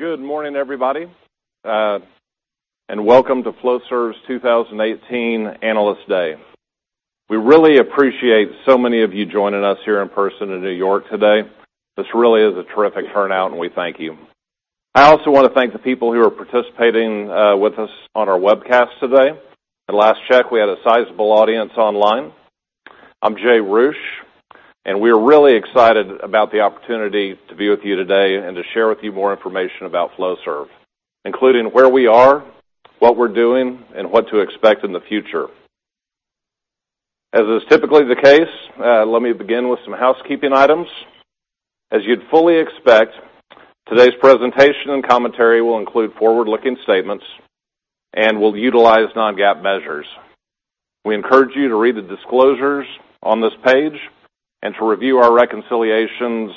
Good morning, everybody. Welcome to Flowserve's 2018 Analyst Day. We really appreciate so many of you joining us here in person in New York today. This really is a terrific turnout. We thank you. I also want to thank the people who are participating with us on our webcast today. At last check, we had a sizable audience online. I'm Jay Roueche. We are really excited about the opportunity to be with you today and to share with you more information about Flowserve, including where we are, what we're doing, and what to expect in the future. As is typically the case, let me begin with some housekeeping items. As you'd fully expect, today's presentation and commentary will include forward-looking statements and will utilize non-GAAP measures. We encourage you to read the disclosures on this page and to review our reconciliations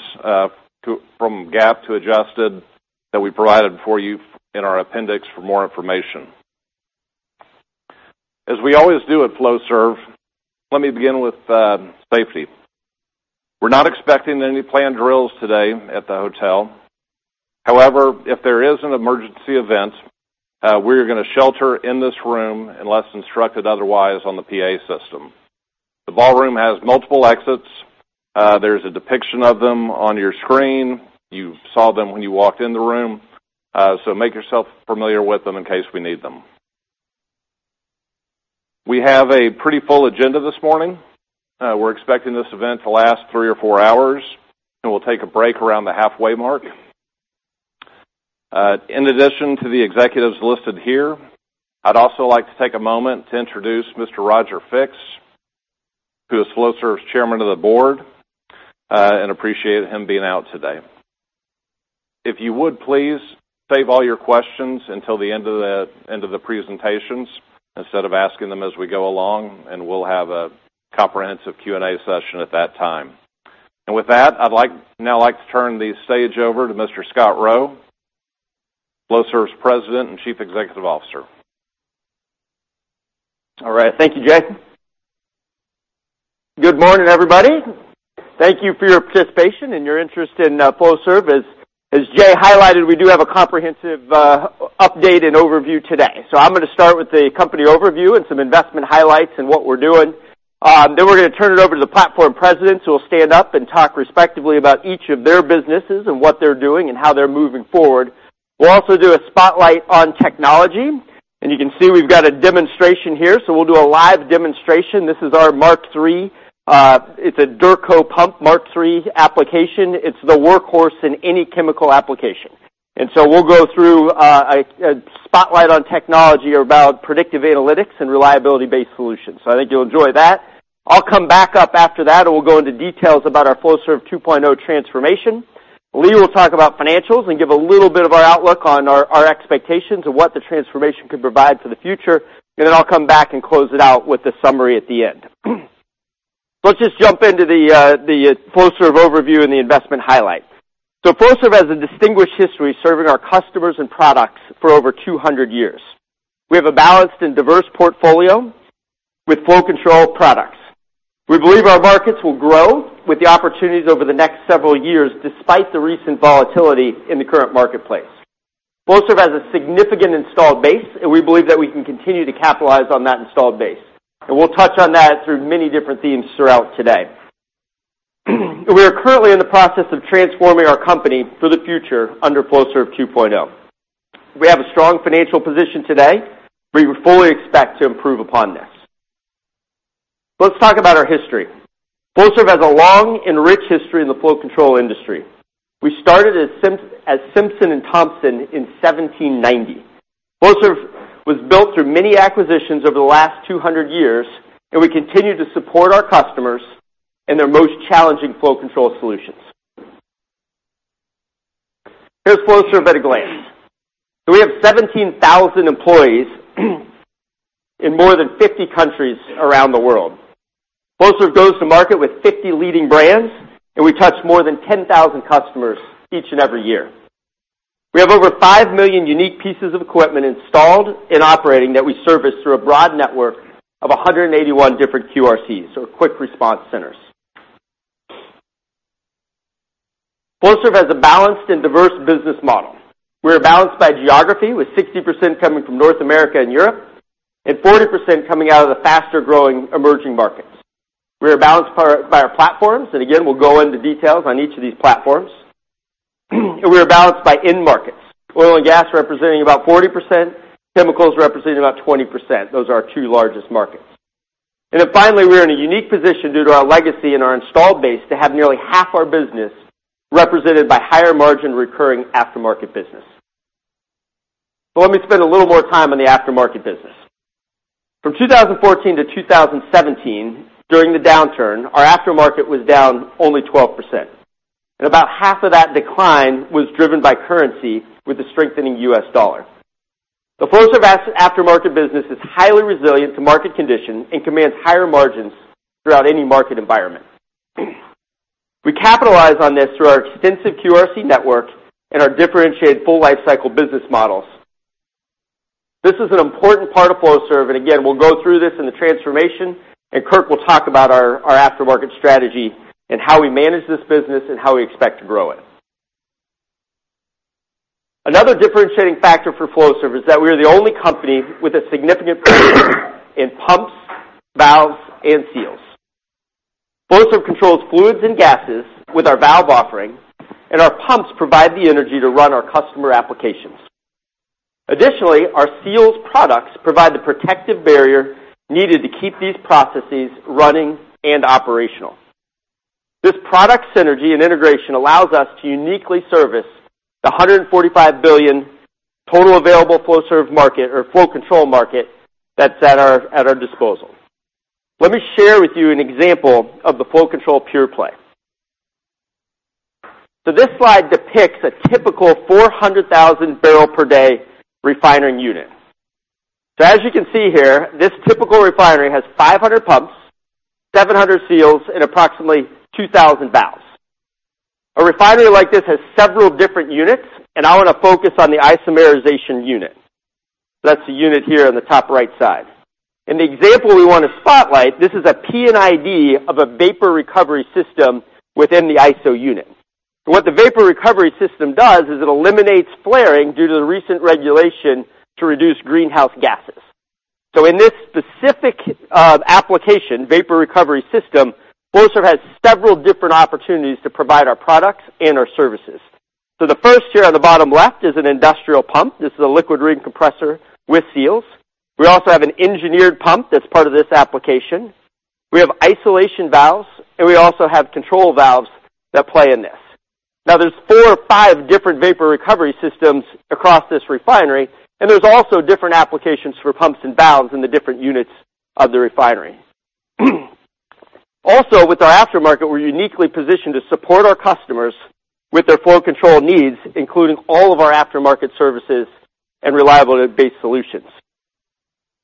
from GAAP to adjusted that we provided for you in our appendix for more information. As we always do at Flowserve, let me begin with safety. We're not expecting any planned drills today at the hotel. However, if there is an emergency event, we are going to shelter in this room unless instructed otherwise on the PA system. The ballroom has multiple exits. There's a depiction of them on your screen. You saw them when you walked in the room. Make yourself familiar with them in case we need them. We have a pretty full agenda this morning. We're expecting this event to last three or four hours. We'll take a break around the halfway mark. In addition to the executives listed here, I'd also like to take a moment to introduce Mr. Roger Fix, who is Flowserve's Chairman of the Board, and appreciate him being out today. If you would please, save all your questions until the end of the presentations instead of asking them as we go along. We'll have a comprehensive Q&A session at that time. With that, I'd now like to turn the stage over to Mr. Scott Rowe, Flowserve's President and Chief Executive Officer. All right. Thank you, Jay. Good morning, everybody. Thank you for your participation and your interest in Flowserve. As Jay highlighted, we do have a comprehensive update and overview today. I'm going to start with the company overview and some investment highlights and what we're doing. We're going to turn it over to the platform presidents, who will stand up and talk respectively about each of their businesses and what they're doing and how they're moving forward. We'll also do a spotlight on technology. You can see we've got a demonstration here. We'll do a live demonstration. This is our Mark III. It's a Durco pump Mark III application. It's the workhorse in any chemical application. We'll go through a spotlight on technology about predictive analytics and reliability-based solutions. I think you'll enjoy that. I'll come back up after that, we'll go into details about our Flowserve 2.0 transformation. Lee will talk about financials and give a little bit of our outlook on our expectations of what the transformation could provide for the future. Then I'll come back and close it out with the summary at the end. Let's just jump into the Flowserve overview and the investment highlight. Flowserve has a distinguished history serving our customers and products for over 200 years. We have a balanced and diverse portfolio with flow control products. We believe our markets will grow with the opportunities over the next several years, despite the recent volatility in the current marketplace. Flowserve has a significant installed base, and we believe that we can continue to capitalize on that installed base. We'll touch on that through many different themes throughout today. We are currently in the process of transforming our company for the future under Flowserve 2.0. We have a strong financial position today. We fully expect to improve upon this. Let's talk about our history. Flowserve has a long and rich history in the flow control industry. We started as Simpson & Thompson in 1790. Flowserve was built through many acquisitions over the last 200 years, we continue to support our customers in their most challenging flow control solutions. Here's Flowserve at a glance. We have 17,000 employees in more than 50 countries around the world. Flowserve goes to market with 50 leading brands, we touch more than 10,000 customers each and every year. We have over 5 million unique pieces of equipment installed and operating that we service through a broad network of 181 different QRCs, or Quick Response Centers. Flowserve has a balanced and diverse business model. We are balanced by geography, with 60% coming from North America and Europe, 40% coming out of the faster-growing emerging markets. We are balanced by our platforms. Again, we'll go into details on each of these platforms. We are balanced by end markets, oil and gas representing about 40%, chemicals representing about 20%. Those are our two largest markets. Then finally, we're in a unique position due to our legacy and our installed base to have nearly half our business represented by higher margin recurring aftermarket business. Let me spend a little more time on the aftermarket business. From 2014 to 2017, during the downturn, our aftermarket was down only 12%. About half of that decline was driven by currency with the strengthening U.S. dollar. The Flowserve aftermarket business is highly resilient to market conditions and commands higher margins throughout any market environment. We capitalize on this through our extensive QRC network and our differentiated full life cycle business models. This is an important part of Flowserve, again, we'll go through this in the transformation, Kirk will talk about our aftermarket strategy and how we manage this business and how we expect to grow it. Another differentiating factor for Flowserve is that we are the only company with a significant presence in pumps, valves, and seals. Flowserve controls fluids and gases with our valve offering, our pumps provide the energy to run our customer applications. Additionally, our seals products provide the protective barrier needed to keep these processes running and operational. This product synergy and integration allows us to uniquely service the $145 billion total available Flowserve market or flow control market that's at our disposal. Let me share with you an example of the flow control pure play. This slide depicts a typical 400,000 barrel per day refinery unit. As you can see here, this typical refinery has 500 pumps, 700 seals, and approximately 2,000 valves. A refinery like this has several different units, and I want to focus on the isomerization unit. That's the unit here on the top right side. In the example we want to spotlight, this is a P&ID of a vapor recovery system within the iso unit. What the vapor recovery system does is it eliminates flaring due to the recent regulation to reduce greenhouse gases. In this specific application, vapor recovery system, Flowserve has several different opportunities to provide our products and our services. The first here on the bottom left is an industrial pump. This is a liquid ring compressor with seals. We also have an engineered pump that's part of this application. We have isolation valves, and we also have control valves that play in this. Now there's four or five different vapor recovery systems across this refinery, and there's also different applications for pumps and valves in the different units of the refinery. Also, with our aftermarket, we're uniquely positioned to support our customers with their flow control needs, including all of our aftermarket services and reliability-based solutions.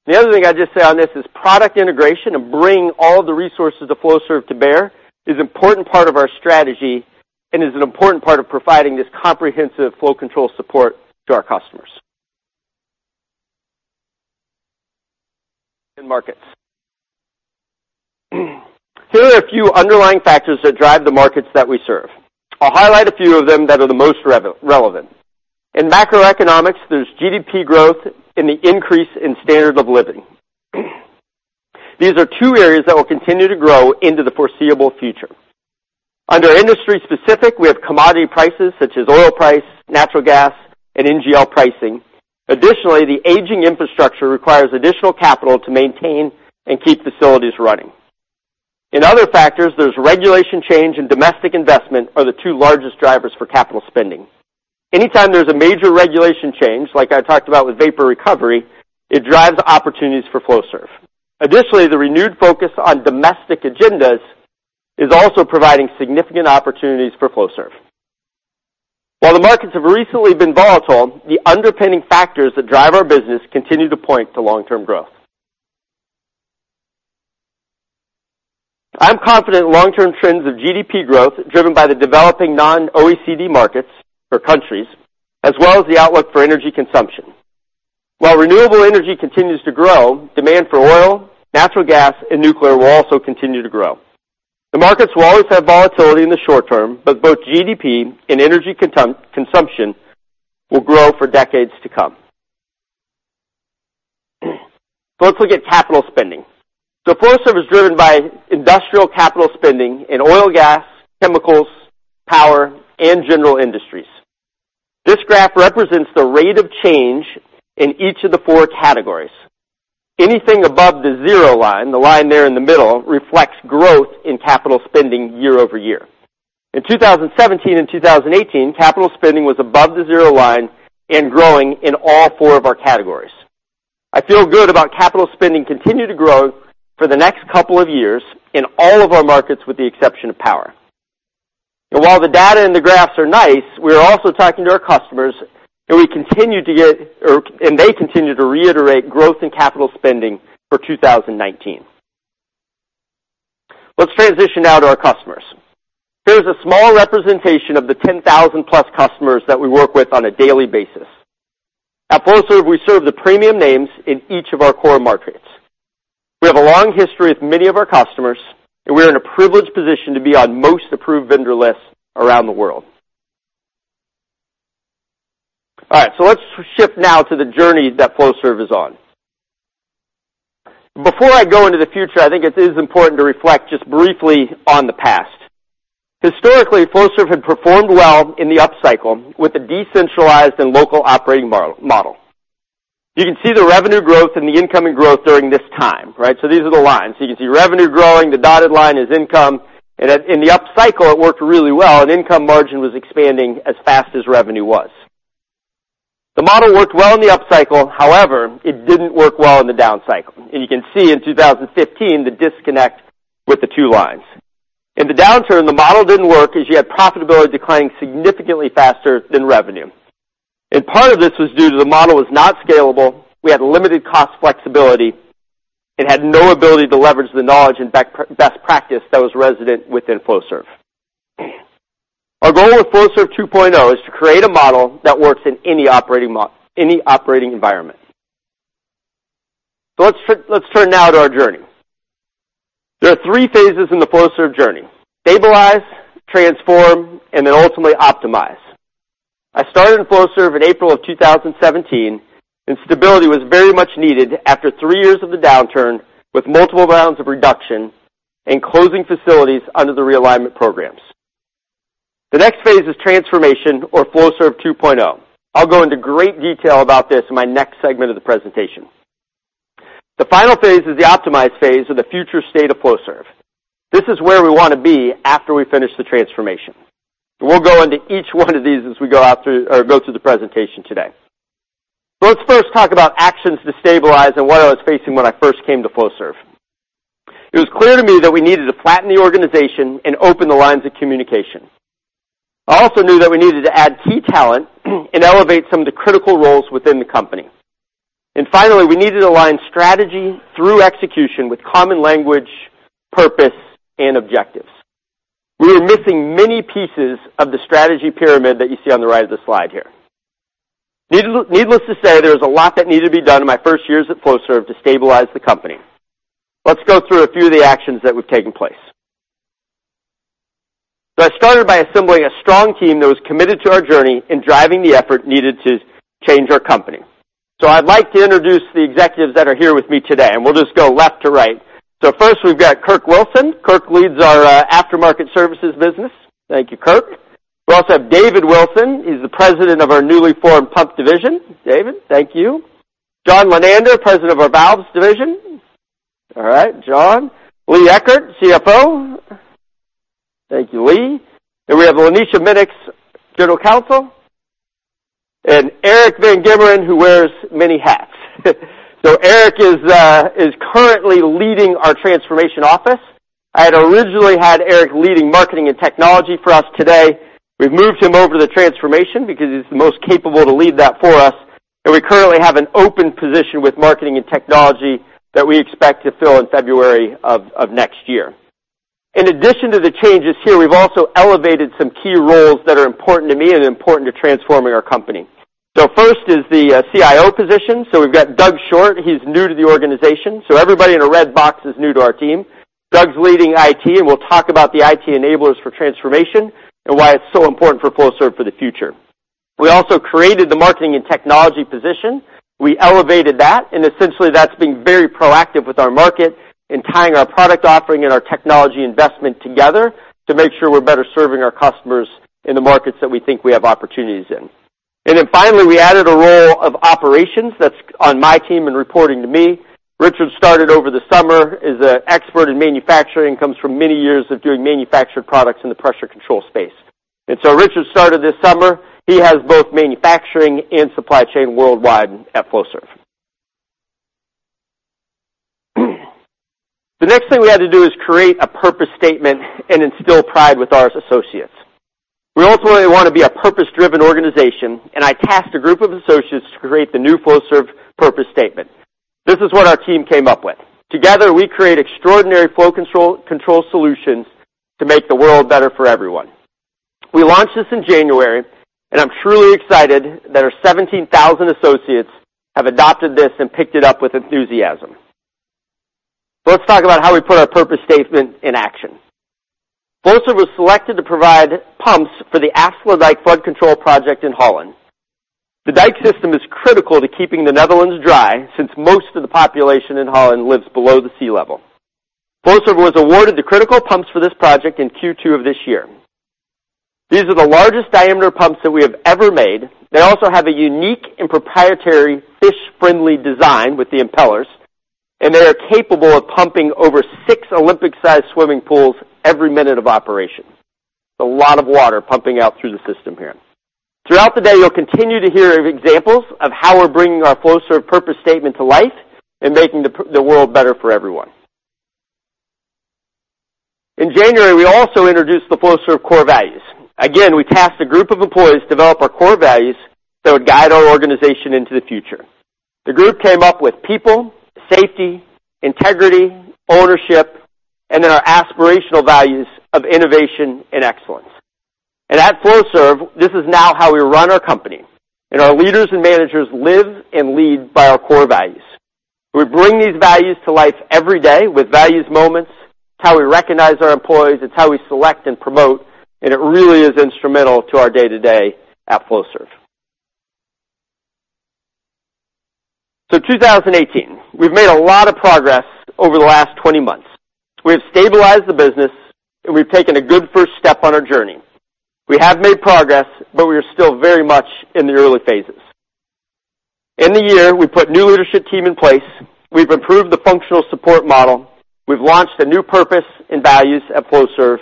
The other thing I'd just say on this is product integration and bring all the resources of Flowserve to bear is important part of our strategy and is an important part of providing this comprehensive flow control support to our customers. In markets. Here are a few underlying factors that drive the markets that we serve. I'll highlight a few of them that are the most relevant. In macroeconomics, there's GDP growth and the increase in standard of living. These are two areas that will continue to grow into the foreseeable future. Under industry specific, we have commodity prices such as oil price, natural gas, and NGL pricing. Additionally, the aging infrastructure requires additional capital to maintain and keep facilities running. In other factors, there's regulation change and domestic investment are the two largest drivers for capital spending. Anytime there's a major regulation change, like I talked about with vapor recovery, it drives opportunities for Flowserve. Additionally, the renewed focus on domestic agendas is also providing significant opportunities for Flowserve. While the markets have recently been volatile, the underpinning factors that drive our business continue to point to long-term growth. I'm confident long-term trends of GDP growth driven by the developing non-OECD markets or countries, as well as the outlook for energy consumption. While renewable energy continues to grow, demand for oil, natural gas, and nuclear will also continue to grow. The markets will always have volatility in the short term, but both GDP and energy consumption will grow for decades to come. Let's look at capital spending. Flowserve is driven by industrial capital spending in oil and gas, chemicals, power, and general industries. This graph represents the rate of change in each of the 4 categories. Anything above the zero line, the line there in the middle, reflects growth in capital spending year-over-year. In 2017 and 2018, capital spending was above the zero line and growing in all 4 of our categories. I feel good about capital spending continue to grow for the next couple of years in all of our markets, with the exception of power. While the data and the graphs are nice, we're also talking to our customers, and they continue to reiterate growth in capital spending for 2019. Let's transition now to our customers. Here's a small representation of the 10,000 plus customers that we work with on a daily basis. At Flowserve, we serve the premium names in each of our core markets. We have a long history with many of our customers, we are in a privileged position to be on most approved vendor lists around the world. All right. Let's shift now to the journey that Flowserve is on. Before I go into the future, I think it is important to reflect just briefly on the past. Historically, Flowserve had performed well in the upcycle with a decentralized and local operating model. You can see the revenue growth and the income growth during this time. Right? These are the lines. You can see revenue growing. The dotted line is income. In the upcycle, it worked really well, and income margin was expanding as fast as revenue was. The model worked well in the upcycle. However, it didn't work well in the down cycle. You can see in 2015 the disconnect with the 2 lines. In the downturn, the model didn't work as you had profitability declining significantly faster than revenue. Part of this was due to the model was not scalable. We had limited cost flexibility and had no ability to leverage the knowledge and best practice that was resident within Flowserve. Our goal with Flowserve 2.0 is to create a model that works in any operating environment. Let's turn now to our journey. There are 3 phases in the Flowserve journey: stabilize, transform, and then ultimately optimize. I started in Flowserve in April of 2017, stability was very much needed after three years of the downturn with multiple rounds of reduction and closing facilities under the realignment programs. The next phase is transformation or Flowserve 2.0. I'll go into great detail about this in my next segment of the presentation. The final phase is the optimize phase of the future state of Flowserve. This is where we want to be after we finish the transformation. We'll go into each one of these as we go through the presentation today. Let's first talk about actions to stabilize and what I was facing when I first came to Flowserve. It was clear to me that we needed to flatten the organization and open the lines of communication. I also knew that we needed to add key talent and elevate some of the critical roles within the company. Finally, we needed to align strategy through execution with common language, purpose, and objectives. We were missing many pieces of the strategy pyramid that you see on the right of the slide here. Needless to say, there was a lot that needed to be done in my first years at Flowserve to stabilize the company. Let's go through a few of the actions that we've taken place. I started by assembling a strong team that was committed to our journey and driving the effort needed to change our company. I'd like to introduce the executives that are here with me today, and we'll just go left to right. First, we've got Kirk Wilson. Kirk leads our Aftermarket Services business. Thank you, Kirk. We also have David Wilson. He's the President of our newly formed Pumps Division. David, thank you. John Lenander, President of our Flow Control Division. All right, John. Lee Eckert, CFO. Thank you, Lee. We have Lanesha Minnix, General Counsel, and Eric van Gemeren, who wears many hats. Eric is currently leading our transformation office. I had originally had Eric leading marketing and technology for us today. We've moved him over to the transformation because he's the most capable to lead that for us, and we currently have an open position with marketing and technology that we expect to fill in February of next year. In addition to the changes here, we've also elevated some key roles that are important to me and important to transforming our company. First is the CIO position. We've got Doug Short. He's new to the organization. Everybody in a red box is new to our team. Doug's leading IT, and we'll talk about the IT enablers for transformation and why it's so important for Flowserve for the future. We also created the marketing and technology position. We elevated that, and essentially that's being very proactive with our market and tying our product offering and our technology investment together to make sure we're better serving our customers in the markets that we think we have opportunities in. Finally, we added a role of operations that's on my team and reporting to me. Richard started over the summer, is an expert in manufacturing, comes from many years of doing manufactured products in the pressure control space. Richard started this summer. He has both manufacturing and supply chain worldwide at Flowserve. The next thing we had to do is create a purpose statement and instill pride with our associates. We ultimately want to be a purpose-driven organization, and I tasked a group of associates to create the new Flowserve purpose statement. This is what our team came up with. Together, we create extraordinary flow control solutions to make the world better for everyone. We launched this in January, and I'm truly excited that our 17,000 associates have adopted this and picked it up with enthusiasm. Let's talk about how we put our purpose statement in action. Flowserve was selected to provide pumps for the Afsluitdijk flood control project in Holland. The dike system is critical to keeping the Netherlands dry, since most of the population in Holland lives below the sea level. Flowserve was awarded the critical pumps for this project in Q2 of this year. These are the largest diameter pumps that we have ever made. They also have a unique and proprietary fish-friendly design with the impellers, and they are capable of pumping over six Olympic-sized swimming pools every minute of operation. It's a lot of water pumping out through the system here. Throughout the day, you'll continue to hear of examples of how we're bringing our Flowserve purpose statement to life and making the world better for everyone. In January, we also introduced the Flowserve core values. Again, we tasked a group of employees to develop our core values that would guide our organization into the future. The group came up with people, safety, integrity, ownership, and then our aspirational values of innovation and excellence. At Flowserve, this is now how we run our company, and our leaders and managers live and lead by our core values. We bring these values to life every day with values moments. It's how we recognize our employees, it's how we select and promote, and it really is instrumental to our day-to-day at Flowserve. 2018. We've made a lot of progress over the last 20 months. We've stabilized the business, we've taken a good first step on our journey. We have made progress, we are still very much in the early phases. In the year, we put new leadership team in place. We've improved the functional support model. We've launched a new purpose and values at Flowserve.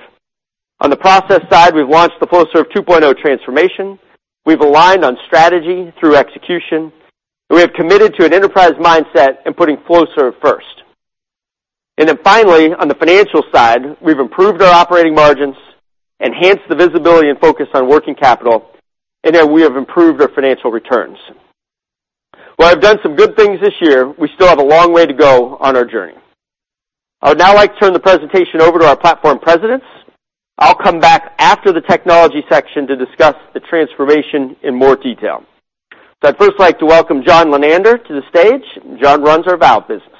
On the process side, we've launched the Flowserve 2.0 transformation. We've aligned on strategy through execution, we have committed to an enterprise mindset and putting Flowserve first. Finally, on the financial side, we've improved our operating margins, enhanced the visibility and focus on working capital, we have improved our financial returns. While we've done some good things this year, we still have a long way to go on our journey. I would now like to turn the presentation over to our platform presidents. I'll come back after the technology section to discuss the transformation in more detail. I'd first like to welcome John Lenander to the stage. John runs our valve business.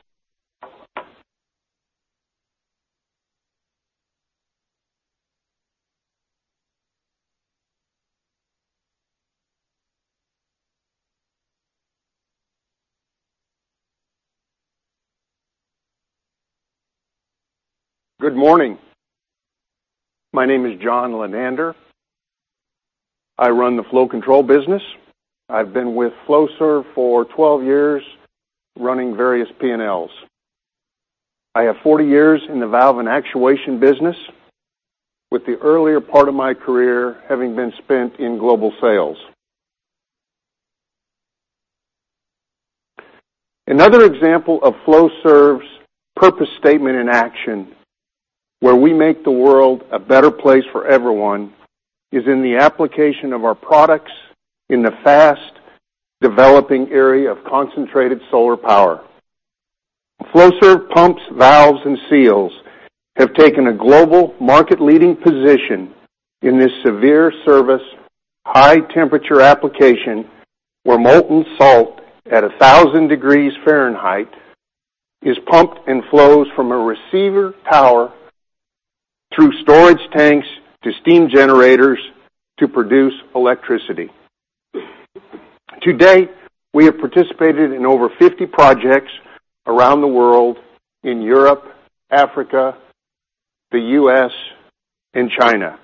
Good morning. My name is John Lenander. I run the flow control business. I've been with Flowserve for 12 years running various P&Ls. I have 40 years in the valve and actuation business, with the earlier part of my career having been spent in global sales. Another example of Flowserve's purpose statement in action, where we make the world a better place for everyone, is in the application of our products in the fast-developing area of concentrated solar power. Flowserve pumps, valves, and seals have taken a global market-leading position in this severe service, high-temperature application where molten salt at 1,000 degrees Fahrenheit is pumped and flows from a receiver tower through storage tanks to steam generators to produce electricity. To date, we have participated in over 50 projects around the world in Europe, Africa, the U.S., and China.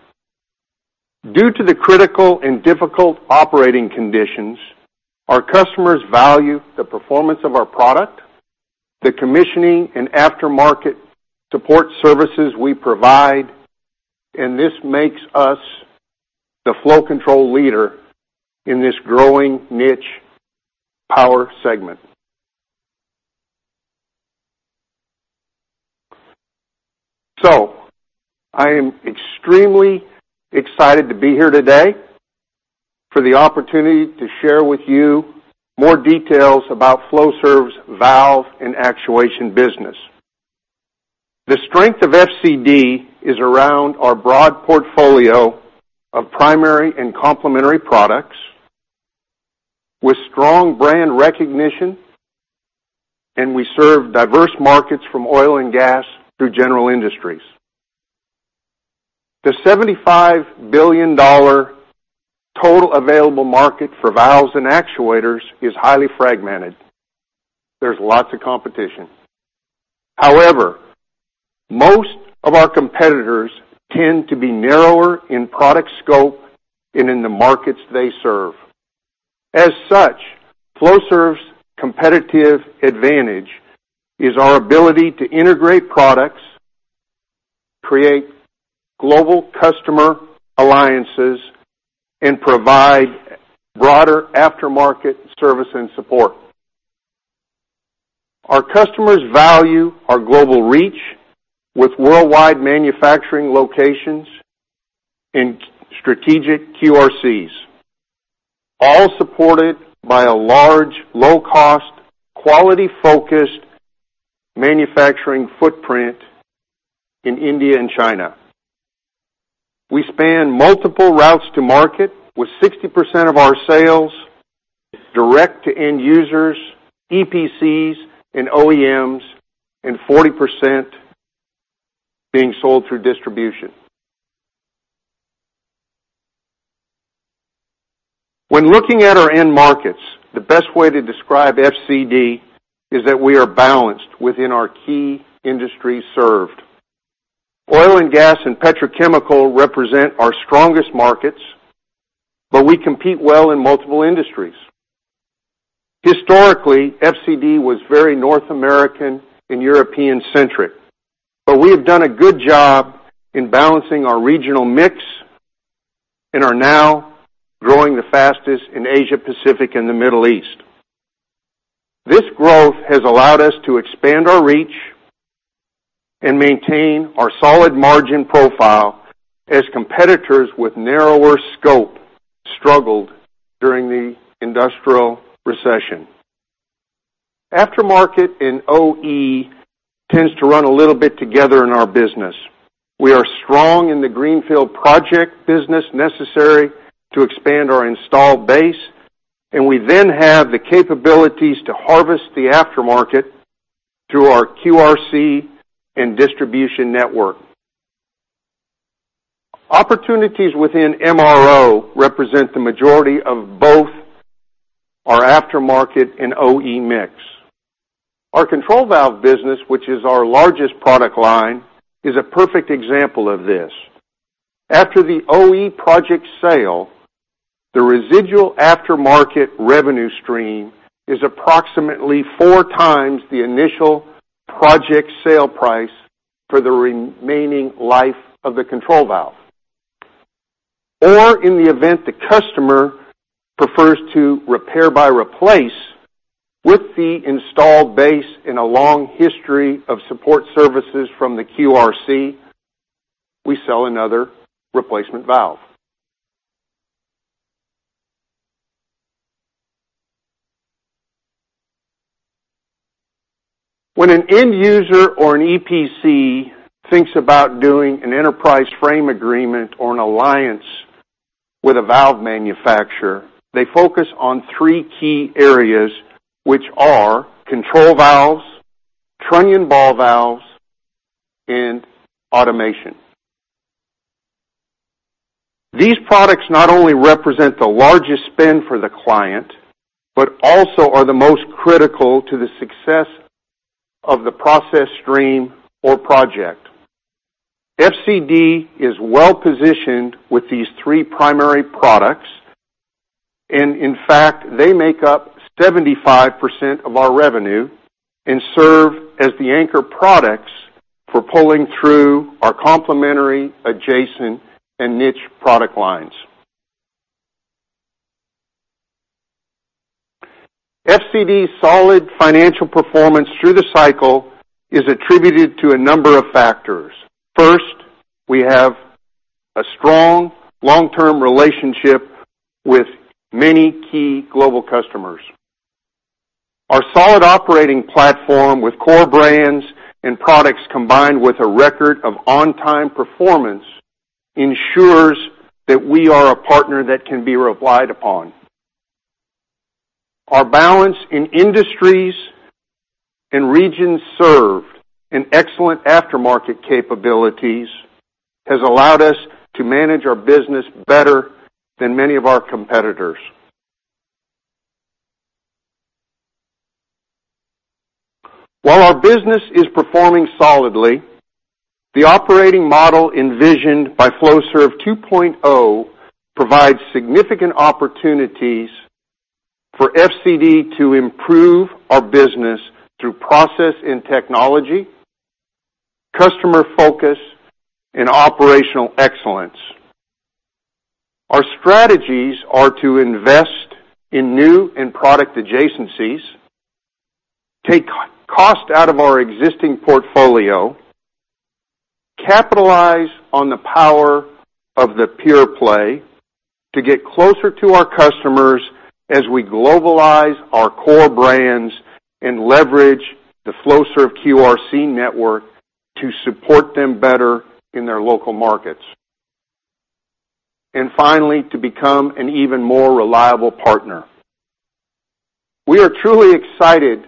Due to the critical and difficult operating conditions, our customers value the performance of our product, the commissioning and aftermarket support services we provide, and this makes us the flow control leader in this growing niche power segment. I am extremely excited to be here today for the opportunity to share with you more details about Flowserve's valve and actuation business. The strength of FCD is around our broad portfolio of primary and complementary products with strong brand recognition, and we serve diverse markets from oil and gas through general industries. The $75 billion total available market for valves and actuators is highly fragmented. There's lots of competition. However, most of our competitors tend to be narrower in product scope and in the markets they serve. As such, Flowserve's competitive advantage is our ability to integrate products, create global customer alliances, and provide broader aftermarket service and support. Our customers value our global reach with worldwide manufacturing locations and strategic QRCs, all supported by a large, low-cost, quality-focused manufacturing footprint in India and China. We span multiple routes to market with 60% of our sales direct to end users, EPCs, and OEMs, and 40% being sold through distribution. When looking at our end markets, the best way to describe FCD is that we are balanced within our key industries served. Oil and gas and petrochemical represent our strongest markets, but we compete well in multiple industries. Historically, FCD was very North American and European-centric, but we have done a good job in balancing our regional mix and are now growing the fastest in Asia-Pacific and the Middle East. This growth has allowed us to expand our reach and maintain our solid margin profile as competitors with narrower scope struggled during the industrial recession. Aftermarket and OE tends to run a little bit together in our business. We are strong in the greenfield project business necessary to expand our installed base, and we then have the capabilities to harvest the aftermarket through our QRC and distribution network. Opportunities within MRO represent the majority of both our aftermarket and OE mix. Our control valve business, which is our largest product line, is a perfect example of this. After the OE project sale, the residual aftermarket revenue stream is approximately four times the initial project sale price for the remaining life of the control valve. In the event the customer prefers to repair by replace, with the installed base and a long history of support services from the QRC, we sell another replacement valve. When an end user or an EPC thinks about doing an enterprise frame agreement or an alliance with a valve manufacturer, they focus on three key areas, which are control valves, trunnion ball valves, and automation. These products not only represent the largest spend for the client, but also are the most critical to the success of the process stream or project. FCD is well-positioned with these three primary products, and in fact, they make up 75% of our revenue and serve as the anchor products for pulling through our complementary, adjacent, and niche product lines. FCD's solid financial performance through the cycle is attributed to a number of factors. First, we have a strong long-term relationship with many key global customers. Our solid operating platform with core brands and products, combined with a record of on-time performance, ensures that we are a partner that can be relied upon. Our balance in industries and regions served, and excellent aftermarket capabilities, has allowed us to manage our business better than many of our competitors. While our business is performing solidly, the operating model envisioned by Flowserve 2.0 provides significant opportunities for FCD to improve our business through process and technology, customer focus, and operational excellence. Our strategies are to invest in new and product adjacencies, take cost out of our existing portfolio, capitalize on the power of the pure-play to get closer to our customers as we globalize our core brands and leverage the Flowserve QRC network to support them better in their local markets, and finally, to become an even more reliable partner. We are truly excited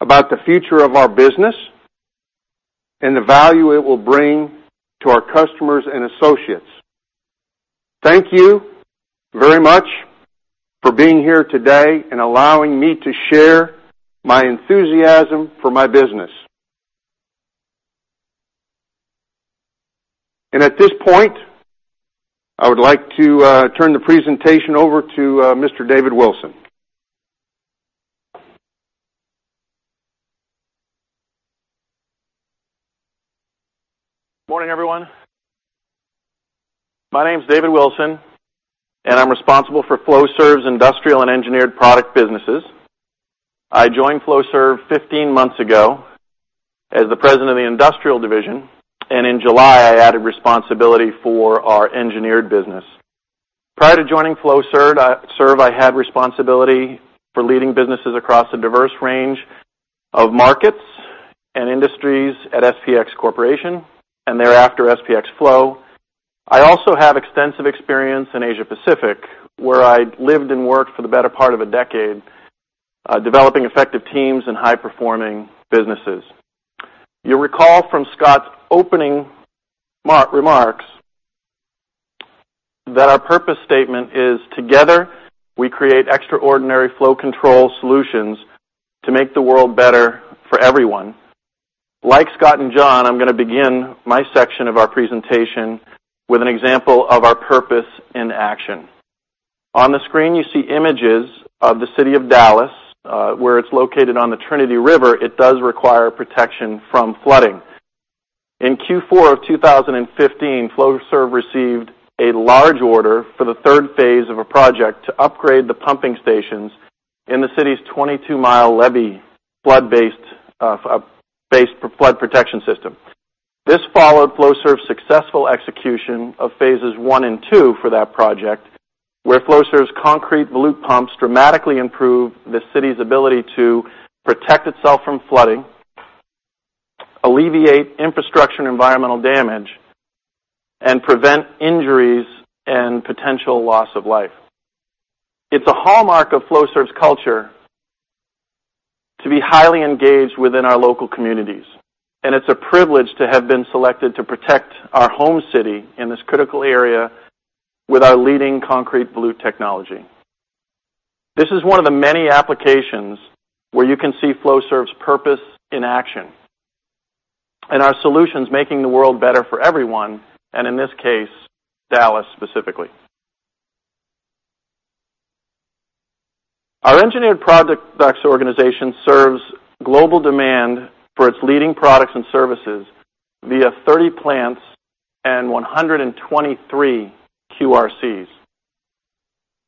about the future of our business and the value it will bring to our customers and associates. Thank you very much for being here today and allowing me to share my enthusiasm for my business. At this point, I would like to turn the presentation over to Mr. David Wilson. Morning, everyone. My name is David Wilson, and I'm responsible for Flowserve's industrial and engineered product businesses. I joined Flowserve 15 months ago as the president of the industrial division, and in July, I added responsibility for our engineered business. Prior to joining Flowserve, I had responsibility for leading businesses across a diverse range of markets and industries at SPX Corporation and thereafter, SPX FLOW. I also have extensive experience in Asia Pacific, where I lived and worked for the better part of a decade, developing effective teams and high-performing businesses. You'll recall from Scott's opening remarks that our purpose statement is, "Together, we create extraordinary flow control solutions to make the world better for everyone." Like Scott and John, I'm going to begin my section of our presentation with an example of our purpose in action. On the screen, you see images of the city of Dallas. Where it's located on the Trinity River, it does require protection from flooding. In Q4 of 2015, Flowserve received a large order for the third phase of a project to upgrade the pumping stations in the city's 22-mile levee flood-based flood protection system. This followed Flowserve's successful execution of phases one and two for that project, where Flowserve's concrete volute pumps dramatically improved the city's ability to protect itself from flooding, alleviate infrastructure and environmental damage, and prevent injuries and potential loss of life. It's a hallmark of Flowserve's culture to be highly engaged within our local communities, and it's a privilege to have been selected to protect our home city in this critical area with our leading concrete volute technology. This is one of the many applications where you can see Flowserve's purpose in action and our solutions making the world better for everyone, and in this case, Dallas specifically. Our engineered products organization serves global demand for its leading products and services via 30 plants and 123 QRCs.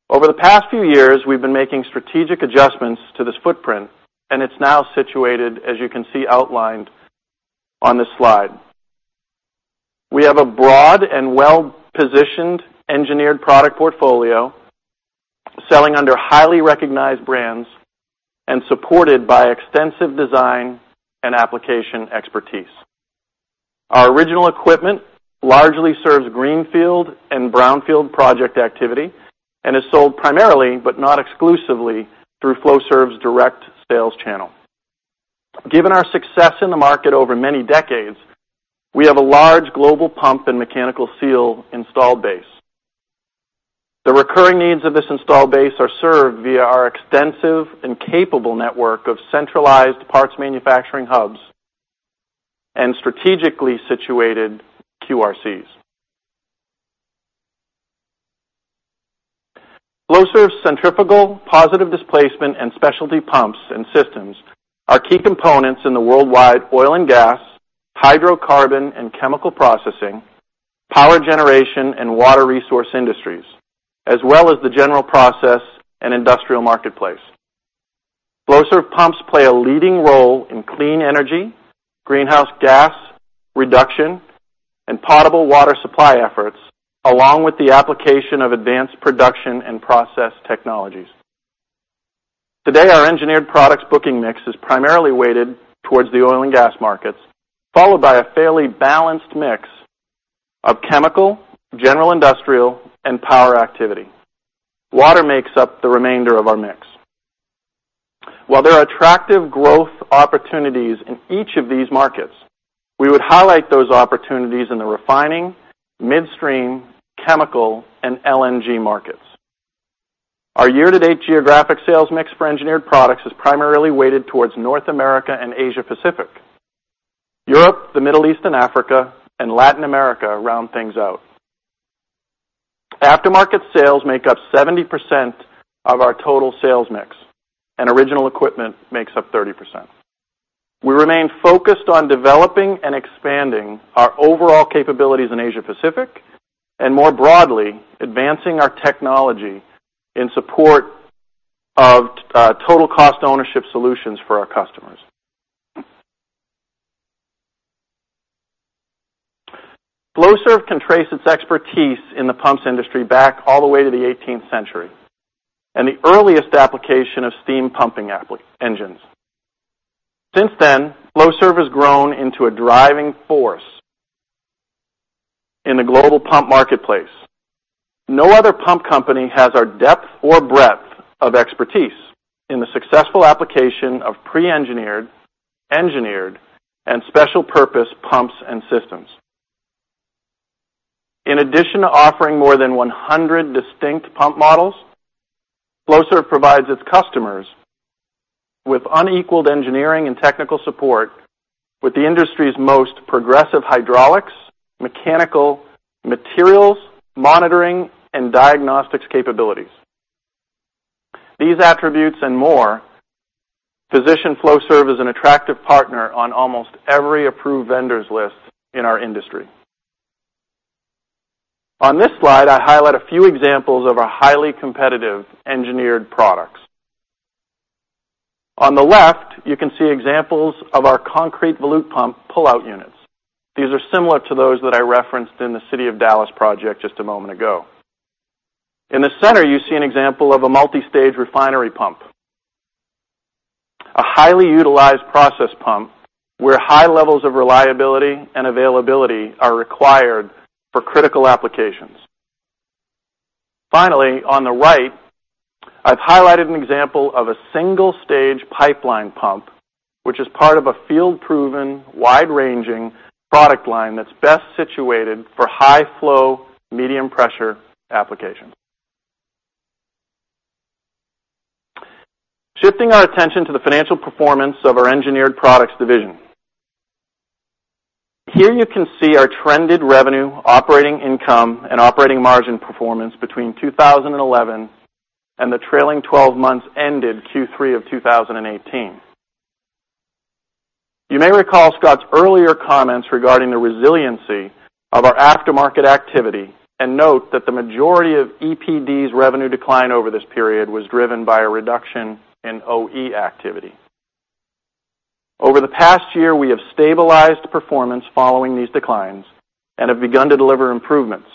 Over the past few years, we've been making strategic adjustments to this footprint, and it's now situated, as you can see outlined on this slide. We have a broad and well-positioned engineered product portfolio selling under highly recognized brands and supported by extensive design and application expertise. Our original equipment largely serves greenfield and brownfield project activity and is sold primarily, but not exclusively, through Flowserve's direct sales channel. Given our success in the market over many decades, we have a large global pump and mechanical seal install base. The recurring needs of this install base are served via our extensive and capable network of centralized parts manufacturing hubs and strategically situated QRCs. Flowserve centrifugal positive displacement and specialty pumps and systems are key components in the worldwide oil and gas, hydrocarbon and chemical processing, power generation, and water resource industries, as well as the general process and industrial marketplace. Flowserve pumps play a leading role in clean energy, greenhouse gas reduction, and potable water supply efforts, along with the application of advanced production and process technologies. Today, our engineered products booking mix is primarily weighted towards the oil and gas markets, followed by a fairly balanced mix of chemical, general industrial, and power activity. Water makes up the remainder of our mix. While there are attractive growth opportunities in each of these markets, we would highlight those opportunities in the refining, midstream, chemical, and LNG markets. Our year-to-date geographic sales mix for engineered products is primarily weighted towards North America and Asia Pacific. Europe, the Middle East and Africa, and Latin America round things out. Aftermarket sales make up 70% of our total sales mix, and original equipment makes up 30%. We remain focused on developing and expanding our overall capabilities in Asia Pacific and, more broadly, advancing our technology in support of total cost ownership solutions for our customers. Flowserve can trace its expertise in the pumps industry back all the way to the 18th century and the earliest application of steam pumping engines. Since then, Flowserve has grown into a driving force in the global pump marketplace. No other pump company has our depth or breadth of expertise in the successful application of pre-engineered, engineered, and special-purpose pumps and systems. In addition to offering more than 100 distinct pump models, Flowserve provides its customers with unequaled engineering and technical support with the industry's most progressive hydraulics, mechanical materials, monitoring, and diagnostics capabilities. These attributes and more position Flowserve as an attractive partner on almost every approved vendors list in our industry. On this slide, I highlight a few examples of our highly competitive engineered products. On the left, you can see examples of our concrete volute pump pull-out units. These are similar to those that I referenced in the City of Dallas project just a moment ago. In the center, you see an example of a multi-stage refinery pump. A highly utilized process pump where high levels of reliability and availability are required for critical applications. Finally, on the right, I've highlighted an example of a single-stage pipeline pump, which is part of a field-proven, wide-ranging product line that's best situated for high flow, medium pressure applications. Shifting our attention to the financial performance of our Engineered Product Division. Here you can see our trended revenue, operating income, and operating margin performance between 2011 and the trailing 12 months ended Q3 of 2018. You may recall Scott's earlier comments regarding the resiliency of our aftermarket activity and note that the majority of EPD's revenue decline over this period was driven by a reduction in OE activity. Over the past year, we have stabilized performance following these declines and have begun to deliver improvements.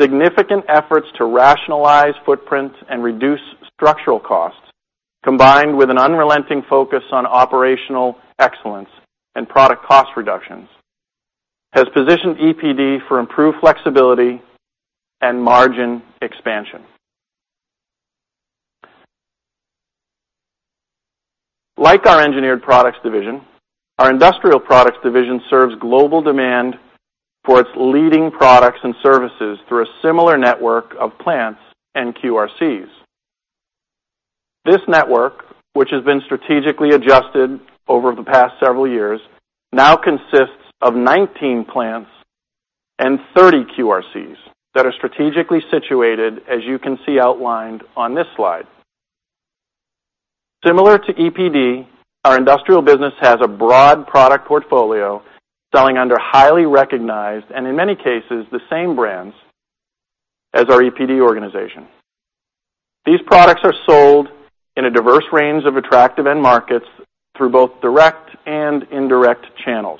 Significant efforts to rationalize footprints and reduce structural costs, combined with an unrelenting focus on operational excellence and product cost reductions, has positioned EPD for improved flexibility and margin expansion. Like our Engineered Product Division, our Industrial Product Division serves global demand for its leading products and services through a similar network of plants and QRCs. This network, which has been strategically adjusted over the past several years, now consists of 19 plants and 30 QRCs that are strategically situated, as you can see outlined on this slide. Similar to EPD, our industrial business has a broad product portfolio selling under highly recognized, and in many cases, the same brands as our EPD organization. These products are sold in a diverse range of attractive end markets through both direct and indirect channels.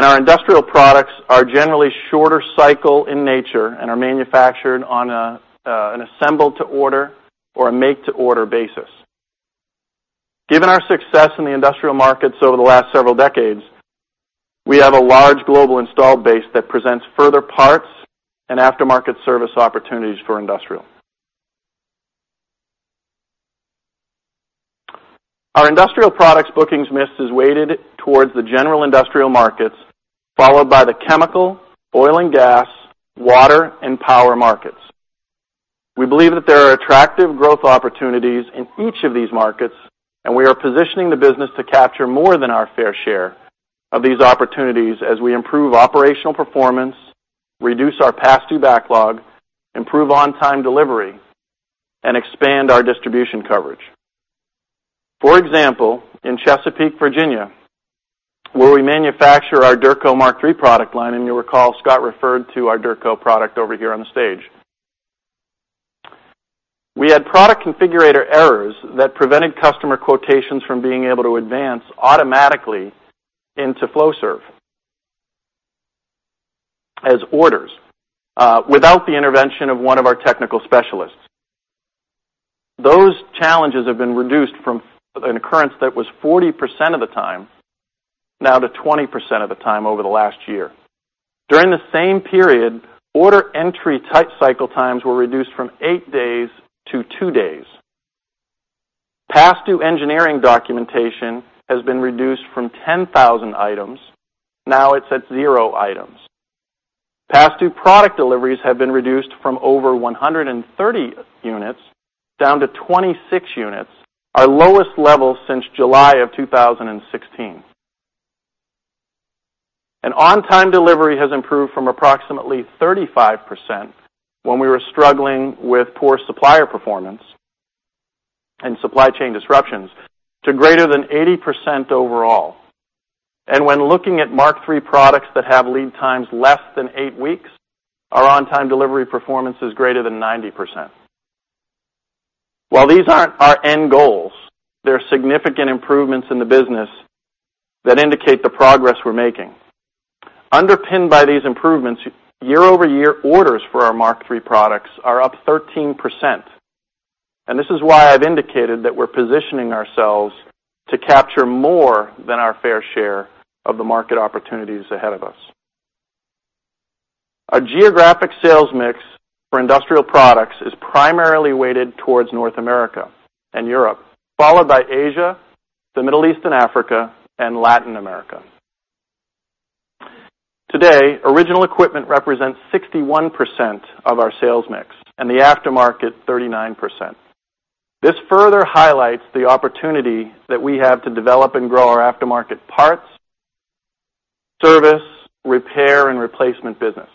Our industrial products are generally shorter cycle in nature and are manufactured on an assemble-to-order or a make-to-order basis. Given our success in the industrial markets over the last several decades, we have a large global installed base that presents further parts and aftermarket service opportunities for industrial. Our industrial products bookings mix is weighted towards the general industrial markets, followed by the chemical, oil and gas, water, and power markets. We believe that there are attractive growth opportunities in each of these markets, and we are positioning the business to capture more than our fair share of these opportunities as we improve operational performance, reduce our past due backlog, improve on-time delivery, and expand our distribution coverage. For example, in Chesapeake, Virginia, where we manufacture our Durco Mark III product line, you'll recall Scott referred to our Durco product over here on the stage. We had product configurator errors that prevented customer quotations from being able to advance automatically into Flowserve as orders without the intervention of one of our technical specialists. Those challenges have been reduced from an occurrence that was 40% of the time now to 20% of the time over the last year. During the same period, order entry type cycle times were reduced from eight days to two days. Past due engineering documentation has been reduced from 10,000 items, now it's at zero items. Past due product deliveries have been reduced from over 130 units down to 26 units, our lowest level since July of 2016. On-time delivery has improved from approximately 35% when we were struggling with poor supplier performance and supply chain disruptions to greater than 80% overall. When looking at Mark III products that have lead times less than eight weeks, our on-time delivery performance is greater than 90%. While these aren't our end goals, they're significant improvements in the business that indicate the progress we're making. Underpinned by these improvements, year-over-year orders for our Mark III products are up 13%. This is why I've indicated that we're positioning ourselves to capture more than our fair share of the market opportunities ahead of us. Our geographic sales mix for industrial products is primarily weighted towards North America and Europe, followed by Asia, the Middle East and Africa, and Latin America. Today, original equipment represents 61% of our sales mix, and the aftermarket 39%. This further highlights the opportunity that we have to develop and grow our aftermarket parts, service, repair, and replacement business.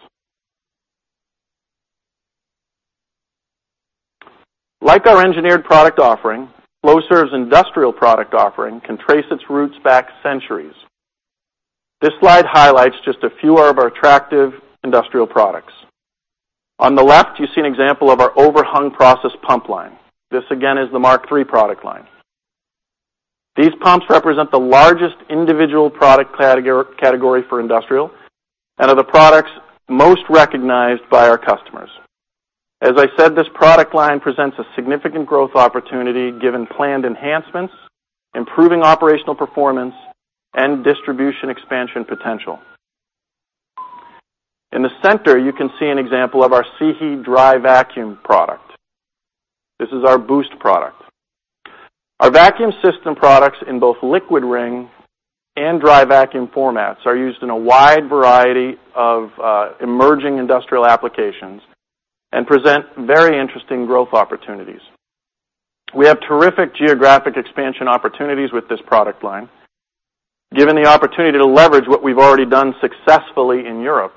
Like our engineered product offering, Flowserve's industrial product offering can trace its roots back centuries. This slide highlights just a few of our attractive industrial products. On the left, you see an example of our overhung process pump line. This again is the Mark III product line. These pumps represent the largest individual product category for industrial and are the products most recognized by our customers. As I said, this product line presents a significant growth opportunity given planned enhancements, improving operational performance, and distribution expansion potential. In the center, you can see an example of our SIHI dry vacuum product. This is our boost product. Our vacuum system products in both liquid ring and dry vacuum formats are used in a wide variety of emerging industrial applications and present very interesting growth opportunities. We have terrific geographic expansion opportunities with this product line, given the opportunity to leverage what we've already done successfully in Europe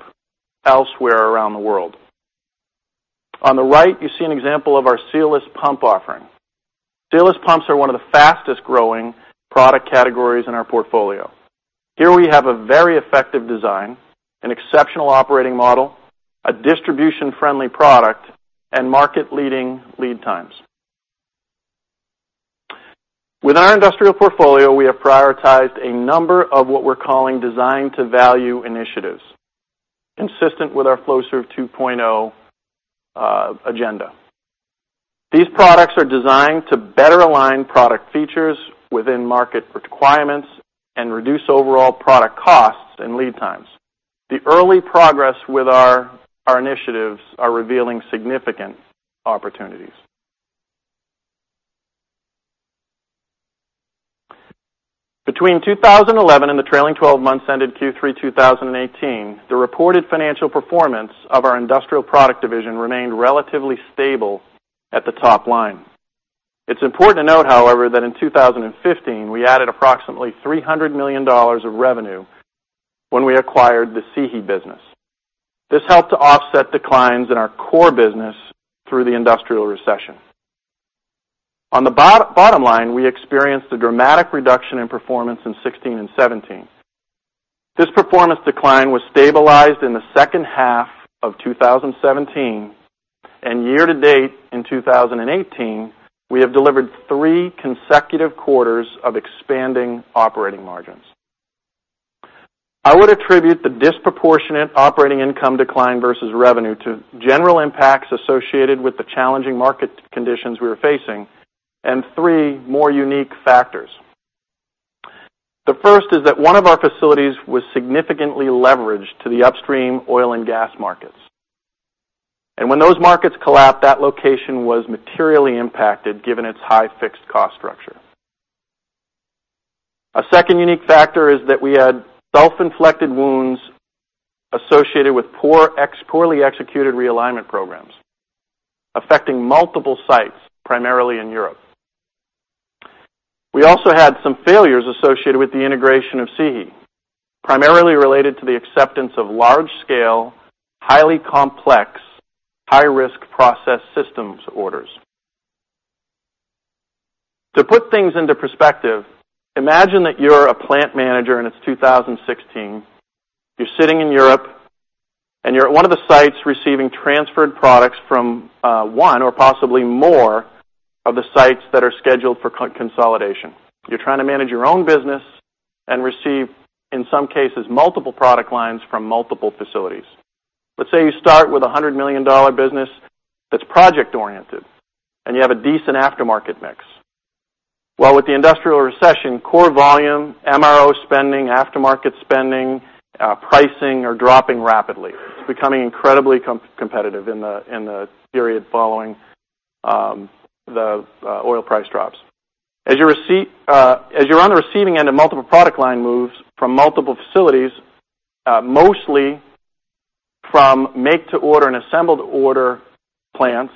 elsewhere around the world. On the right, you see an example of our sealless pump offering. Sealless pumps are one of the fastest-growing product categories in our portfolio. Here we have a very effective design, an exceptional operating model, a distribution-friendly product, and market-leading lead times. With our industrial portfolio, we have prioritized a number of what we're calling design-to-value initiatives, consistent with our Flowserve 2.0 agenda. These products are designed to better align product features within market requirements and reduce overall product costs and lead times. The early progress with our initiatives are revealing significant opportunities. Between 2011 and the trailing 12 months ended Q3 2018, the reported financial performance of our Industrial Product Division remained relatively stable at the top line. It's important to note, however, that in 2015, we added approximately $300 million of revenue when we acquired the SIHI business. This helped to offset declines in our core business through the industrial recession. On the bottom line, we experienced a dramatic reduction in performance in 2016 and 2017. This performance decline was stabilized in the second half of 2017. And year-to-date, in 2018, we have delivered three consecutive quarters of expanding operating margins. I would attribute the disproportionate operating income decline versus revenue to general impacts associated with the challenging market conditions we were facing and three more unique factors. The first is that one of our facilities was significantly leveraged to the upstream oil and gas markets. When those markets collapsed, that location was materially impacted given its high fixed cost structure. A second unique factor is that we had self-inflicted wounds associated with poorly executed realignment programs, affecting multiple sites, primarily in Europe. We also had some failures associated with the integration of [CEHE], primarily related to the acceptance of large-scale, highly complex, high-risk process systems orders. To put things into perspective, imagine that you're a plant manager and it's 2016. You're sitting in Europe and you're at one of the sites receiving transferred products from one or possibly more of the sites that are scheduled for consolidation. You're trying to manage your own business and receive, in some cases, multiple product lines from multiple facilities. Let's say you start with a $100 million business that's project oriented, and you have a decent aftermarket mix. With the industrial recession, core volume, MRO spending, aftermarket spending, pricing are dropping rapidly. It's becoming incredibly competitive in the period following the oil price drops. As you're on the receiving end of multiple product line moves from multiple facilities, mostly from make-to-order and assemble-to-order plants,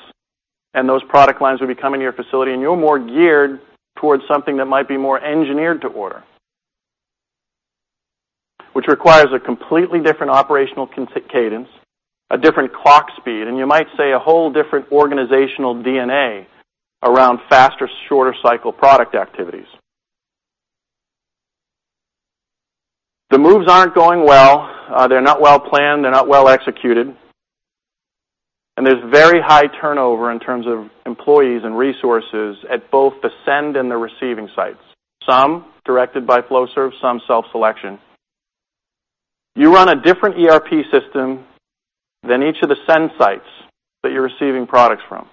those product lines will be coming to your facility, and you're more geared towards something that might be more engineered to order, which requires a completely different operational cadence, a different clock speed, and you might say a whole different organizational DNA around faster, shorter cycle product activities. The moves aren't going well. They're not well-planned. They're not well-executed. There's very high turnover in terms of employees and resources at both the send and the receiving sites. Some directed by Flowserve, some self-selection. You run a different ERP system than each of the send sites that you're receiving products from.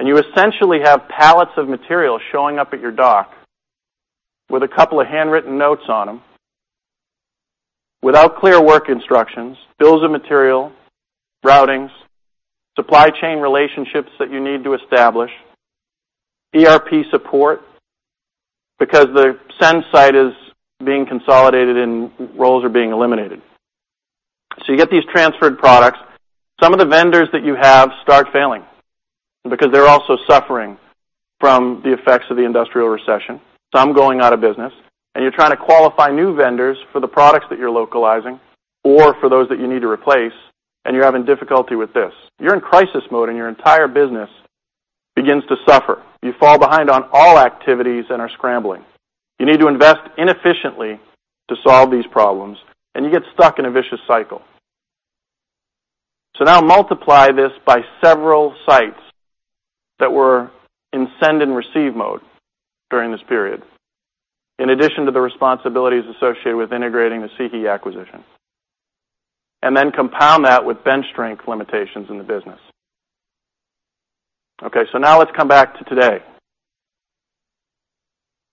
You essentially have pallets of material showing up at your dock with a couple of handwritten notes on them, without clear work instructions, bills of material, routings, supply chain relationships that you need to establish, ERP support, because the send site is being consolidated and roles are being eliminated. You get these transferred products. Some of the vendors that you have start failing because they're also suffering from the effects of the industrial recession. Some going out of business, and you're trying to qualify new vendors for the products that you're localizing or for those that you need to replace, and you're having difficulty with this. You're in crisis mode and your entire business begins to suffer. You fall behind on all activities and are scrambling. You need to invest inefficiently to solve these problems, and you get stuck in a vicious cycle. Now multiply this by several sites that were in send and receive mode during this period, in addition to the responsibilities associated with integrating the CEHE acquisition. Then compound that with bench strength limitations in the business. Now let's come back to today.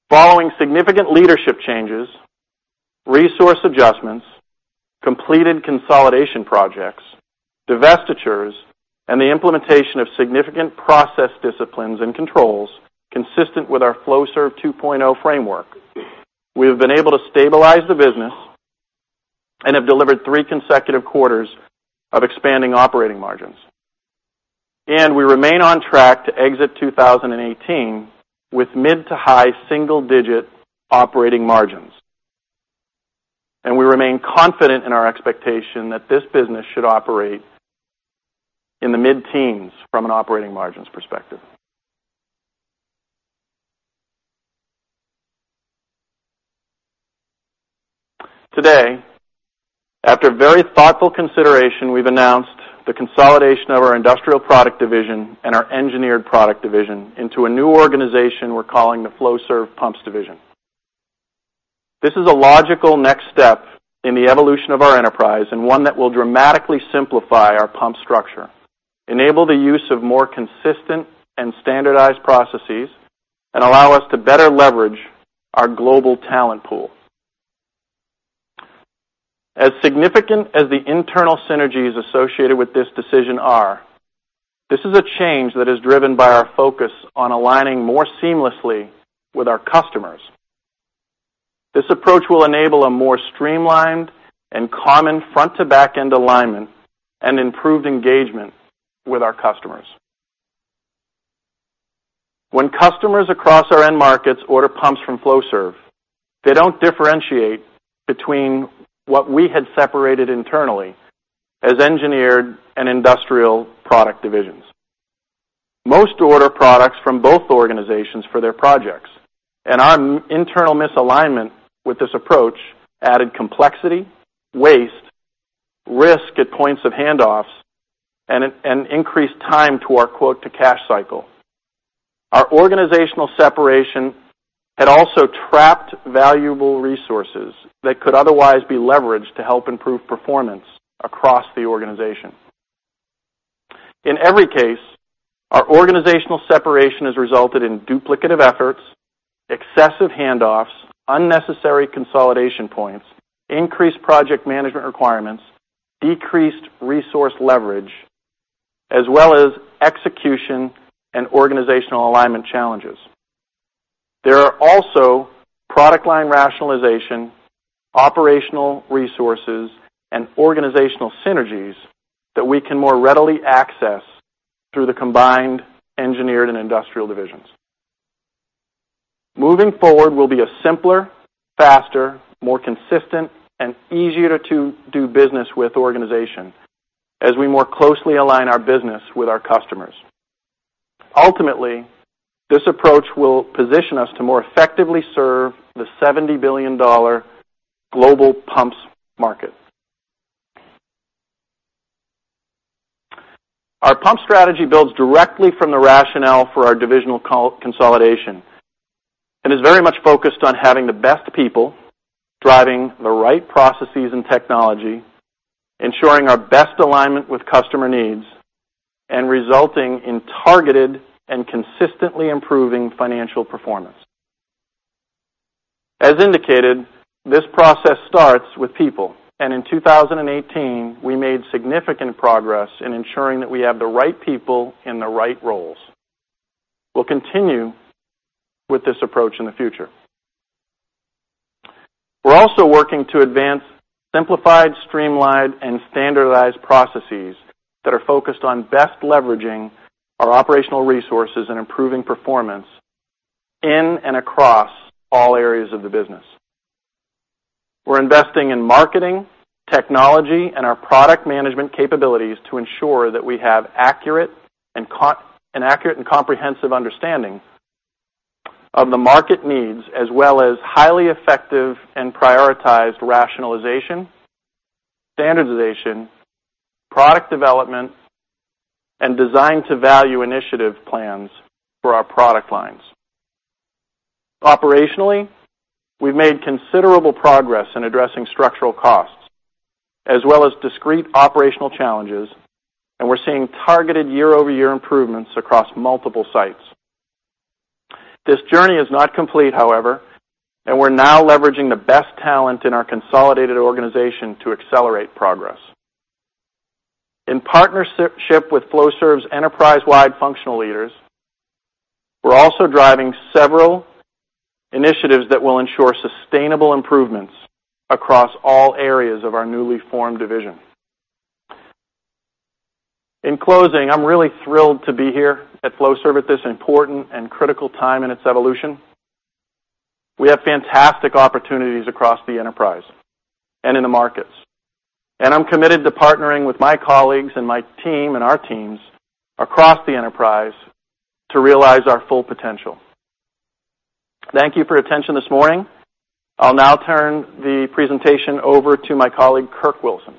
Following significant leadership changes, resource adjustments, completed consolidation projects, divestitures, and the implementation of significant process disciplines and controls consistent with our Flowserve 2.0 framework, we have been able to stabilize the business and have delivered three consecutive quarters of expanding operating margins. We remain on track to exit 2018 with mid to high single-digit operating margins. We remain confident in our expectation that this business should operate in the mid-teens from an operating margins perspective. Today, after very thoughtful consideration, we've announced the consolidation of our Industrial Product Division and our Engineered Product Division into a new organization we're calling the Flowserve Pumps Division. This is a logical next step in the evolution of our enterprise, and one that will dramatically simplify our pump structure, enable the use of more consistent and standardized processes, and allow us to better leverage our global talent pool. As significant as the internal synergies associated with this decision are, this is a change that is driven by our focus on aligning more seamlessly with our customersApproach will enable a more streamlined and common front-to-back end alignment and improved engagement with our customers. When customers across our end markets order pumps from Flowserve, they don't differentiate between what we had separated internally as Engineered and Industrial Product Divisions. Most order products from both organizations for their projects, our internal misalignment with this approach added complexity, waste, risk at points of handoffs, and increased time to our quote-to-cash cycle. Our organizational separation had also trapped valuable resources that could otherwise be leveraged to help improve performance across the organization. In every case, our organizational separation has resulted in duplicative efforts, excessive handoffs, unnecessary consolidation points, increased project management requirements, decreased resource leverage, as well as execution and organizational alignment challenges. There are also product line rationalization, operational resources, and organizational synergies that we can more readily access through the combined Engineered and Industrial Divisions. Moving forward will be a simpler, faster, more consistent, and easier-to-do business with organization as we more closely align our business with our customers. Ultimately, this approach will position us to more effectively serve the $70 billion global pumps market. Our pump strategy builds directly from the rationale for our divisional consolidation, is very much focused on having the best people driving the right processes and technology, ensuring our best alignment with customer needs, and resulting in targeted and consistently improving financial performance. As indicated, this process starts with people. In 2018, we made significant progress in ensuring that we have the right people in the right roles. We'll continue with this approach in the future. We're also working to advance simplified, streamlined, and standardized processes that are focused on best leveraging our operational resources and improving performance in and across all areas of the business. We're investing in marketing, technology, our product management capabilities to ensure that we have an accurate and comprehensive understanding of the market needs as well as highly effective and prioritized rationalization, standardization, product development, and design to value initiative plans for our product lines. Operationally, we've made considerable progress in addressing structural costs as well as discrete operational challenges. We're seeing targeted year-over-year improvements across multiple sites. This journey is not complete, however. We're now leveraging the best talent in our consolidated organization to accelerate progress. In partnership with Flowserve's enterprise-wide functional leaders, we're also driving several initiatives that will ensure sustainable improvements across all areas of our newly formed division. In closing, I'm really thrilled to be here at Flowserve at this important and critical time in its evolution. We have fantastic opportunities across the enterprise and in the markets, I'm committed to partnering with my colleagues and my team and our teams across the enterprise to realize our full potential. Thank you for your attention this morning. I'll now turn the presentation over to my colleague, Kirk Wilson.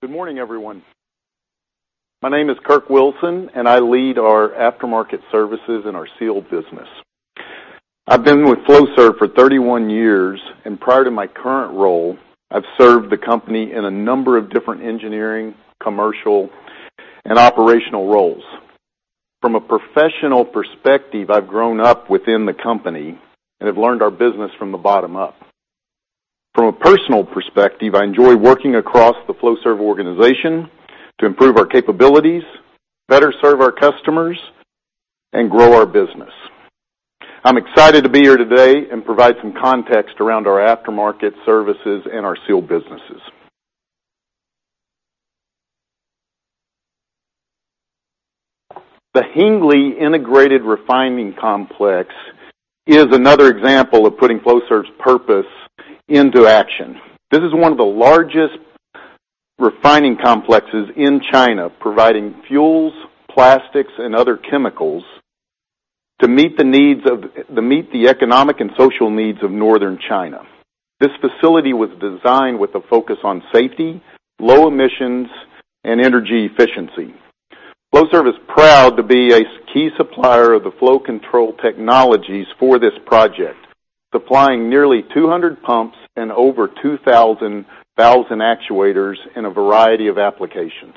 Good morning, everyone. My name is Kirk Wilson, I lead our aftermarket services in our seal business. I've been with Flowserve for 31 years, prior to my current role, I've served the company in a number of different engineering, commercial, and operational roles. From a professional perspective, I've grown up within the company and have learned our business from the bottom up. From a personal perspective, I enjoy working across the Flowserve organization to improve our capabilities, better serve our customers, and grow our business. I'm excited to be here today and provide some context around our aftermarket services and our seal businesses. The Hengli Integrated Refining Complex is another example of putting Flowserve's purpose into action. This is one of the largest refining complexes in China, providing fuels, plastics, and other chemicals to meet the economic and social needs of northern China. This facility was designed with a focus on safety, low emissions, and energy efficiency. Flowserve is proud to be a key supplier of the flow control technologies for this project, supplying nearly 200 pumps and over 2,000 valves and actuators in a variety of applications.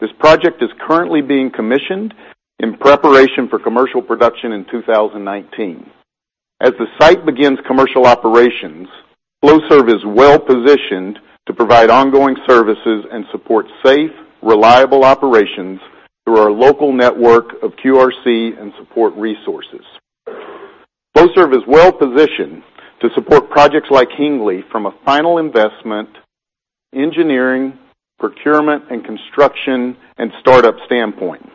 This project is currently being commissioned in preparation for commercial production in 2019. As the site begins commercial operations, Flowserve is well-positioned to provide ongoing services and support safe, reliable operations through our local network of QRC and support resources. Flowserve is well-positioned to support projects like Hengli from a final investment, engineering, procurement and construction, and startup standpoint.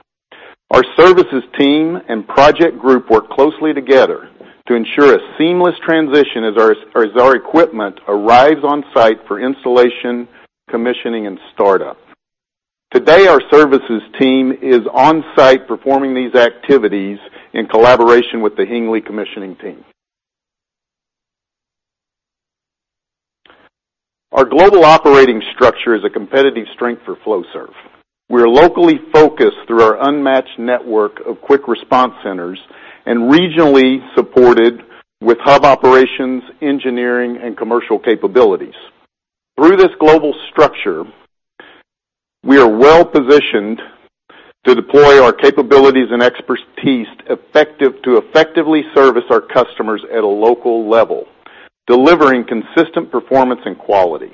Our services team and project group work closely together to ensure a seamless transition as our equipment arrives on site for installation, commissioning, and startup. Today, our services team is on site performing these activities in collaboration with the Hengli commissioning team. Our global operating structure is a competitive strength for Flowserve. We are locally focused through our unmatched network of Quick Response Centers and regionally supported with hub operations, engineering, and commercial capabilities. Through this global structure, we are well-positioned to deploy our capabilities and expertise to effectively service our customers at a local level, delivering consistent performance and quality.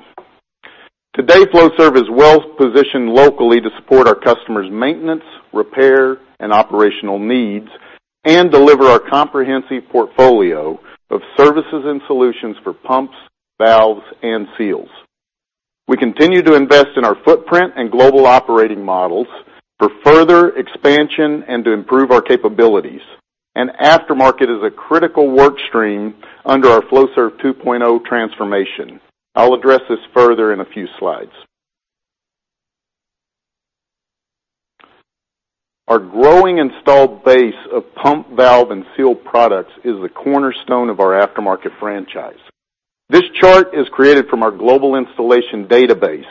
Today, Flowserve is well-positioned locally to support our customers' maintenance, repair, and operational needs and deliver our comprehensive portfolio of services and solutions for pumps, valves, and seals. We continue to invest in our footprint and global operating models for further expansion and to improve our capabilities. Aftermarket is a critical work stream under our Flowserve 2.0 transformation. I'll address this further in a few slides. Our growing installed base of pump, valve, and seal products is the cornerstone of our aftermarket franchise. This chart is created from our global installation database,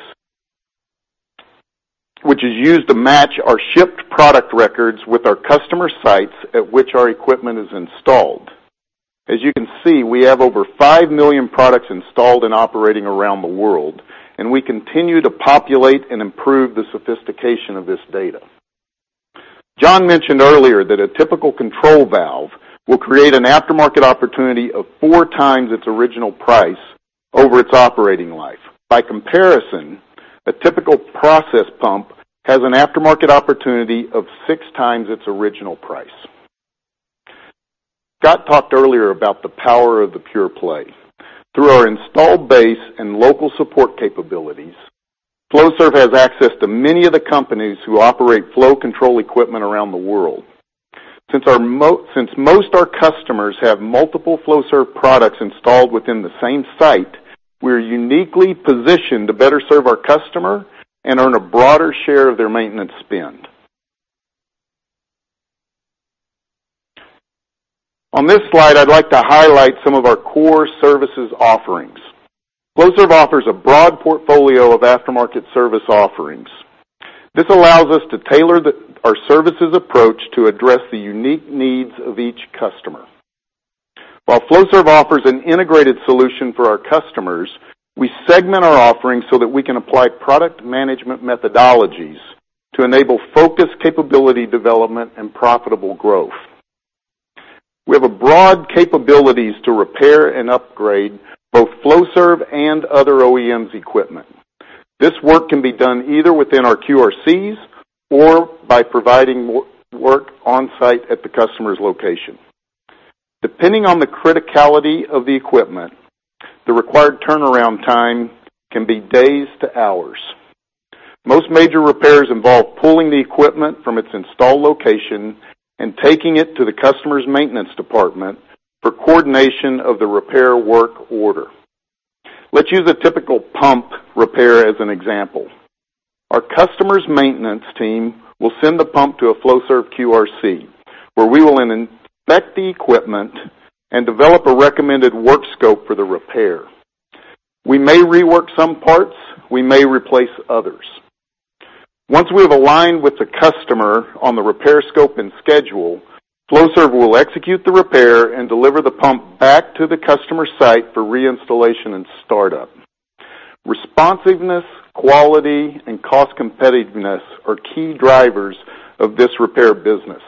which is used to match our shipped product records with our customer sites at which our equipment is installed. As you can see, we have over 5 million products installed and operating around the world, we continue to populate and improve the sophistication of this data. John mentioned earlier that a typical control valve will create an aftermarket opportunity of 4 times its original price over its operating life. By comparison, a typical process pump has an aftermarket opportunity of 6 times its original price. Scott talked earlier about the power of the pure play. Through our installed base and local support capabilities, Flowserve has access to many of the companies who operate flow control equipment around the world. Since most of our customers have multiple Flowserve products installed within the same site, we are uniquely positioned to better serve our customer and earn a broader share of their maintenance spend. On this slide, I'd like to highlight some of our core services offerings. Flowserve offers a broad portfolio of aftermarket service offerings. This allows us to tailor our services approach to address the unique needs of each customer. While Flowserve offers an integrated solution for our customers, we segment our offerings so that we can apply product management methodologies to enable focused capability development and profitable growth. We have broad capabilities to repair and upgrade both Flowserve and other OEMs' equipment. This work can be done either within our QRCs or by providing work on-site at the customer's location. Depending on the criticality of the equipment, the required turnaround time can be days to hours. Most major repairs involve pulling the equipment from its installed location and taking it to the customer's maintenance department for coordination of the repair work order. Let's use a typical pump repair as an example. Our customer's maintenance team will send the pump to a Flowserve QRC, where we will inspect the equipment and develop a recommended work scope for the repair. We may rework some parts, we may replace others. Once we have aligned with the customer on the repair scope and schedule, Flowserve will execute the repair and deliver the pump back to the customer site for reinstallation and startup. Responsiveness, quality, and cost competitiveness are key drivers of this repair business.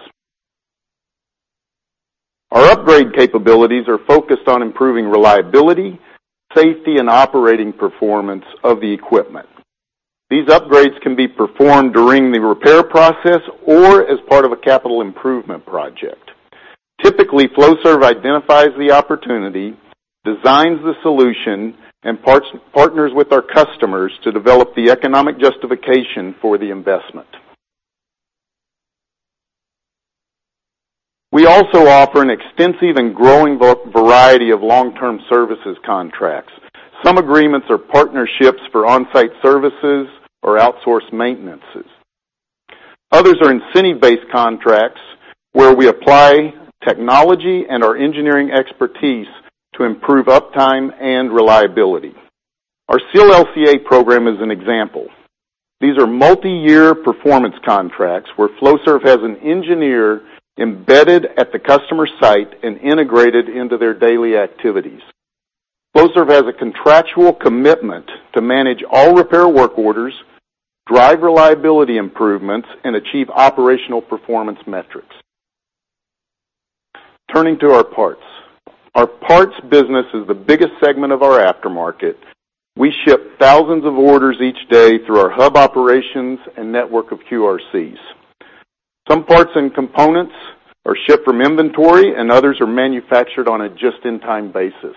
Our upgrade capabilities are focused on improving reliability, safety, and operating performance of the equipment. These upgrades can be performed during the repair process or as part of a capital improvement project. Typically, Flowserve identifies the opportunity, designs the solution, and partners with our customers to develop the economic justification for the investment. We also offer an extensive and growing variety of long-term services contracts. Some agreements are partnerships for on-site services or outsourced maintenances. Others are incentive-based contracts where we apply technology and our engineering expertise to improve uptime and reliability. Our Seal LCA program is an example. These are multi-year performance contracts where Flowserve has an engineer embedded at the customer site and integrated into their daily activities. Flowserve has a contractual commitment to manage all repair work orders, drive reliability improvements, and achieve operational performance metrics. Turning to our parts. Our parts business is the biggest segment of our aftermarket. We ship thousands of orders each day through our hub operations and network of QRCs. Some parts and components are shipped from inventory, and others are manufactured on a just-in-time basis.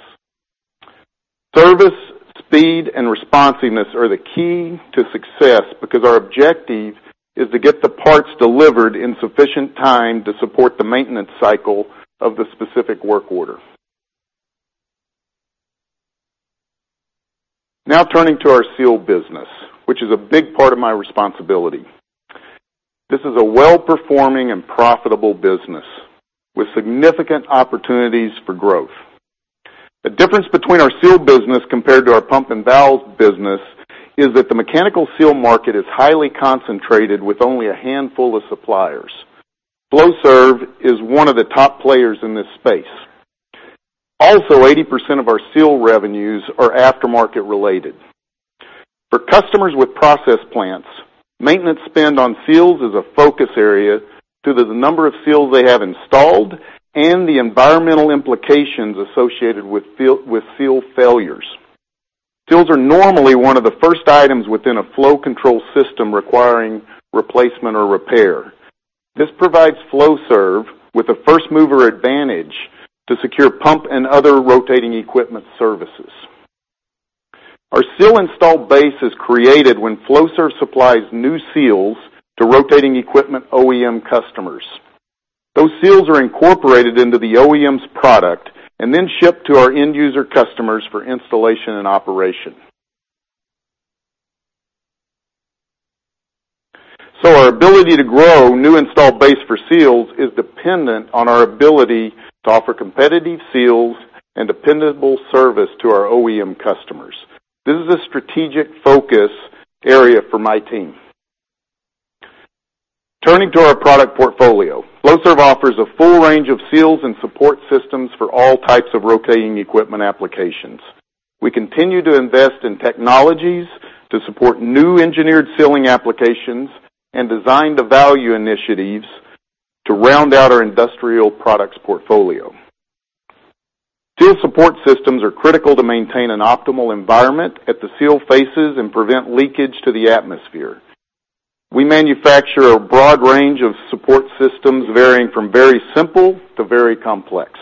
Service, speed, and responsiveness are the key to success because our objective is to get the parts delivered in sufficient time to support the maintenance cycle of the specific work order. Turning to our seal business, which is a big part of my responsibility. This is a well-performing and profitable business with significant opportunities for growth. The difference between our seal business compared to our pump and valve business is that the mechanical seal market is highly concentrated with only a handful of suppliers. Flowserve is one of the top players in this space. 80% of our seal revenues are aftermarket related. For customers with process plants, maintenance spend on seals is a focus area due to the number of seals they have installed and the environmental implications associated with seal failures. Seals are normally one of the first items within a flow control system requiring replacement or repair. This provides Flowserve with a first-mover advantage to secure pump and other rotating equipment services. Our seal install base is created when Flowserve supplies new seals to rotating equipment OEM customers. Those seals are incorporated into the OEM's product and then shipped to our end user customers for installation and operation. Our ability to grow new install base for seals is dependent on our ability to offer competitive seals and dependable service to our OEM customers. This is a strategic focus area for my team. Turning to our product portfolio. Flowserve offers a full range of seals and support systems for all types of rotating equipment applications. We continue to invest in technologies to support new engineered sealing applications and design-to-value initiatives to round out our industrial products portfolio. Seal support systems are critical to maintain an optimal environment at the seal faces and prevent leakage to the atmosphere. We manufacture a broad range of support systems, varying from very simple to very complex.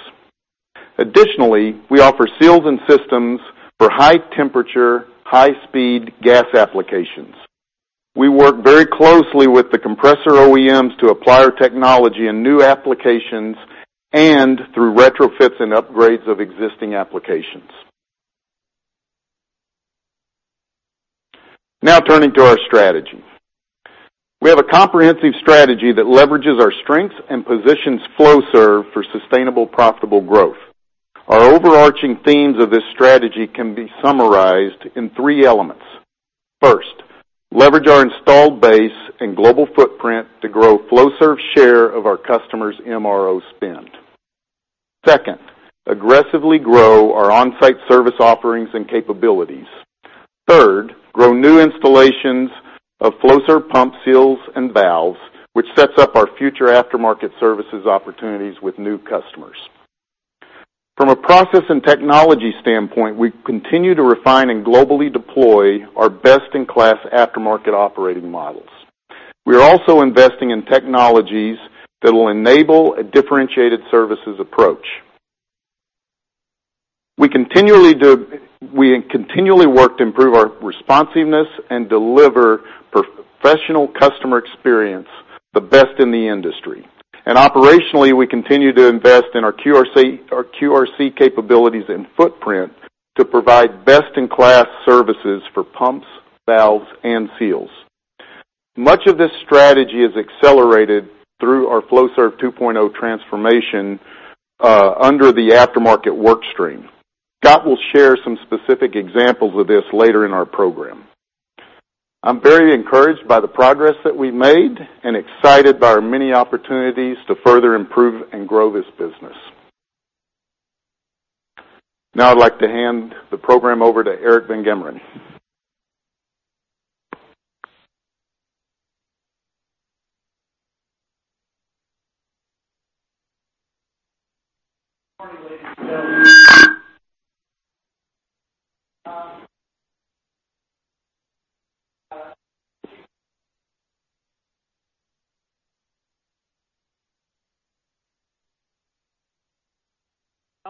Additionally, we offer seals and systems for high temperature, high speed gas applications. We work very closely with the compressor OEMs to apply our technology in new applications and through retrofits and upgrades of existing applications. Turning to our strategy. We have a comprehensive strategy that leverages our strengths and positions Flowserve for sustainable, profitable growth. Our overarching themes of this strategy can be summarized in three elements. First, leverage our installed base and global footprint to grow Flowserve's share of our customers' MRO spend. Second, aggressively grow our onsite service offerings and capabilities. Third, grow new installations of Flowserve pump seals and valves, which sets up our future aftermarket services opportunities with new customers. From a process and technology standpoint, we continue to refine and globally deploy our best-in-class aftermarket operating models. We are also investing in technologies that will enable a differentiated services approach. We continually work to improve our responsiveness and deliver professional customer experience the best in the industry. Operationally, we continue to invest in our QRC capabilities and footprint to provide best-in-class services for pumps, valves, and seals. Much of this strategy is accelerated through our Flowserve 2.0 transformation, under the aftermarket work stream. Scott will share some specific examples of this later in our program. I'm very encouraged by the progress that we've made and excited by our many opportunities to further improve and grow this business. Now I'd like to hand the program over to Eric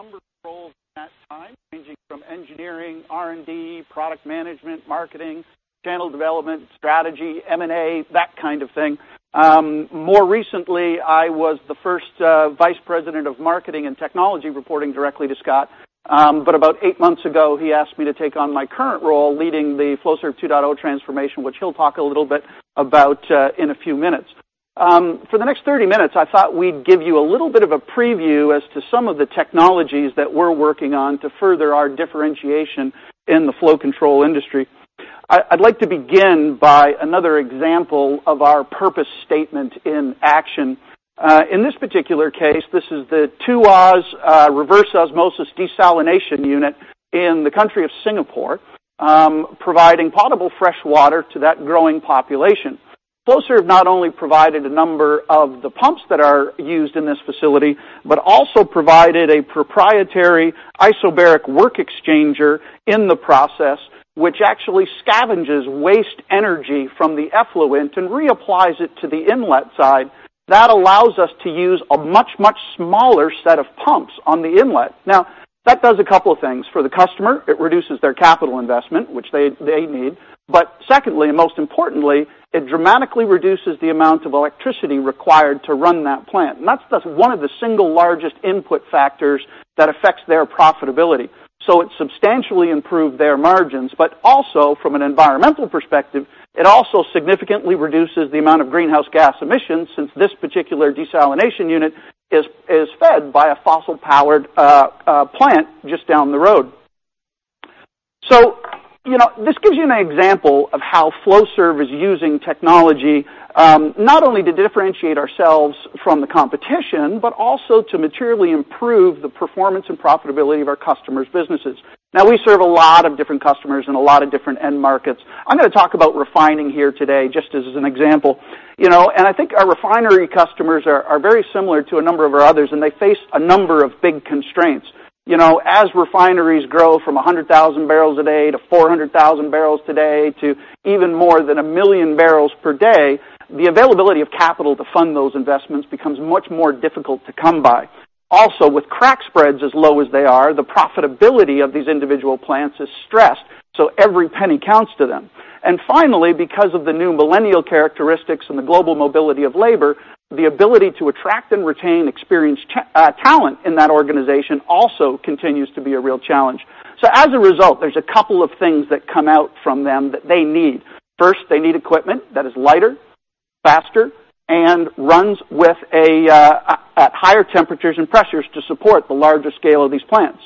van Gemeren. Good morning, ladies and gentlemen. A number of roles at that time, ranging from engineering, R&D, product management, marketing, channel development, strategy, M&A, that kind of thing. More recently, I was the first vice president of marketing and technology, reporting directly to Scott. About eight months ago, he asked me to take on my current role leading the Flowserve 2.0 transformation, which he'll talk a little bit about in a few minutes. For the next 30 minutes, I thought we'd give you a little bit of a preview as to some of the technologies that we're working on to further our differentiation in the flow control industry. I'd like to begin by another example of our purpose statement in action. In this particular case, this is the Tuas Reverse Osmosis Desalination unit in the country of Singapore, providing potable fresh water to that growing population. Flowserve not only provided a number of the pumps that are used in this facility, but also provided a proprietary isobaric work exchanger in the process, which actually scavenges waste energy from the effluent and reapplies it to the inlet side. That allows us to use a much, much smaller set of pumps on the inlet. Now, that does a couple of things. For the customer, it reduces their capital investment, which they need. Secondly, and most importantly, it dramatically reduces the amount of electricity required to run that plant. That's one of the single largest input factors that affects their profitability. It substantially improved their margins, but also from an environmental perspective, it also significantly reduces the amount of greenhouse gas emissions, since this particular desalination unit is fed by a fossil-powered plant just down the road. This gives you an example of how Flowserve is using technology, not only to differentiate ourselves from the competition, but also to materially improve the performance and profitability of our customers' businesses. Now, we serve a lot of different customers in a lot of different end markets. I'm going to talk about refining here today just as an example. I think our refinery customers are very similar to a number of our others, and they face a number of big constraints. As refineries grow from 100,000 barrels a day to 400,000 barrels today to even more than 1 million barrels per day, the availability of capital to fund those investments becomes much more difficult to come by. Also, with crack spreads as low as they are, the profitability of these individual plants is stressed, so every penny counts to them. Finally, because of the new millennial characteristics and the global mobility of labor, the ability to attract and retain experienced talent in that organization also continues to be a real challenge. As a result, there's a couple of things that come out from them that they need. First, they need equipment that is lighter, faster, and runs at higher temperatures and pressures to support the larger scale of these plants.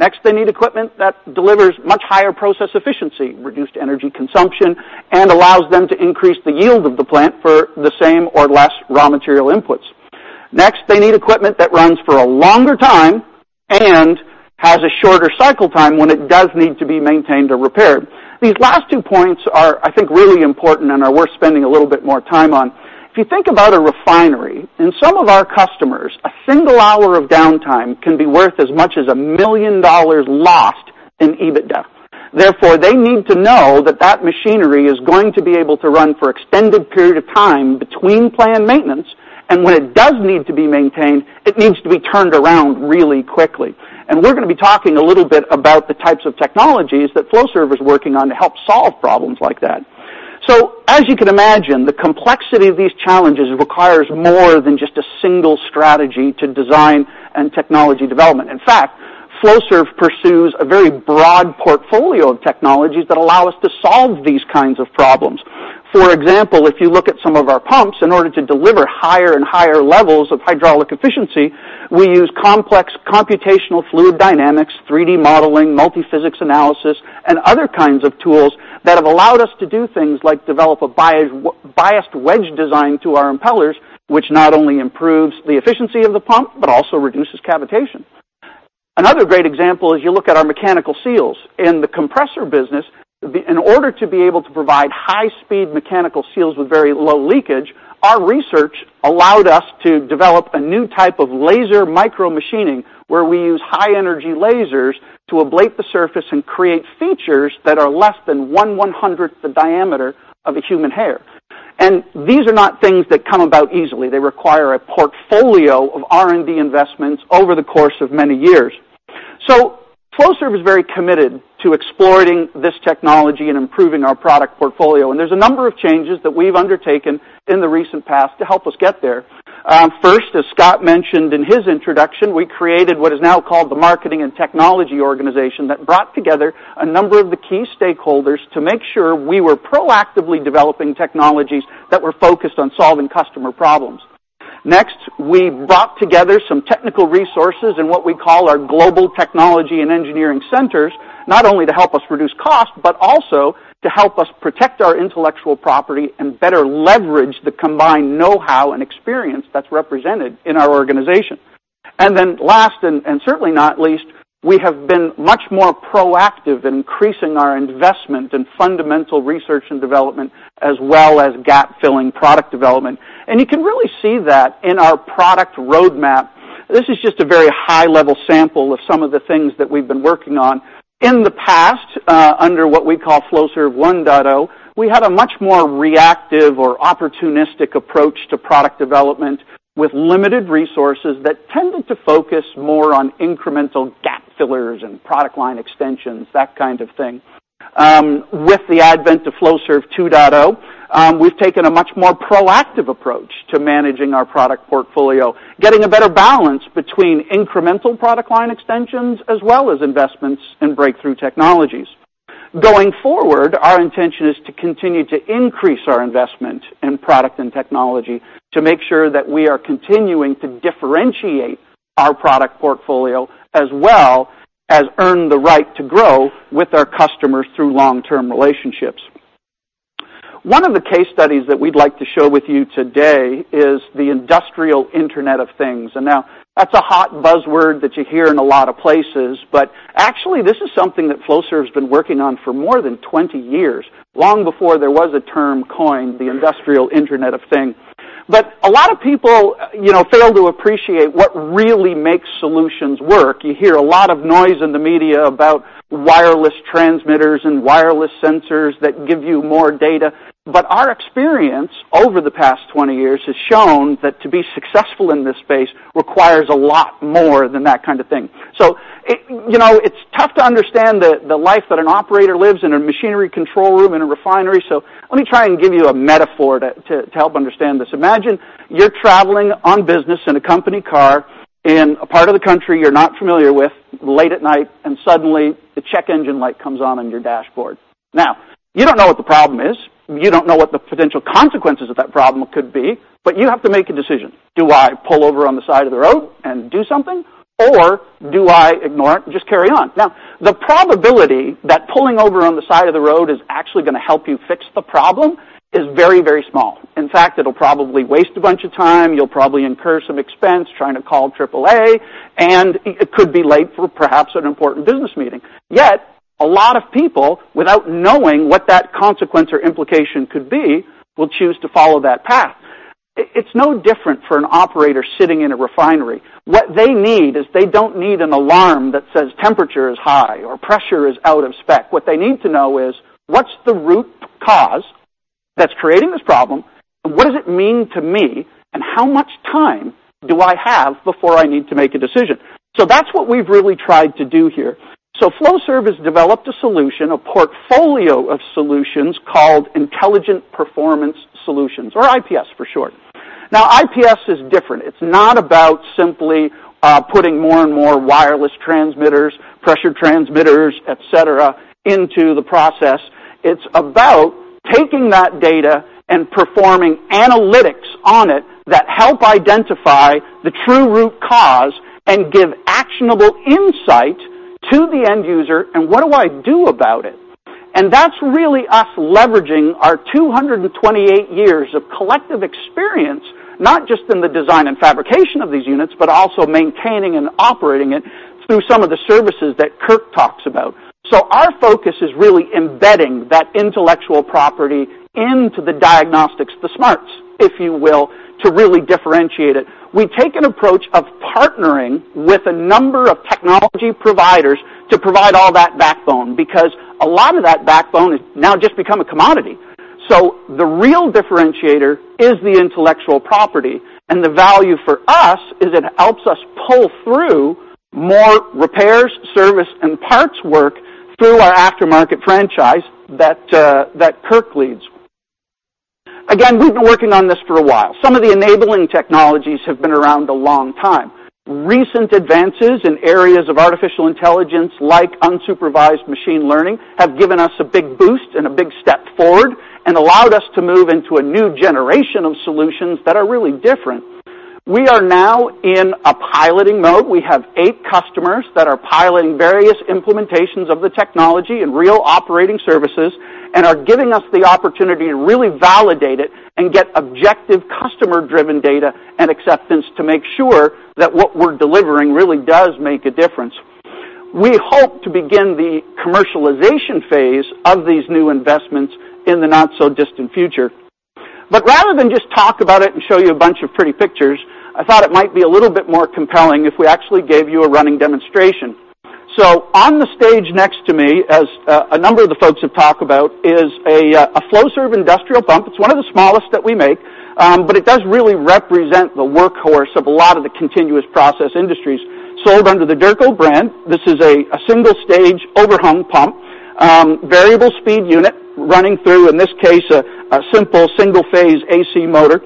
Next, they need equipment that delivers much higher process efficiency, reduced energy consumption, and allows them to increase the yield of the plant for the same or less raw material inputs. Next, they need equipment that runs for a longer time and has a shorter cycle time when it does need to be maintained or repaired. These last two points are, I think, really important and are worth spending a little bit more time on. If you think about a refinery, in some of our customers, a single hour of downtime can be worth as much as $1 million lost in EBITDA. Therefore, they need to know that machinery is going to be able to run for extended period of time between planned maintenance, and when it does need to be maintained, it needs to be turned around really quickly. We're going to be talking a little bit about the types of technologies that Flowserve is working on to help solve problems like that. As you can imagine, the complexity of these challenges requires more than just a single strategy to design and technology development. In fact, Flowserve pursues a very broad portfolio of technologies that allow us to solve these kinds of problems. For example, if you look at some of our pumps, in order to deliver higher and higher levels of hydraulic efficiency, we use complex computational fluid dynamics, 3D modeling, multiphysics analysis, and other kinds of tools that have allowed us to do things like develop a biased wedge design to our impellers, which not only improves the efficiency of the pump, but also reduces cavitation. Another great example is you look at our mechanical seals. In the compressor business, in order to be able to provide high-speed mechanical seals with very low leakage, our research allowed us to develop a new type of laser micro machining where we use high-energy lasers to ablate the surface and create features that are less than one one-hundredth the diameter of a human hair. These are not things that come about easily. They require a portfolio of R&D investments over the course of many years. Flowserve is very committed to exploring this technology and improving our product portfolio, and there's a number of changes that we've undertaken in the recent past to help us get there. First, as Scott mentioned in his introduction, we created what is now called the Marketing and Technology organization that brought together a number of the key stakeholders to make sure we were proactively developing technologies that were focused on solving customer problems. Next, we brought together some technical resources in what we call our Global Technology and Engineering Centers, not only to help us reduce cost, but also to help us protect our intellectual property and better leverage the combined know-how and experience that's represented in our organization. Last, and certainly not least, we have been much more proactive in increasing our investment in fundamental research and development as well as gap-filling product development. You can really see that in our product roadmap. This is just a very high-level sample of some of the things that we've been working on. In the past, under what we call Flowserve 1.0, we had a much more reactive or opportunistic approach to product development with limited resources that tended to focus more on incremental gap fillers and product line extensions, that kind of thing. With the advent of Flowserve 2.0, we've taken a much more proactive approach to managing our product portfolio, getting a better balance between incremental product line extensions as well as investments in breakthrough technologies. Going forward, our intention is to continue to increase our investment in product and technology to make sure that we are continuing to differentiate our product portfolio, as well as earn the right to grow with our customers through long-term relationships. One of the case studies that we'd like to show with you today is the industrial Internet of Things. Now, that's a hot buzzword that you hear in a lot of places, but actually, this is something that Flowserve's been working on for more than 20 years, long before there was a term coined, the industrial Internet of Things. A lot of people fail to appreciate what really makes solutions work. You hear a lot of noise in the media about wireless transmitters and wireless sensors that give you more data. Our experience over the past 20 years has shown that to be successful in this space requires a lot more than that kind of thing. It's tough to understand the life that an operator lives in a machinery control room in a refinery, so let me try and give you a metaphor to help understand this. Imagine you're traveling on business in a company car in a part of the country you're not familiar with, late at night, and suddenly, the check engine light comes on in your dashboard. You don't know what the problem is. You don't know what the potential consequences of that problem could be, but you have to make a decision. Do I pull over on the side of the road and do something, or do I ignore it and just carry on? The probability that pulling over on the side of the road is actually going to help you fix the problem is very small. In fact, it'll probably waste a bunch of time. You'll probably incur some expense trying to call AAA, and it could be late for perhaps an important business meeting. Yet, a lot of people, without knowing what that consequence or implication could be, will choose to follow that path. It's no different for an operator sitting in a refinery. What they need is, they don't need an alarm that says temperature is high or pressure is out of spec. What they need to know is what's the root cause that's creating this problem, and what does it mean to me, and how much time do I have before I need to make a decision? That's what we've really tried to do here. Flowserve has developed a solution, a portfolio of solutions, called Intelligent Performance Solutions, or IPS for short. IPS is different. It's not about simply putting more and more wireless transmitters, pressure transmitters, et cetera, into the process. It's about taking that data and performing analytics on it that help identify the true root cause and give actionable insight to the end user and what do I do about it. That's really us leveraging our 228 years of collective experience, not just in the design and fabrication of these units, but also maintaining and operating it through some of the services that Kirk talks about. Our focus is really embedding that intellectual property into the diagnostics, the smarts, if you will, to really differentiate it. We take an approach of partnering with a number of technology providers to provide all that backbone because a lot of that backbone has now just become a commodity. The real differentiator is the intellectual property, and the value for us is it helps us pull through more repairs, service, and parts work through our aftermarket franchise that Kirk leads. Again, we've been working on this for a while. Some of the enabling technologies have been around a long time. Recent advances in areas of artificial intelligence, like unsupervised machine learning, have given us a big boost and a big step forward and allowed us to move into a new generation of solutions that are really different. We are now in a piloting mode. We have eight customers that are piloting various implementations of the technology and real operating services and are giving us the opportunity to really validate it and get objective customer-driven data and acceptance to make sure that what we're delivering really does make a difference. We hope to begin the commercialization phase of these new investments in the not-so-distant future. Rather than just talk about it and show you a bunch of pretty pictures, I thought it might be a little bit more compelling if we actually gave you a running demonstration. On the stage next to me, as a number of the folks have talked about, is a Flowserve industrial pump. It's one of the smallest that we make, but it does really represent the workhorse of a lot of the continuous process industries. Sold under the Durco brand, this is a single-stage, overhung pump. Variable speed unit running through, in this case, a simple single-phase AC motor.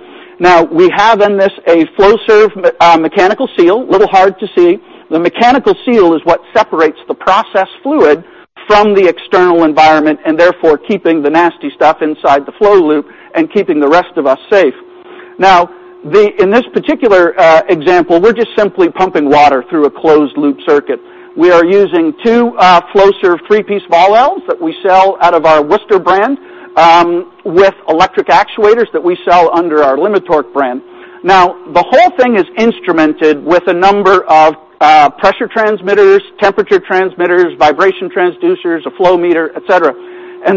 We have in this a Flowserve mechanical seal. A little hard to see. The mechanical seal is what separates the process fluid from the external environment, and therefore, keeping the nasty stuff inside the flow loop and keeping the rest of us safe. In this particular example, we're just simply pumping water through a closed loop circuit. We are using two Flowserve three-piece ball valves that we sell out of our Worcester brand, with electric actuators that we sell under our Limitorque brand. The whole thing is instrumented with a number of pressure transmitters, temperature transmitters, vibration transducers, a flow meter, et cetera.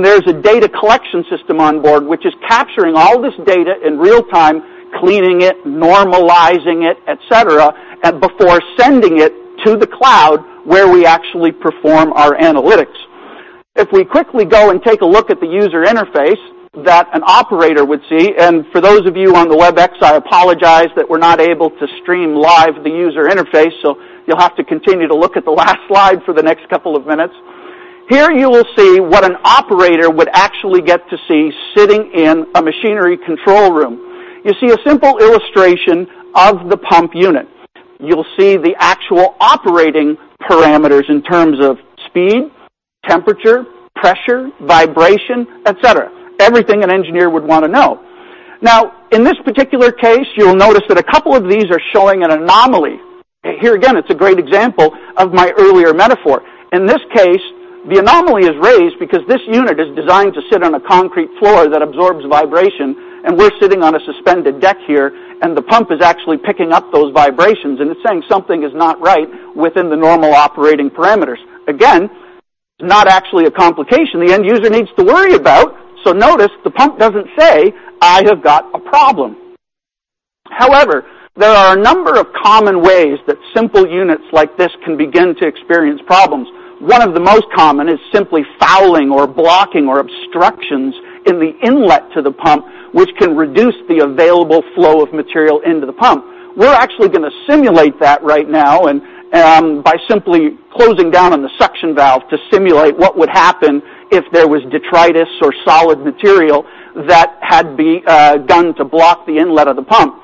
There's a data collection system on board, which is capturing all this data in real time, cleaning it, normalizing it, et cetera, before sending it to the cloud, where we actually perform our analytics. If we quickly go and take a look at the user interface that an operator would see, for those of you on the Webex, I apologize that we're not able to stream live the user interface, so you'll have to continue to look at the last slide for the next couple of minutes. Here, you will see what an operator would actually get to see sitting in a machinery control room. You see a simple illustration of the pump unit. You'll see the actual operating parameters in terms of speed, temperature, pressure, vibration, et cetera. Everything an engineer would want to know. In this particular case, you'll notice that a couple of these are showing an anomaly. Here again, it's a great example of my earlier metaphor. In this case, the anomaly is raised because this unit is designed to sit on a concrete floor that absorbs vibration, we're sitting on a suspended deck here, the pump is actually picking up those vibrations, it's saying something is not right within the normal operating parameters. Again, it's not actually a complication the end user needs to worry about, so notice the pump doesn't say, "I have got a problem." However, there are a number of common ways that simple units like this can begin to experience problems. One of the most common is simply fouling or blocking or obstructions in the inlet to the pump, which can reduce the available flow of material into the pump. We're actually going to simulate that right now by simply closing down on the suction valve to simulate what would happen if there was detritus or solid material that had begun to block the inlet of the pump.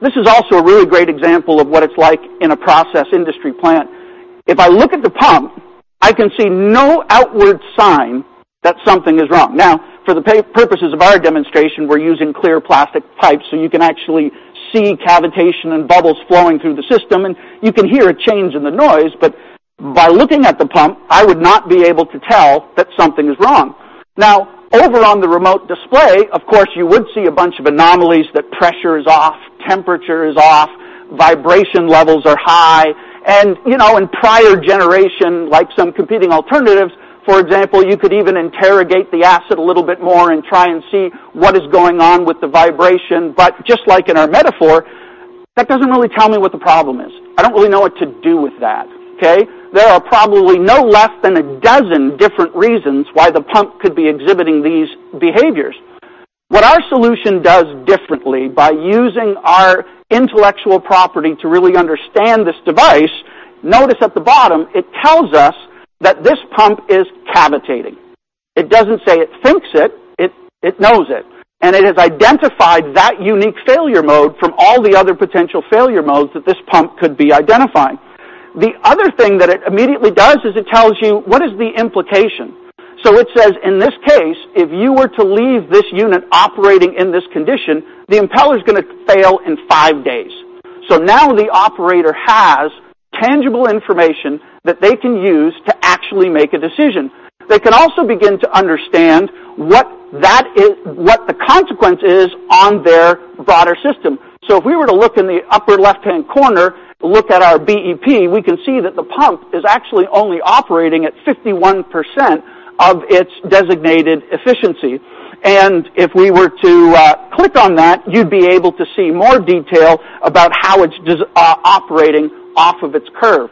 This is also a really great example of what it's like in a process industry plant. If I look at the pump, I can see no outward sign that something is wrong. For the purposes of our demonstration, we're using clear plastic pipes, so you can actually see cavitation and bubbles flowing through the system, you can hear a change in the noise. By looking at the pump, I would not be able to tell that something is wrong. Over on the remote display, of course, you would see a bunch of anomalies, that pressure is off, temperature is off, vibration levels are high. In prior generations, like some competing alternatives, for example, you could even interrogate the asset a little bit more and try and see what is going on with the vibration. Just like in our metaphor, that doesn't really tell me what the problem is. I don't really know what to do with that, okay? There are probably no less than a dozen different reasons why the pump could be exhibiting these behaviors. What our solution does differently, by using our intellectual property to really understand this device, notice at the bottom, it tells us that this pump is cavitating. It doesn't say it thinks it knows it, and it has identified that unique failure mode from all the other potential failure modes that this pump could be identifying. The other thing that it immediately does is it tells you what is the implication. It says, in this case, if you were to leave this unit operating in this condition, the impeller's going to fail in five days. Now the operator has tangible information that they can use to actually make a decision. They can also begin to understand what the consequence is on their broader system. If we were to look in the upper left-hand corner, look at our BEP, we can see that the pump is actually only operating at 51% of its designated efficiency. If we were to click on that, you'd be able to see more detail about how it's operating off of its curve.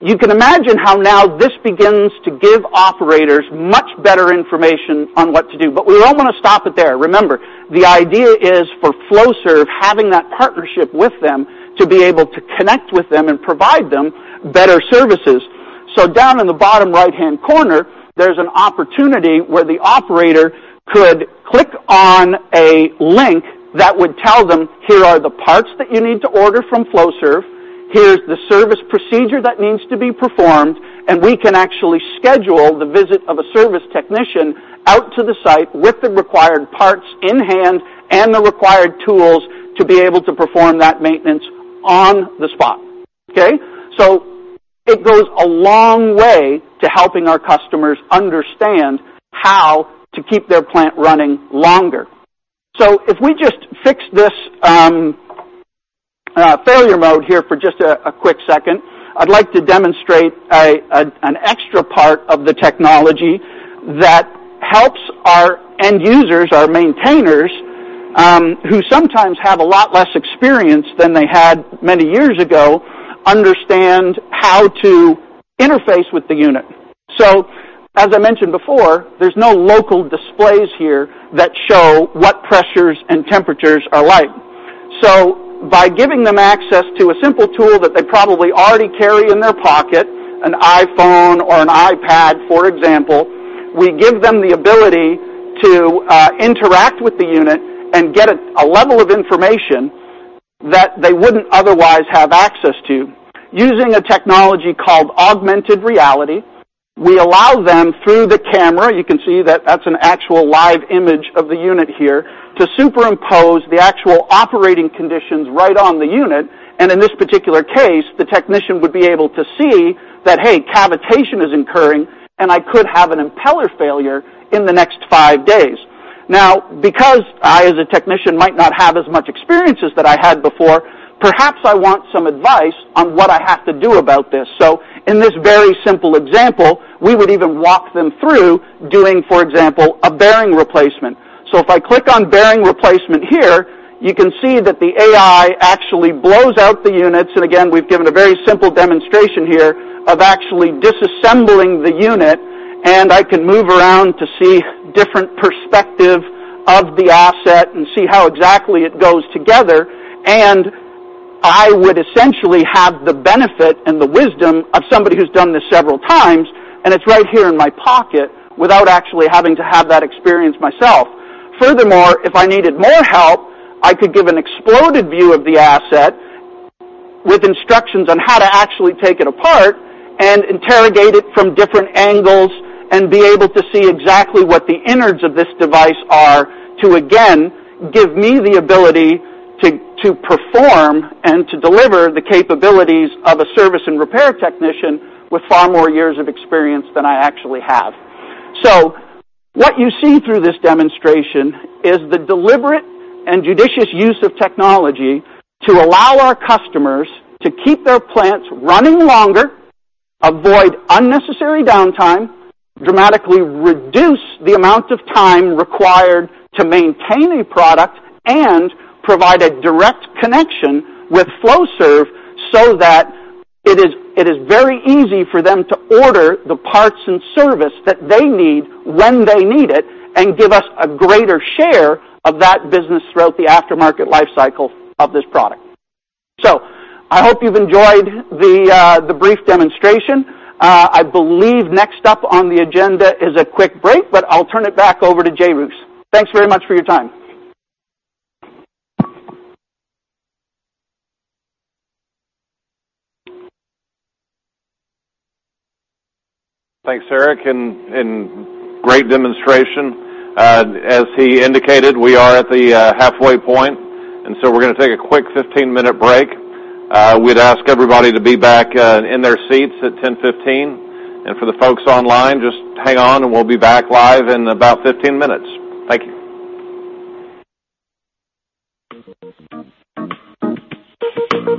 You can imagine how now this begins to give operators much better information on what to do. We don't want to stop it there. Remember, the idea is for Flowserve, having that partnership with them to be able to connect with them and provide them better services. Down in the bottom right-hand corner, there's an opportunity where the operator could click on a link that would tell them, "Here are the parts that you need to order from Flowserve. Here's the service procedure that needs to be performed," and we can actually schedule the visit of a service technician out to the site with the required parts in hand and the required tools to be able to perform that maintenance on the spot, okay? It goes a long way to helping our customers understand how to keep their plant running longer. If we just fix this failure mode here for just a quick second, I'd like to demonstrate an extra part of the technology that helps our end users, our maintainers, who sometimes have a lot less experience than they had many years ago, understand how to interface with the unit. As I mentioned before, there's no local displays here that show what pressures and temperatures are like. By giving them access to a simple tool that they probably already carry in their pocket, an iPhone or an iPad, for example, we give them the ability to interact with the unit and get a level of information that they wouldn't otherwise have access to. Using a technology called augmented reality, we allow them through the camera, you can see that that's an actual live image of the unit here, to superimpose the actual operating conditions right on the unit. In this particular case, the technician would be able to see that, hey, cavitation is occurring, and I could have an impeller failure in the next five days. Now, because I, as a technician, might not have as much experience as that I had before, perhaps I want some advice on what I have to do about this. In this very simple example, we would even walk them through doing, for example, a bearing replacement. If I click on bearing replacement here, you can see that the AI actually blows out the units. Again, we've given a very simple demonstration here of actually disassembling the unit, and I can move around to see different perspective of the asset and see how exactly it goes together. I would essentially have the benefit and the wisdom of somebody who's done this several times, and it is right here in my pocket without actually having to have that experience myself. Furthermore, if I needed more help, I could give an exploded view of the asset with instructions on how to actually take it apart and interrogate it from different angles and be able to see exactly what the innards of this device are to, again, give me the ability to perform and to deliver the capabilities of a service and repair technician with far more years of experience than I actually have. What you see through this demonstration is the deliberate and judicious use of technology to allow our customers to keep their plants running longer, avoid unnecessary downtime, dramatically reduce the amount of time required to maintain a product, and provide a direct connection with Flowserve so that it is very easy for them to order the parts and service that they need when they need it and give us a greater share of that business throughout the aftermarket life cycle of this product. I hope you've enjoyed the brief demonstration. I believe next up on the agenda is a quick break, but I'll turn it back over to Jay Roueche. Thanks very much for your time. Thanks, Eric, and great demonstration. As he indicated, we are at the halfway point, and so we're going to take a quick 15-minute break. We'd ask everybody to be back in their seats at 10:15. For the folks online, just hang on, and we'll be back live in about 15 minutes. Thank you.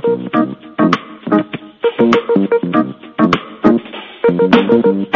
Looks like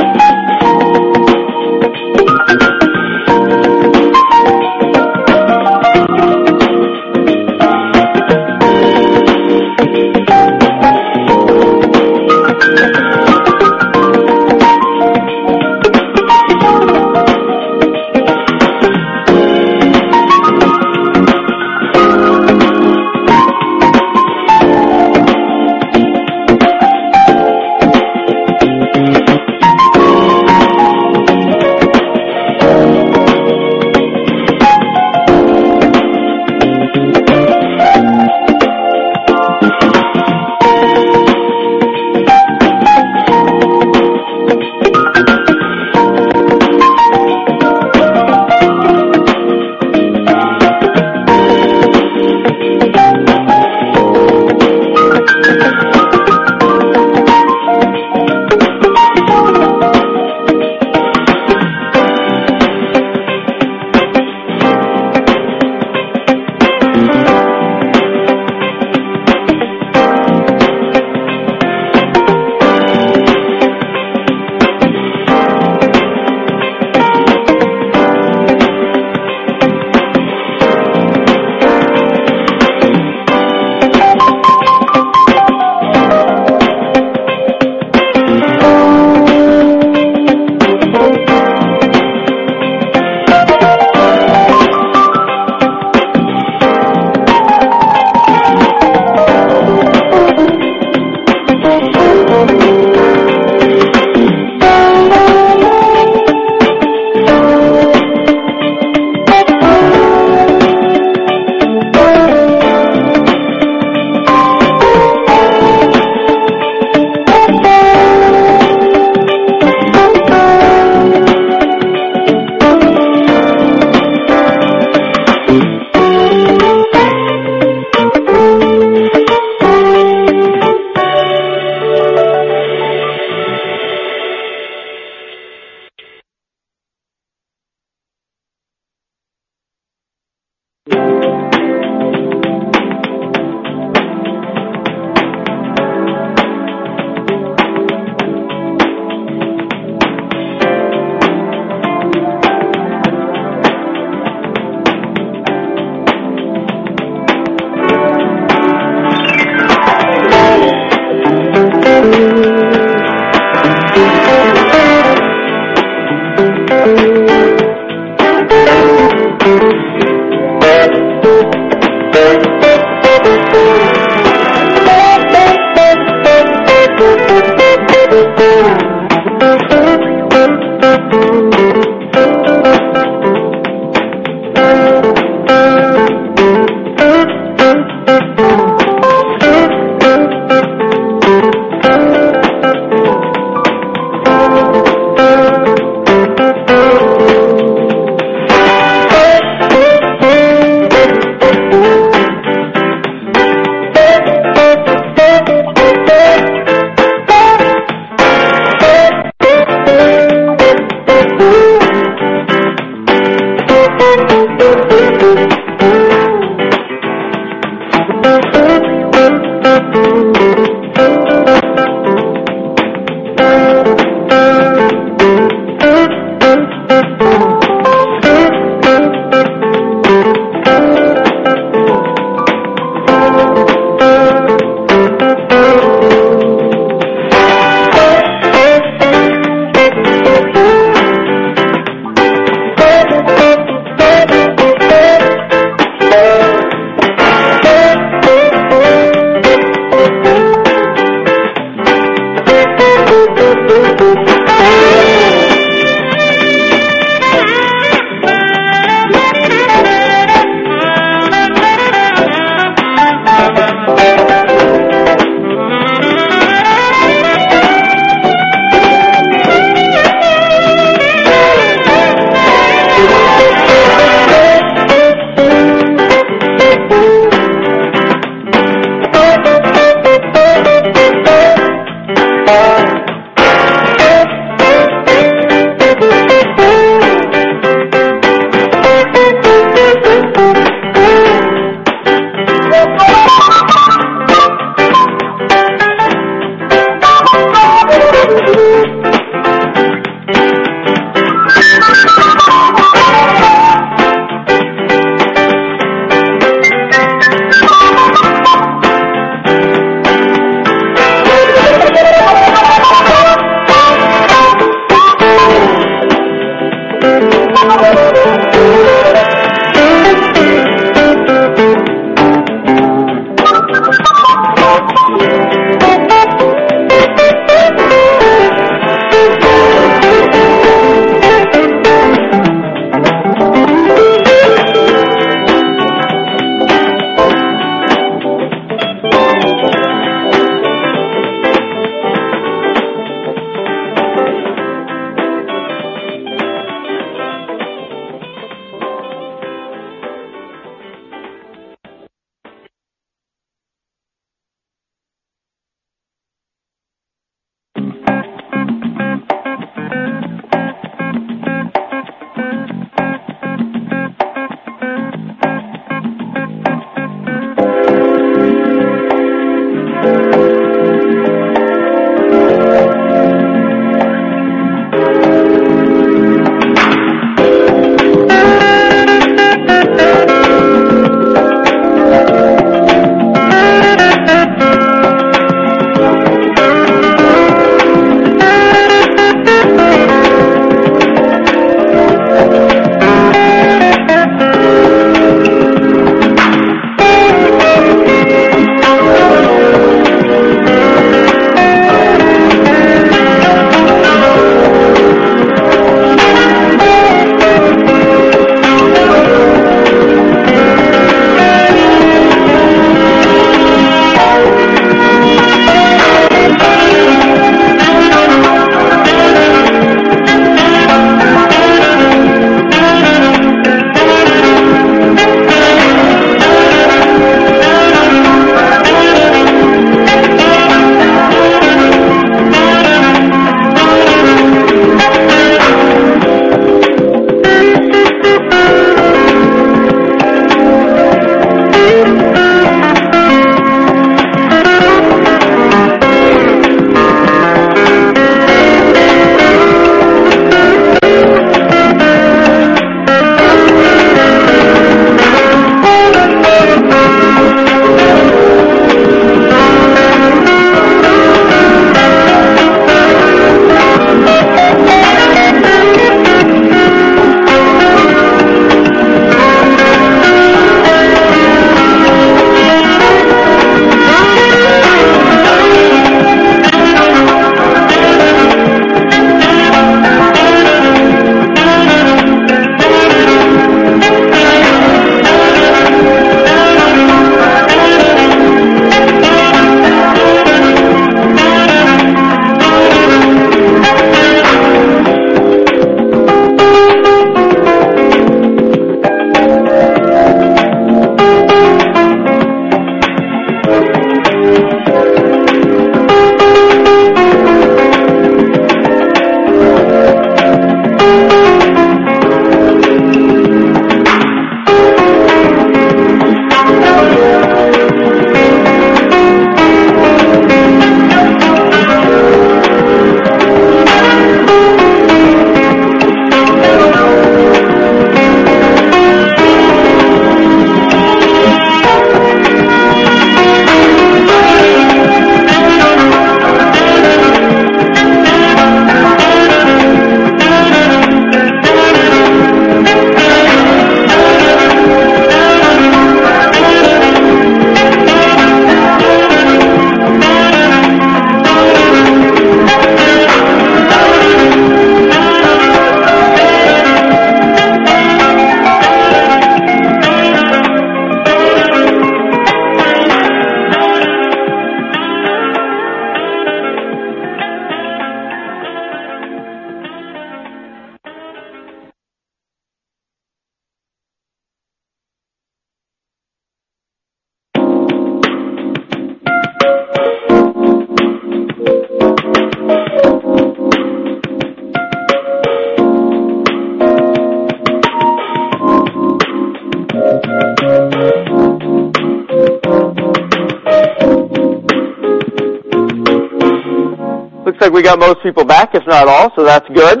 we got most people back, if not all, so that's good.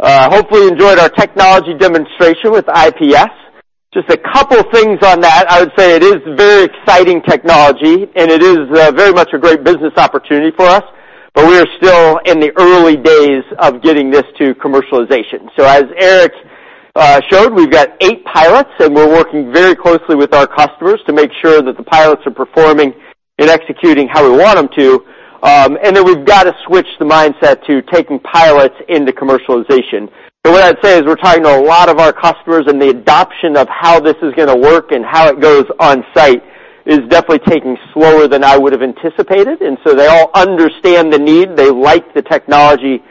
Hopefully you enjoyed our technology demonstration with IPS. Just a couple things on that. I would say it is very exciting technology, and it is very much a great business opportunity for us, but we are still in the early days of getting this to commercialization. As Eric showed, we've got eight pilots, and we're working very closely with our customers to make sure that the pilots are performing and executing how we want them to. Then we've got to switch the mindset to taking pilots into commercialization. What I'd say is we're talking to a lot of our customers, and the adoption of how this is going to work and how it goes on site is definitely taking slower than I would have anticipated. They all understand the need. They like the technology.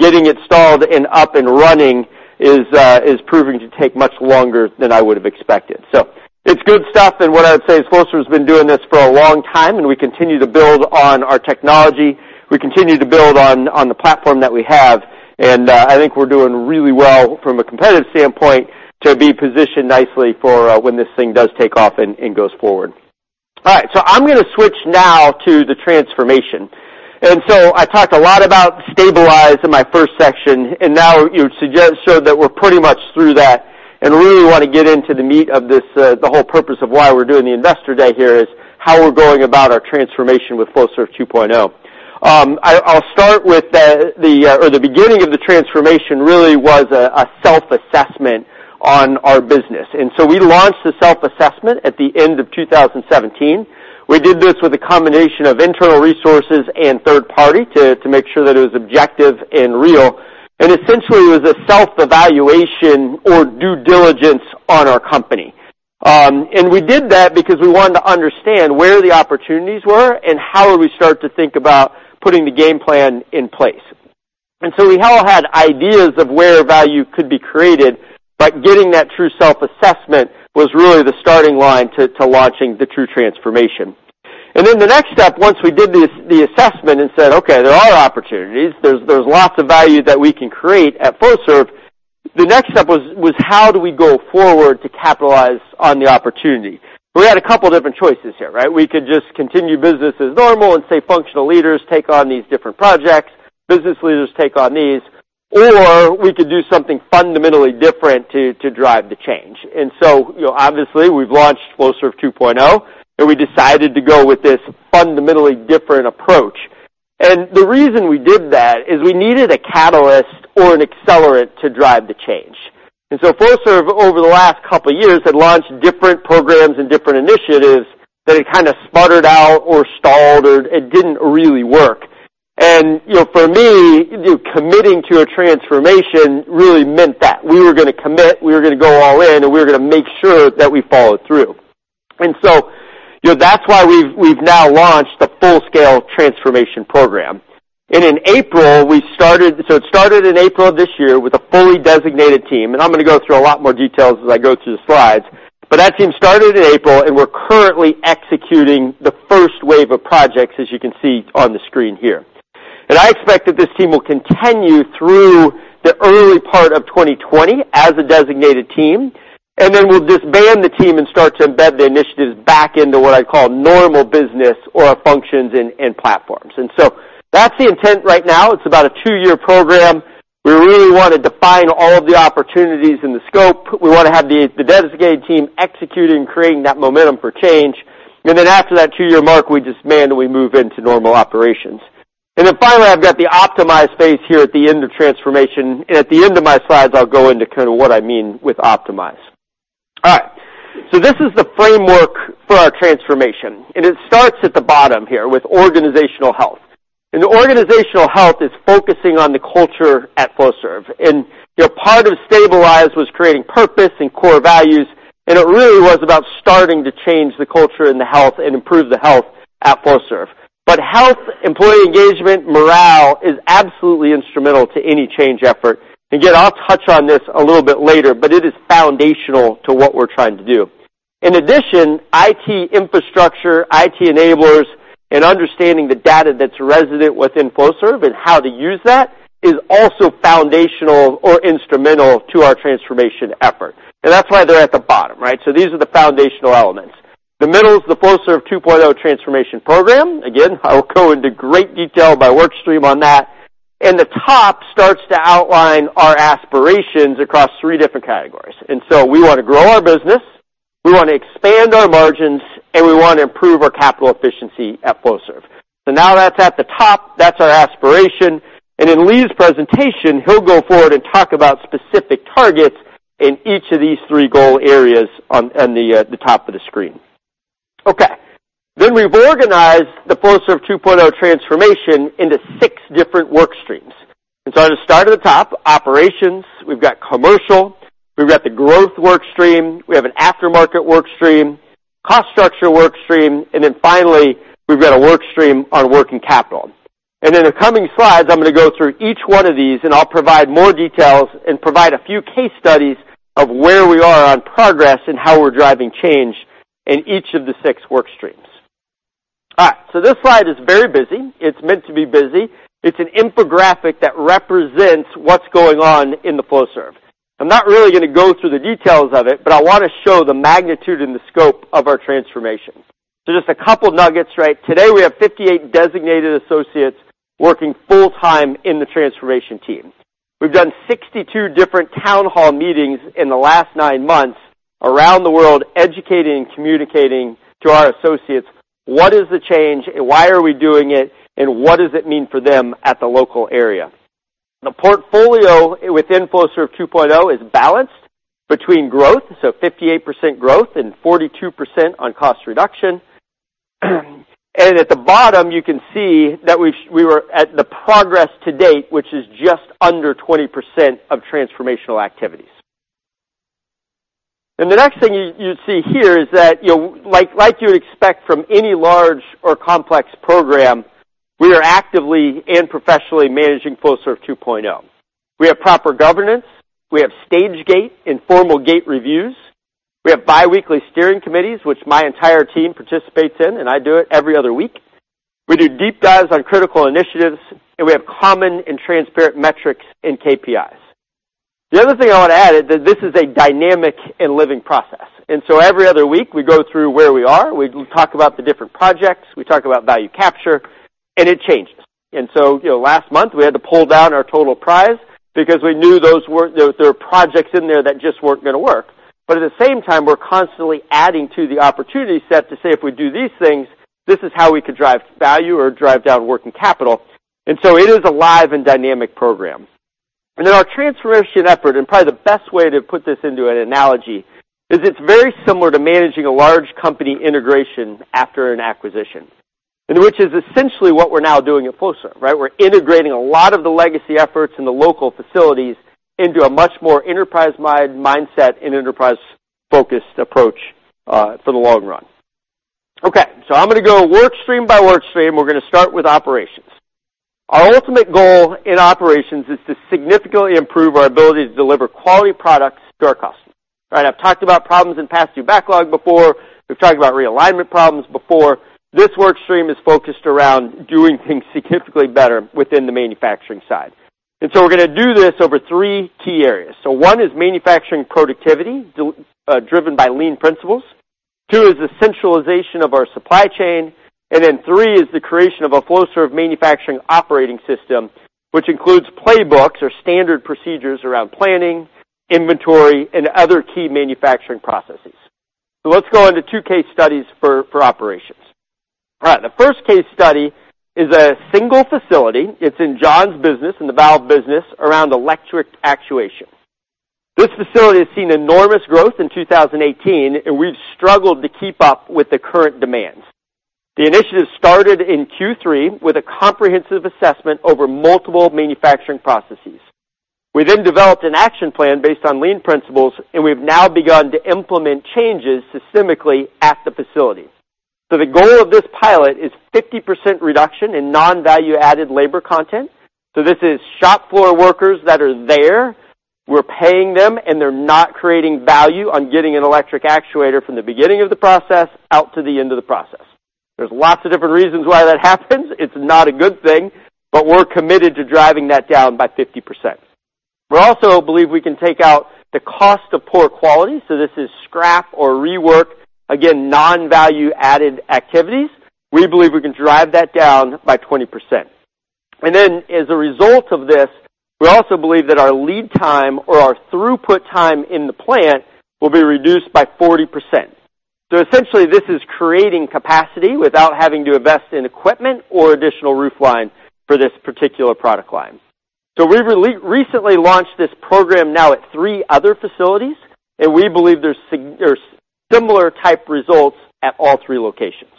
Getting it installed and up and running is proving to take much longer than I would have expected. It's good stuff, and what I would say is Flowserve's been doing this for a long time, and we continue to build on our technology. We continue to build on the platform that we have, and I think we're doing really well from a competitive standpoint to be positioned nicely for when this thing does take off and goes forward. I'm going to switch now to the transformation. I talked a lot about stabilize in my first section, and now we've showed that we're pretty much through that and really want to get into the meat of this, the whole purpose of why we're doing the investor day here is how we're going about our transformation with Flowserve 2.0. I'll start with the beginning of the transformation really was a self-assessment on our business. We launched the self-assessment at the end of 2017. We did this with a combination of internal resources and third party to make sure that it was objective and real. Essentially, it was a self-evaluation or due diligence on our company. We did that because we wanted to understand where the opportunities were and how we start to think about putting the game plan in place. We all had ideas of where value could be created, but getting that true self-assessment was really the starting line to launching the true transformation. The next step, once we did the assessment and said, "Okay, there are opportunities. There's lots of value that we can create at Flowserve." The next step was how do we go forward to capitalize on the opportunity? We had a couple different choices here, right? We could just continue business as normal and say, functional leaders take on these different projects. Business leaders take on these, or we could do something fundamentally different to drive the change. Obviously, we've launched Flowserve 2.0, and we decided to go with this fundamentally different approach. The reason we did that is we needed a catalyst or an accelerant to drive the change. Flowserve, over the last couple of years, had launched different programs and different initiatives that it kind of sputtered out or stalled, or it didn't really work. For me, committing to a transformation really meant that we were going to commit, we were going to go all in, and we were going to make sure that we followed through. That's why we've now launched the full-scale transformation program. It started in April of this year with a fully designated team, and I'm going to go through a lot more details as I go through the slides. That team started in April, and we're currently executing the first wave of projects, as you can see on the screen here. I expect that this team will continue through the early part of 2020 as a designated team, and then we'll disband the team and start to embed the initiatives back into what I call normal business or functions and platforms. That's the intent right now. It's about a two-year program. We really want to define all of the opportunities and the scope. We want to have the designated team execute in creating that momentum for change. After that two-year mark, we disband, and we move into normal operations. Finally, I've got the optimize phase here at the end of transformation. At the end of my slides, I'll go into kind of what I mean with optimize. All right. This is the framework for our transformation, and it starts at the bottom here with organizational health. Organizational health is focusing on the culture at Flowserve. Part of stabilize was creating purpose and core values, and it really was about starting to change the culture and the health and improve the health at Flowserve. Health, employee engagement, morale, is absolutely instrumental to any change effort. Again, I'll touch on this a little bit later, but it is foundational to what we're trying to do. In addition, IT infrastructure, IT enablers, and understanding the data that's resident within Flowserve and how to use that is also foundational or instrumental to our transformation effort. That's why they're at the bottom, right? These are the foundational elements. The middle is the Flowserve 2.0 transformation program. Again, I will go into great detail by work stream on that. The top starts to outline our aspirations across 3 different categories. We want to grow our business, we want to expand our margins, and we want to improve our capital efficiency at Flowserve. Now that's at the top, that's our aspiration. In Lee's presentation, he'll go forward and talk about specific targets in each of these 3 goal areas on the top of the screen. Okay. We've organized the Flowserve 2.0 transformation into 6 different work streams. At the start at the top, operations, we've got commercial, we've got the growth work stream, we have an aftermarket work stream, cost structure work stream, finally, we've got a work stream on working capital. In the coming slides, I'm going to go through each one of these, and I'll provide more details and provide a few case studies of where we are on progress and how we're driving change in each of the 6 work streams. All right. This slide is very busy. It's meant to be busy. It's an infographic that represents what's going on in the Flowserve. I'm not really going to go through the details of it, but I want to show the magnitude and the scope of our transformation. Just a couple of nuggets. Today, we have 58 designated associates working full-time in the transformation team. We've done 62 different town hall meetings in the last nine months around the world, educating and communicating to our associates what is the change and why are we doing it, and what does it mean for them at the local area. The portfolio within Flowserve 2.0 is balanced between growth, 58% growth and 42% on cost reduction. At the bottom, you can see that we were at the progress to date, which is just under 20% of transformational activities. The next thing you see here is that, like you would expect from any large or complex program, we are actively and professionally managing Flowserve 2.0. We have proper governance, we have stage gate and formal gate reviews. We have biweekly steering committees, which my entire team participates in, and I do it every other week. We do deep dives on critical initiatives, and we have common and transparent metrics in KPIs. The other thing I want to add is that this is a dynamic and living process. Every other week, we go through where we are. We talk about the different projects, we talk about value capture, and it changes. Last month, we had to pull down our total prize because we knew there were projects in there that just weren't going to work. At the same time, we're constantly adding to the opportunity set to say, if we do these things, this is how we could drive value or drive down working capital. It is a live and dynamic program. In our transformation effort, and probably the best way to put this into an analogy is it's very similar to managing a large company integration after an acquisition, which is essentially what we're now doing at Flowserve, right? We're integrating a lot of the legacy efforts in the local facilities into a much more enterprise mindset and enterprise-focused approach, for the long run. Okay, I'm going to go work stream by work stream. We're going to start with operations. Our ultimate goal in operations is to significantly improve our ability to deliver quality products to our customers. I've talked about problems in past due backlog before. We've talked about realignment problems before. This work stream is focused around doing things significantly better within the manufacturing side. We're going to do this over three key areas. One is manufacturing productivity, driven by lean principles. Two is the centralization of our supply chain. Three is the creation of a Flowserve manufacturing operating system, which includes playbooks or standard procedures around planning, inventory, and other key manufacturing processes. Let's go into two case studies for operations. All right. The first case study is a single facility. It's in John's business, in the valve business, around electric actuation. This facility has seen enormous growth in 2018, and we've struggled to keep up with the current demands. The initiative started in Q3 with a comprehensive assessment over multiple manufacturing processes. We then developed an action plan based on lean principles, and we've now begun to implement changes systemically at the facilities. The goal of this pilot is 50% reduction in non-value added labor content. This is shop floor workers that are there. We're paying them, and they're not creating value on getting an electric actuator from the beginning of the process out to the end of the process. There's lots of different reasons why that happens. It's not a good thing, but we're committed to driving that down by 50%. We also believe we can take out the cost of poor quality. This is scrap or rework, again, non-value added activities. We believe we can drive that down by 20%. As a result of this, we also believe that our lead time or our throughput time in the plant will be reduced by 40%. Essentially, this is creating capacity without having to invest in equipment or additional roof line for this particular product line. We've recently launched this program now at three other facilities, and we believe there's similar type results at all three locations.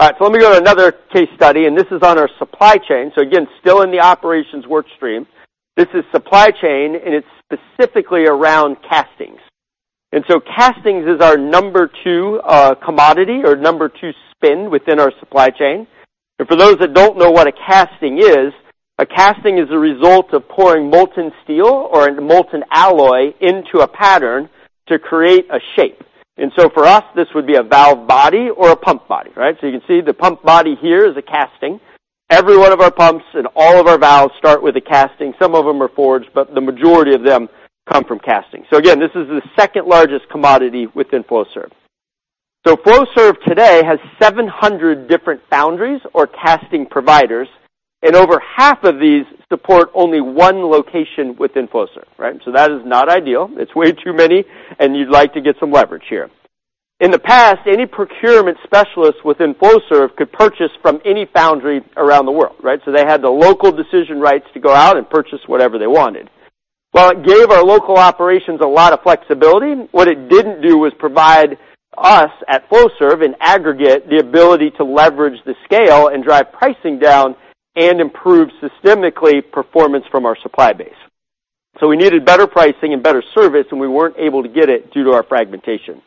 All right. Let me go to another case study, and this is on our supply chain. Again, still in the operations work stream. This is supply chain, and it's specifically around castings. Castings is our number 2 commodity or number 2 spend within our supply chain. For those that don't know what a casting is, a casting is a result of pouring molten steel or a molten alloy into a pattern to create a shape. For us, this would be a valve body or a pump body. You can see the pump body here is a casting. Every one of our pumps and all of our valves start with a casting. Some of them are forged, but the majority of them come from casting. Again, this is the second largest commodity within Flowserve. Flowserve today has 700 different foundries or casting providers, and over half of these support only one location within Flowserve. That is not ideal. It's way too many, and you'd like to get some leverage here. In the past, any procurement specialist within Flowserve could purchase from any foundry around the world. They had the local decision rights to go out and purchase whatever they wanted. While it gave our local operations a lot of flexibility, what it didn't do was provide us at Flowserve, in aggregate, the ability to leverage the scale and drive pricing down and improve systemically performance from our supply base. We needed better pricing and better service, and we weren't able to get it due to our fragmentation.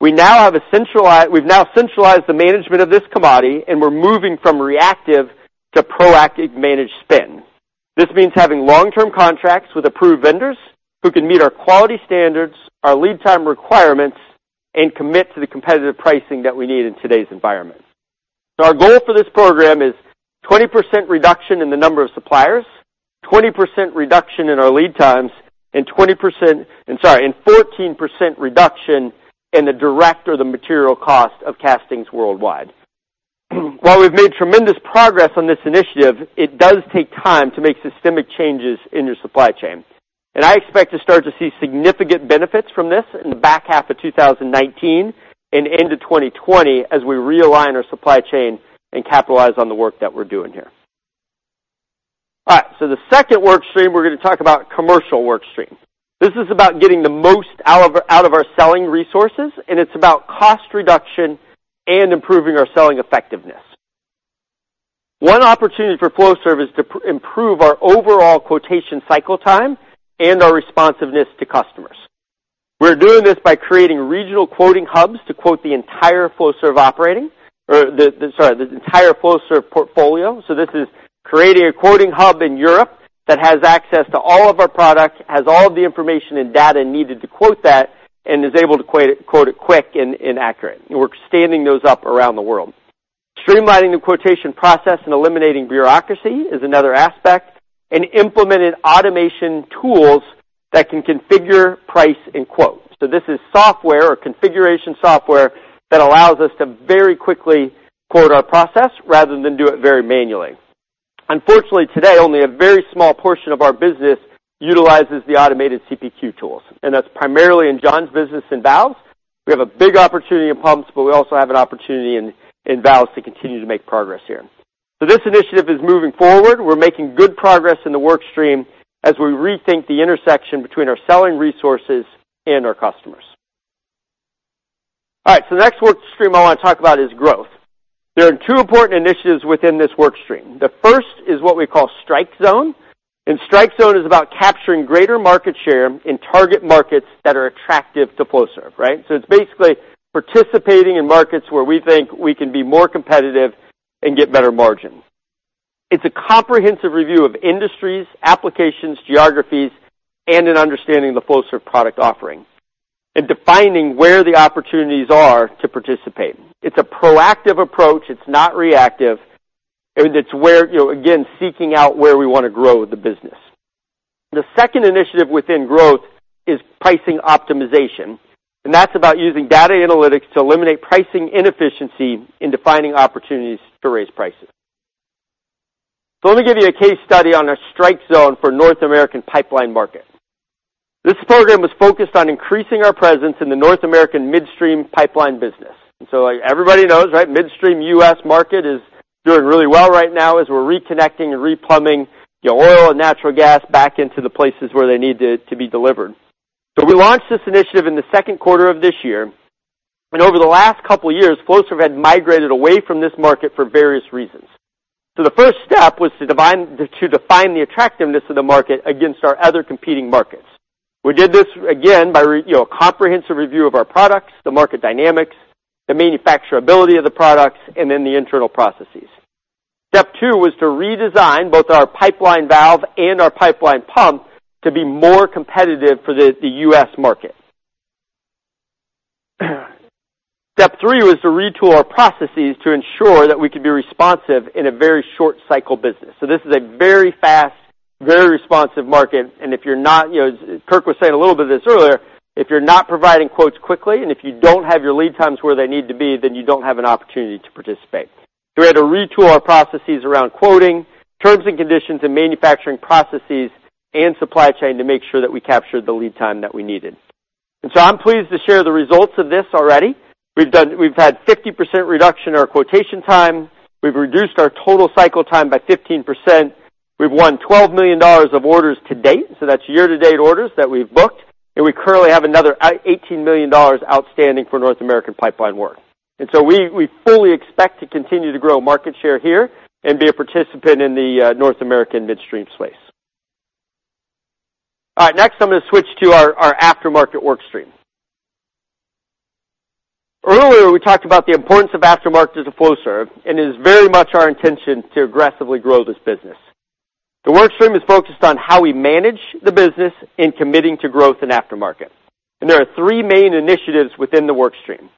We've now centralized the management of this commodity, and we're moving from reactive to proactive managed spend. This means having long-term contracts with approved vendors who can meet our quality standards, our lead time requirements, and commit to the competitive pricing that we need in today's environment. Our goal for this program is 20% reduction in the number of suppliers, 20% reduction in our lead times, and 14% reduction in the direct or the material cost of castings worldwide. While we've made tremendous progress on this initiative, it does take time to make systemic changes in your supply chain. I expect to start to see significant benefits from this in the back half of 2019 and into 2020 as we realign our supply chain and capitalize on the work that we're doing here. All right. The second work stream, we're going to talk about commercial work stream. This is about getting the most out of our selling resources, and it's about cost reduction and improving our selling effectiveness. One opportunity for Flowserve is to improve our overall quotation cycle time and our responsiveness to customers. We're doing this by creating regional quoting hubs to quote the entire Flowserve portfolio. This is creating a quoting hub in Europe that has access to all of our products, has all of the information and data needed to quote that, and is able to quote it quick and accurate. We're standing those up around the world. Streamlining the quotation process and eliminating bureaucracy is another aspect, and implemented automation tools that can configure price and quote. This is software or configuration software that allows us to very quickly quote our process rather than do it very manually. Unfortunately, today, only a very small portion of our business utilizes the automated CPQ tools, and that's primarily in John's business in valves. We have a big opportunity in pumps, but we also have an opportunity in valves to continue to make progress here. This initiative is moving forward. We're making good progress in the work stream as we rethink the intersection between our selling resources and our customers. All right. The next work stream I want to talk about is growth. There are two important initiatives within this work stream. The first is what we call Strike Zone, and Strike Zone is about capturing greater market share in target markets that are attractive to Flowserve. It's basically participating in markets where we think we can be more competitive and get better margins. It's a comprehensive review of industries, applications, geographies, and an understanding of the Flowserve product offering and defining where the opportunities are to participate. It's a proactive approach. It's not reactive. It's where, again, seeking out where we want to grow the business. The second initiative within growth is pricing optimization, and that's about using data analytics to eliminate pricing inefficiency in defining opportunities to raise prices. Let me give you a case study on our Strike Zone for North American pipeline market. This program was focused on increasing our presence in the North American midstream pipeline business. Everybody knows, midstream U.S. market is doing really well right now as we're reconnecting and replumbing oil and natural gas back into the places where they need to be delivered. We launched this initiative in the second quarter of this year. Over the last couple of years, Flowserve had migrated away from this market for various reasons. The first step was to define the attractiveness of the market against our other competing markets. We did this, again, by a comprehensive review of our products, the market dynamics, the manufacturability of the products, and then the internal processes. Step 2 was to redesign both our pipeline valve and our pipeline pump to be more competitive for the U.S. market. Step 3 was to retool our processes to ensure that we could be responsive in a very short cycle business. This is a very fast, very responsive market, and if you're not, as Kirk was saying a little bit of this earlier, if you're not providing quotes quickly, and if you don't have your lead times where they need to be, then you don't have an opportunity to participate. We had to retool our processes around quoting, terms and conditions, and manufacturing processes, and supply chain to make sure that we captured the lead time that we needed. I'm pleased to share the results of this already. We've had 50% reduction in our quotation time. We've reduced our total cycle time by 15%. We've won $12 million of orders to date, so that's year-to-date orders that we've booked. We currently have another $18 million outstanding for North American pipeline work. We fully expect to continue to grow market share here and be a participant in the North American midstream space. All right. Next, I'm going to switch to our aftermarket work stream. Earlier, we talked about the importance of aftermarket to Flowserve, and it is very much our intention to aggressively grow this business. The work stream is focused on how we manage the business in committing to growth in aftermarket. There are three main initiatives within the work stream.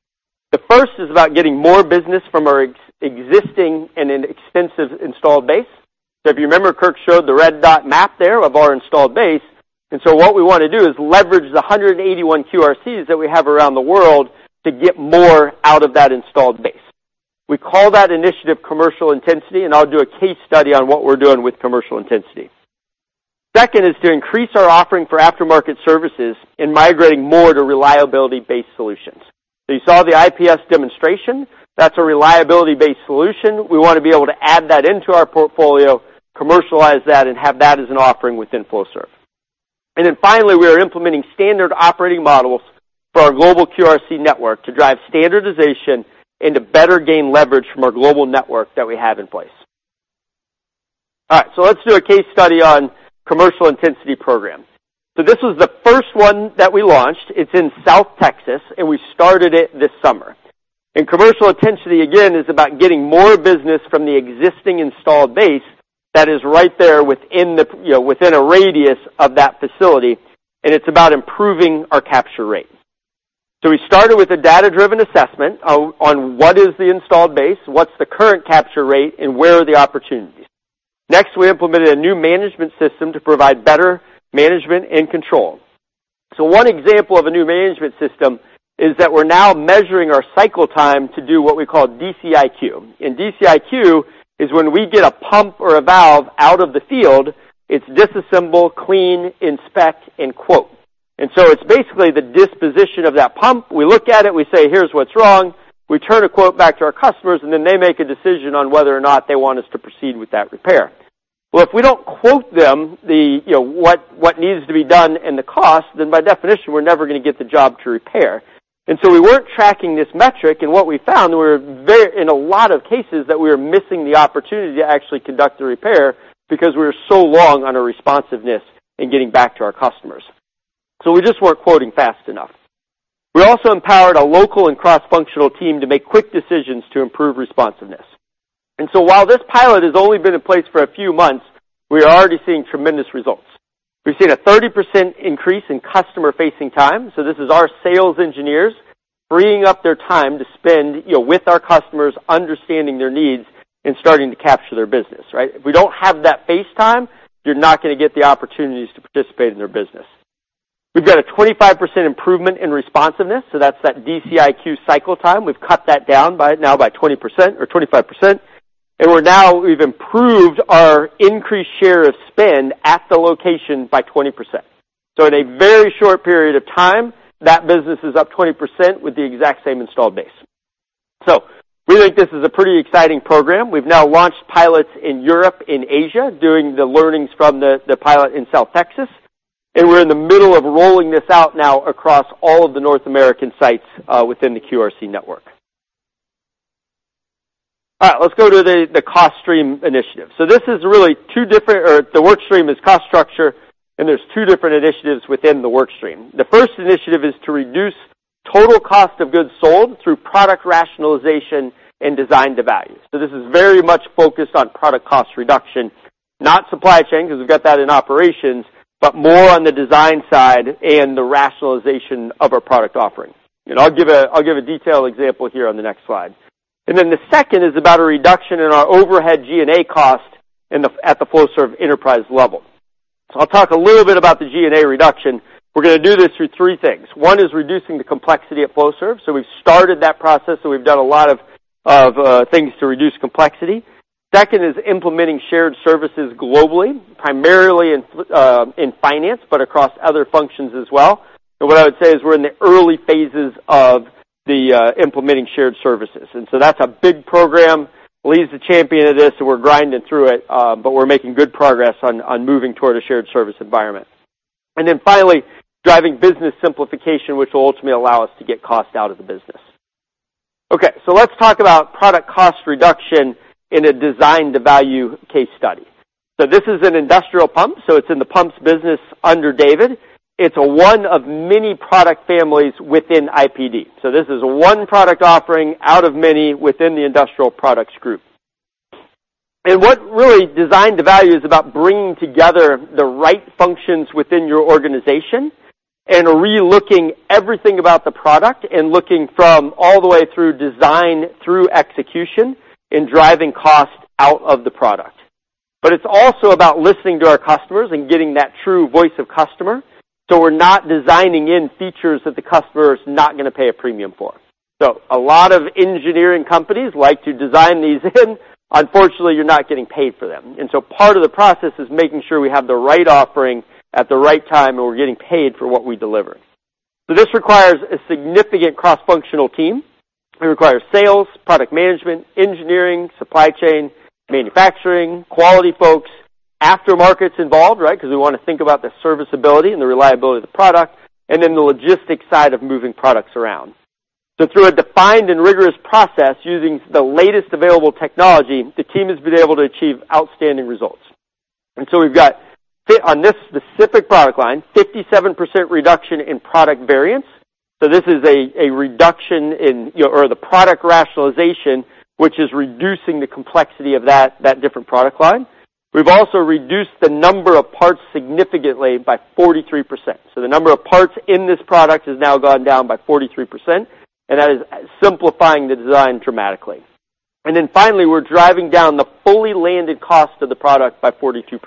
The first is about getting more business from our existing and extensive installed base. If you remember, Kirk showed the red dot map there of our installed base. What we want to do is leverage the 181 QRCs that we have around the world to get more out of that installed base. We call that initiative commercial intensity, and I'll do a case study on what we're doing with commercial intensity. Second is to increase our offering for aftermarket services in migrating more to reliability-based solutions. You saw the IPS demonstration. That's a reliability-based solution. We want to be able to add that into our portfolio, commercialize that, and have that as an offering within Flowserve. Finally, we are implementing standard operating models for our global QRC network to drive standardization and to better gain leverage from our global network that we have in place. All right. Let's do a case study on commercial intensity program. This was the first one that we launched. It's in South Texas, and we started it this summer. Commercial intensity, again, is about getting more business from the existing installed base that is right there within a radius of that facility, and it's about improving our capture rate. We started with a data-driven assessment on what is the installed base, what's the current capture rate, and where are the opportunities. Next, we implemented a new management system to provide better management and control. One example of a new management system is that we're now measuring our cycle time to do what we call DCIQ. DCIQ is when we get a pump or a valve out of the field, it's disassemble, clean, inspect, and quote. It's basically the disposition of that pump. We look at it, we say, "Here's what's wrong." We turn a quote back to our customers, and then they make a decision on whether or not they want us to proceed with that repair. If we don't quote them what needs to be done and the cost, then by definition, we're never going to get the job to repair. We weren't tracking this metric, and what we found in a lot of cases that we were missing the opportunity to actually conduct a repair because we were so long on our responsiveness in getting back to our customers. We just weren't quoting fast enough. We also empowered a local and cross-functional team to make quick decisions to improve responsiveness. While this pilot has only been in place for a few months, we are already seeing tremendous results. We've seen a 30% increase in customer-facing time. This is our sales engineers freeing up their time to spend with our customers, understanding their needs, and starting to capture their business. If we don't have that face time, you're not going to get the opportunities to participate in their business. We've got a 25% improvement in responsiveness. That's that DCIQ cycle time. We've cut that down by now by 20% or 25%. We're now we've improved our increased share of spend at the location by 20%. In a very short period of time, that business is up 20% with the exact same installed base. We think this is a pretty exciting program. We've now launched pilots in Europe, in Asia, doing the learnings from the pilot in South Texas. We're in the middle of rolling this out now across all of the North American sites within the QRC network. All right. Let's go to the cost stream initiative. The work stream is cost structure, and there's two different initiatives within the work stream. The first initiative is to reduce total cost of goods sold through product rationalization and design to value. This is very much focused on product cost reduction, not supply chain, because we've got that in operations, but more on the design side and the rationalization of our product offerings. I'll give a detailed example here on the next slide. The second is about a reduction in our overhead G&A cost at the Flowserve enterprise level. I'll talk a little bit about the G&A reduction. We're going to do this through three things. One is reducing the complexity at Flowserve. We've started that process, we've done a lot of things to reduce complexity. Second is implementing shared services globally, primarily in finance, but across other functions as well. What I would say is we're in the early phases of the implementing shared services. That's a big program. Lee's the champion of this, we're grinding through it, but we're making good progress on moving toward a shared service environment. Finally, driving business simplification, which will ultimately allow us to get cost out of the business. Okay, let's talk about product cost reduction in a design to value case study. This is an industrial pump, it's in the pumps business under David. It's one of many product families within IPD. This is one product offering out of many within the industrial products group. What really design to value is about bringing together the right functions within your organization and re-looking everything about the product, and looking from all the way through design, through execution, and driving cost out of the product. It's also about listening to our customers and getting that true voice of customer, so we're not designing in features that the customer is not going to pay a premium for. A lot of engineering companies like to design these in. Unfortunately, you're not getting paid for them. Part of the process is making sure we have the right offering at the right time, and we're getting paid for what we deliver. This requires a significant cross-functional team. It requires sales, product management, engineering, supply chain, manufacturing, quality folks. Aftermarket's involved, right? Because we want to think about the serviceability and the reliability of the product, and then the logistics side of moving products around. Through a defined and rigorous process, using the latest available technology, the team has been able to achieve outstanding results. We've got, on this specific product line, 57% reduction in product variance. This is a reduction in or the product rationalization, which is reducing the complexity of that different product line. We've also reduced the number of parts significantly by 43%. The number of parts in this product has now gone down by 43%, and that is simplifying the design dramatically. Finally, we're driving down the fully landed cost of the product by 42%.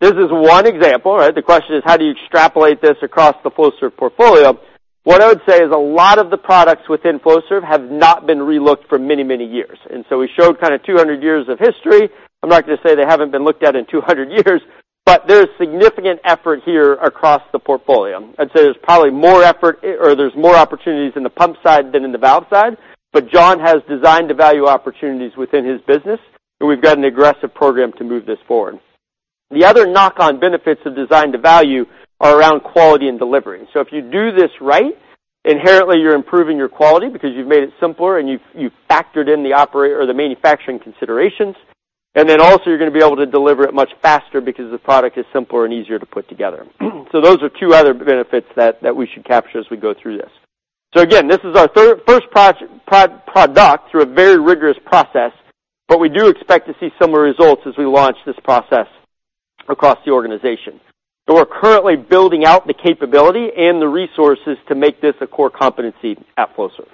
This is one example. The question is, how do you extrapolate this across the Flowserve portfolio? What I would say is a lot of the products within Flowserve have not been relooked for many, many years, and we showed 200 years of history. I'm not going to say they haven't been looked at in 200 years, but there is significant effort here across the portfolio. I'd say there's probably more effort or there's more opportunities in the pump side than in the valve side. John has designed to value opportunities within his business, and we've got an aggressive program to move this forward. The other knock-on benefits of design to value are around quality and delivery. If you do this right, inherently you're improving your quality because you've made it simpler and you've factored in the manufacturing considerations. Also you're going to be able to deliver it much faster because the product is simpler and easier to put together. Those are two other benefits that we should capture as we go through this. Again, this is our first product through a very rigorous process, but we do expect to see similar results as we launch this process across the organization. We're currently building out the capability and the resources to make this a core competency at Flowserve.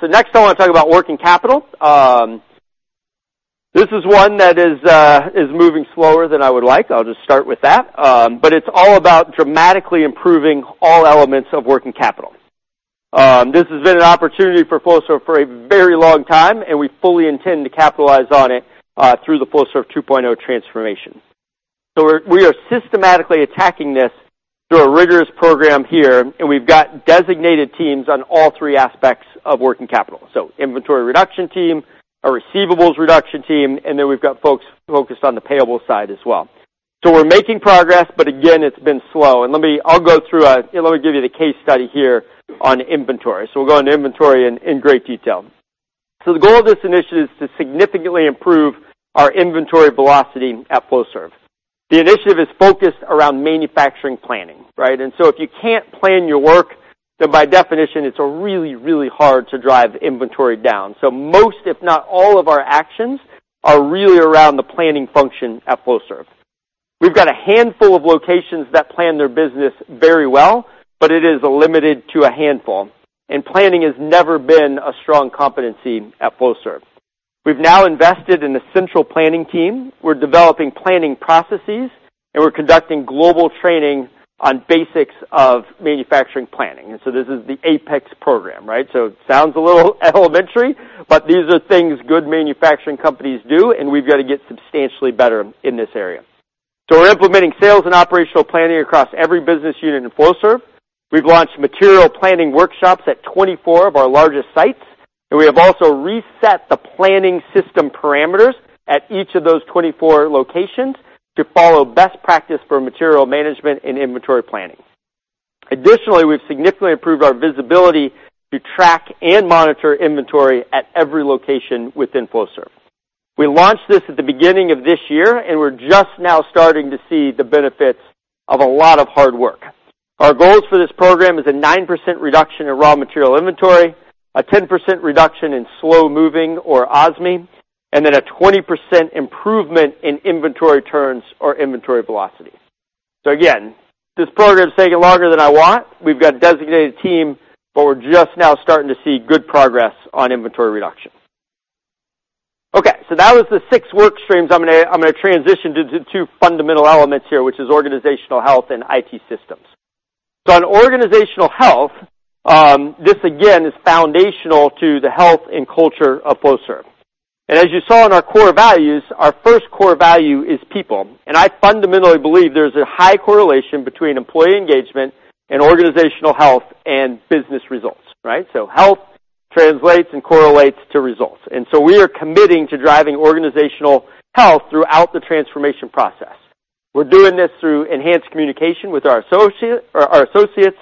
Next I want to talk about working capital. This is one that is moving slower than I would like. I'll just start with that. It's all about dramatically improving all elements of working capital. This has been an opportunity for Flowserve for a very long time, and we fully intend to capitalize on it through the Flowserve 2.0 transformation. We are systematically attacking this through a rigorous program here, and we've got designated teams on all three aspects of working capital. Inventory reduction team, a receivables reduction team, and then we've got folks focused on the payable side as well. We're making progress but again, it's been slow. Let me give you the case study here on inventory. We'll go into inventory in great detail. The goal of this initiative is to significantly improve our inventory velocity at Flowserve. The initiative is focused around manufacturing planning, right? If you can't plan your work, then by definition, it's really, really hard to drive inventory down. Most, if not all of our actions are really around the planning function at Flowserve. We've got a handful of locations that plan their business very well, but it is limited to a handful. Planning has never been a strong competency at Flowserve. We've now invested in a central planning team. We're developing planning processes, and we're conducting global training on basics of manufacturing planning. This is the APICS program, right? It sounds a little elementary, but these are things good manufacturing companies do, and we've got to get substantially better in this area. We're implementing sales and operational planning across every business unit in Flowserve. We've launched material planning workshops at 24 of our largest sites, and we have also reset the planning system parameters at each of those 24 locations to follow best practice for material management and inventory planning. Additionally, we've significantly improved our visibility to track and monitor inventory at every location within Flowserve. We launched this at the beginning of this year, and we're just now starting to see the benefits of a lot of hard work. Our goals for this program is a 9% reduction in raw material inventory, a 10% reduction in slow-moving or OSMI, and a 20% improvement in inventory turns or inventory velocity. Again, this program's taking longer than I want. We've got a designated team, but we're just now starting to see good progress on inventory reduction. That was the six work streams. I'm going to transition to two fundamental elements here, which is organizational health and IT systems. On organizational health, this again is foundational to the health and culture of Flowserve. As you saw in our core values, our first core value is people. I fundamentally believe there's a high correlation between employee engagement and organizational health and business results, right? Health translates and correlates to results. We are committing to driving organizational health throughout the transformation process. We're doing this through enhanced communication with our associates,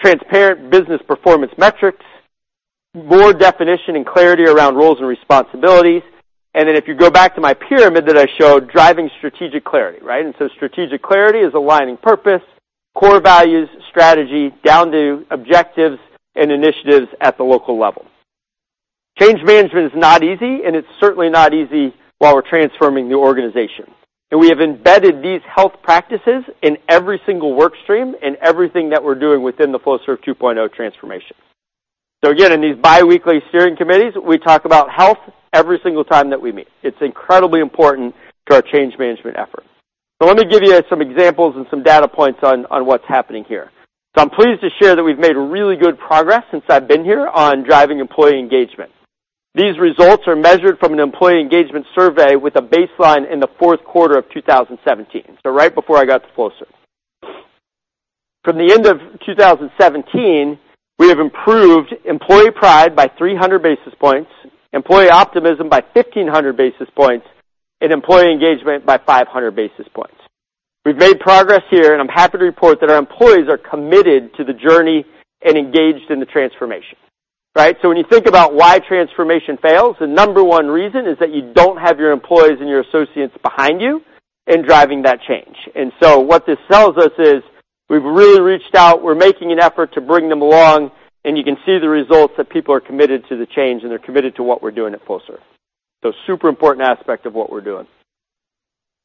transparent business performance metrics, more definition and clarity around roles and responsibilities, and if you go back to my pyramid that I showed, driving strategic clarity, right? Strategic clarity is aligning purpose, core values, strategy, down to objectives and initiatives at the local level. Change management is not easy, and it's certainly not easy while we're transforming the organization. We have embedded these health practices in every single work stream and everything that we're doing within the Flowserve 2.0 transformation. In these biweekly steering committees, we talk about health every single time that we meet. It's incredibly important to our change management effort. Let me give you some examples and some data points on what's happening here. I'm pleased to share that we've made really good progress since I've been here on driving employee engagement. These results are measured from an employee engagement survey with a baseline in the fourth quarter of 2017, right before I got to Flowserve. From the end of 2017, we have improved employee pride by 300 basis points, employee optimism by 1,500 basis points, and employee engagement by 500 basis points. We've made progress here, I'm happy to report that our employees are committed to the journey and engaged in the transformation. Right? When you think about why transformation fails, the number one reason is that you don't have your employees and your associates behind you in driving that change. What this tells us is we've really reached out, we're making an effort to bring them along, and you can see the results that people are committed to the change and they're committed to what we're doing at Flowserve. Super important aspect of what we're doing.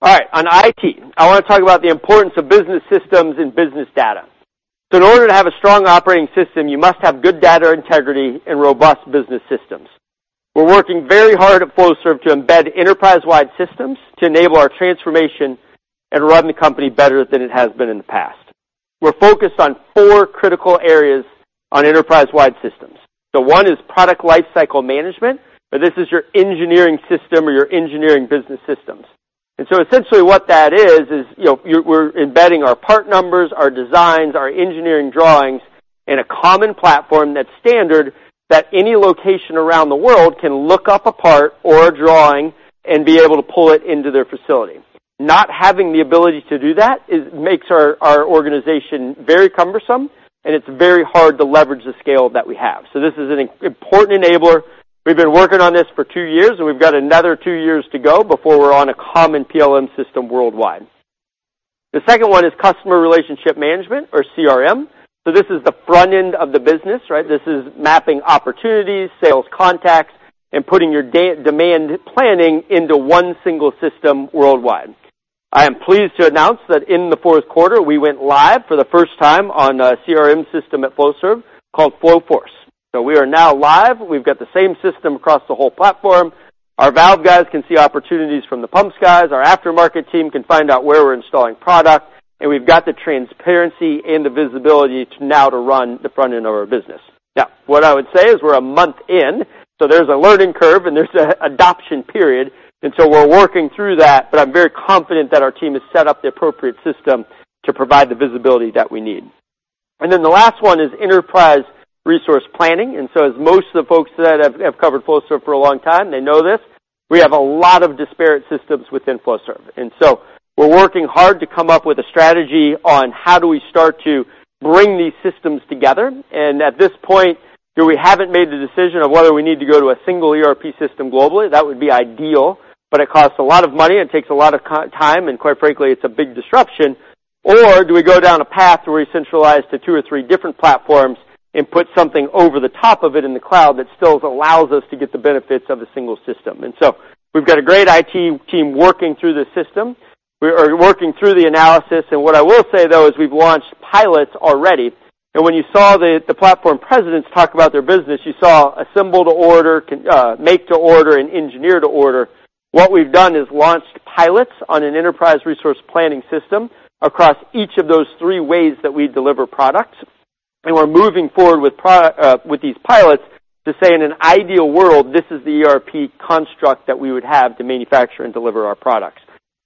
All right. On IT, I want to talk about the importance of business systems and business data. In order to have a strong operating system, you must have good data integrity and robust business systems. We're working very hard at Flowserve to embed enterprise-wide systems to enable our transformation and run the company better than it has been in the past. We're focused on four critical areas on enterprise-wide systems. One is product lifecycle management. This is your engineering system or your engineering business systems. Essentially what that is we're embedding our part numbers, our designs, our engineering drawings in a common platform that's standard that any location around the world can look up a part or a drawing and be able to pull it into their facility. Not having the ability to do that makes our organization very cumbersome, and it's very hard to leverage the scale that we have. This is an important enabler. We've been working on this for two years, and we've got another two years to go before we're on a common PLM system worldwide. The second one is customer relationship management, or CRM. This is the front end of the business. This is mapping opportunities, sales contacts, and putting your demand planning into one single system worldwide. I am pleased to announce that in the fourth quarter, we went live for the first time on a CRM system at Flowserve called Flowforce. We are now live. We've got the same system across the whole platform. Our valve guys can see opportunities from the pumps guys. Our aftermarket team can find out where we're installing product, and we've got the transparency and the visibility now to run the front end of our business. What I would say is we're a month in, there's a learning curve and there's an adoption period, we're working through that, but I'm very confident that our team has set up the appropriate system to provide the visibility that we need. The last one is enterprise resource planning. As most of the folks that have covered Flowserve for a long time, they know this. We have a lot of disparate systems within Flowserve. We're working hard to come up with a strategy on how do we start to bring these systems together. At this point, we haven't made the decision of whether we need to go to a single ERP system globally. That would be ideal, but it costs a lot of money and takes a lot of time, and quite frankly, it's a big disruption. Do we go down a path where we centralize to two or three different platforms and put something over the top of it in the cloud that still allows us to get the benefits of a single system? We've got a great IT team working through the system. We are working through the analysis. What I will say, though, is we've launched pilots already. When you saw the platform presidents talk about their business, you saw assemble-to-order, make-to-order, and engineer-to-order. What we've done is launched pilots on an enterprise resource planning system across each of those three ways that we deliver products. We're moving forward with these pilots to say, in an ideal world, this is the ERP construct that we would have to manufacture and deliver our products.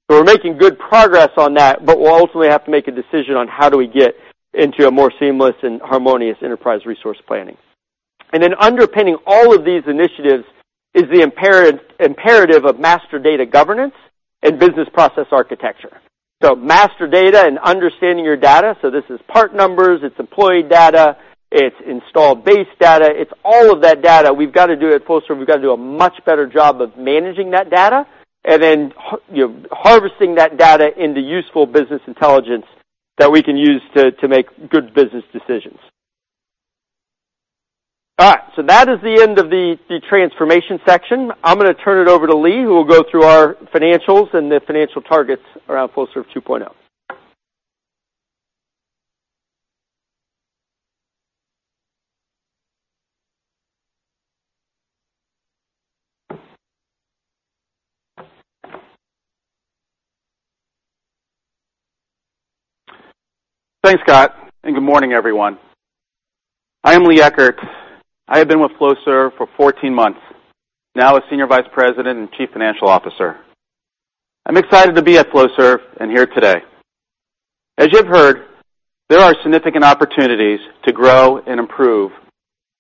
We're making good progress on that, but we'll ultimately have to make a decision on how do we get into a more seamless and harmonious enterprise resource planning. Underpinning all of these initiatives is the imperative of master data governance and business process architecture. Master data and understanding your data. This is part numbers, it's employee data, it's install base data. It's all of that data. We've got to do at Flowserve, we've got to do a much better job of managing that data and then harvesting that data into useful business intelligence that we can use to make good business decisions. All right. That is the end of the transformation section. I'm going to turn it over to Lee, who will go through our financials and the financial targets around Flowserve 2.0. Thanks, Scott, and good morning, everyone. I am Lee Eckert. I have been with Flowserve for 14 months, now as Senior Vice President and Chief Financial Officer. I'm excited to be at Flowserve and here today. As you've heard, there are significant opportunities to grow and improve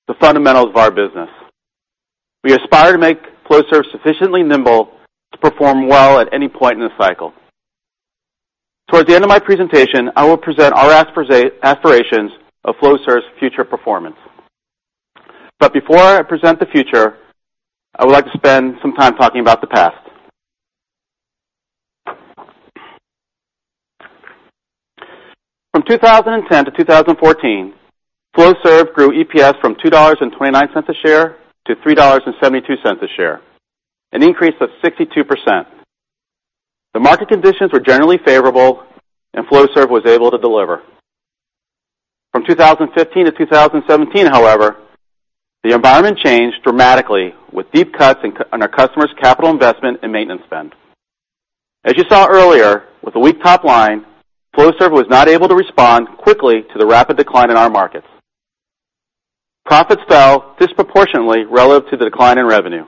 the fundamentals of our business. We aspire to make Flowserve sufficiently nimble to perform well at any point in the cycle. Towards the end of my presentation, I will present our aspirations of Flowserve's future performance. Before I present the future, I would like to spend some time talking about the past. From 2010 to 2014, Flowserve grew EPS from $2.29 a share to $3.72 a share, an increase of 62%. The market conditions were generally favorable, and Flowserve was able to deliver. From 2015 to 2017, however, the environment changed dramatically with deep cuts on our customers' capital investment and maintenance spend. As you saw earlier, with a weak top line, Flowserve was not able to respond quickly to the rapid decline in our markets. Profits fell disproportionately relative to the decline in revenue.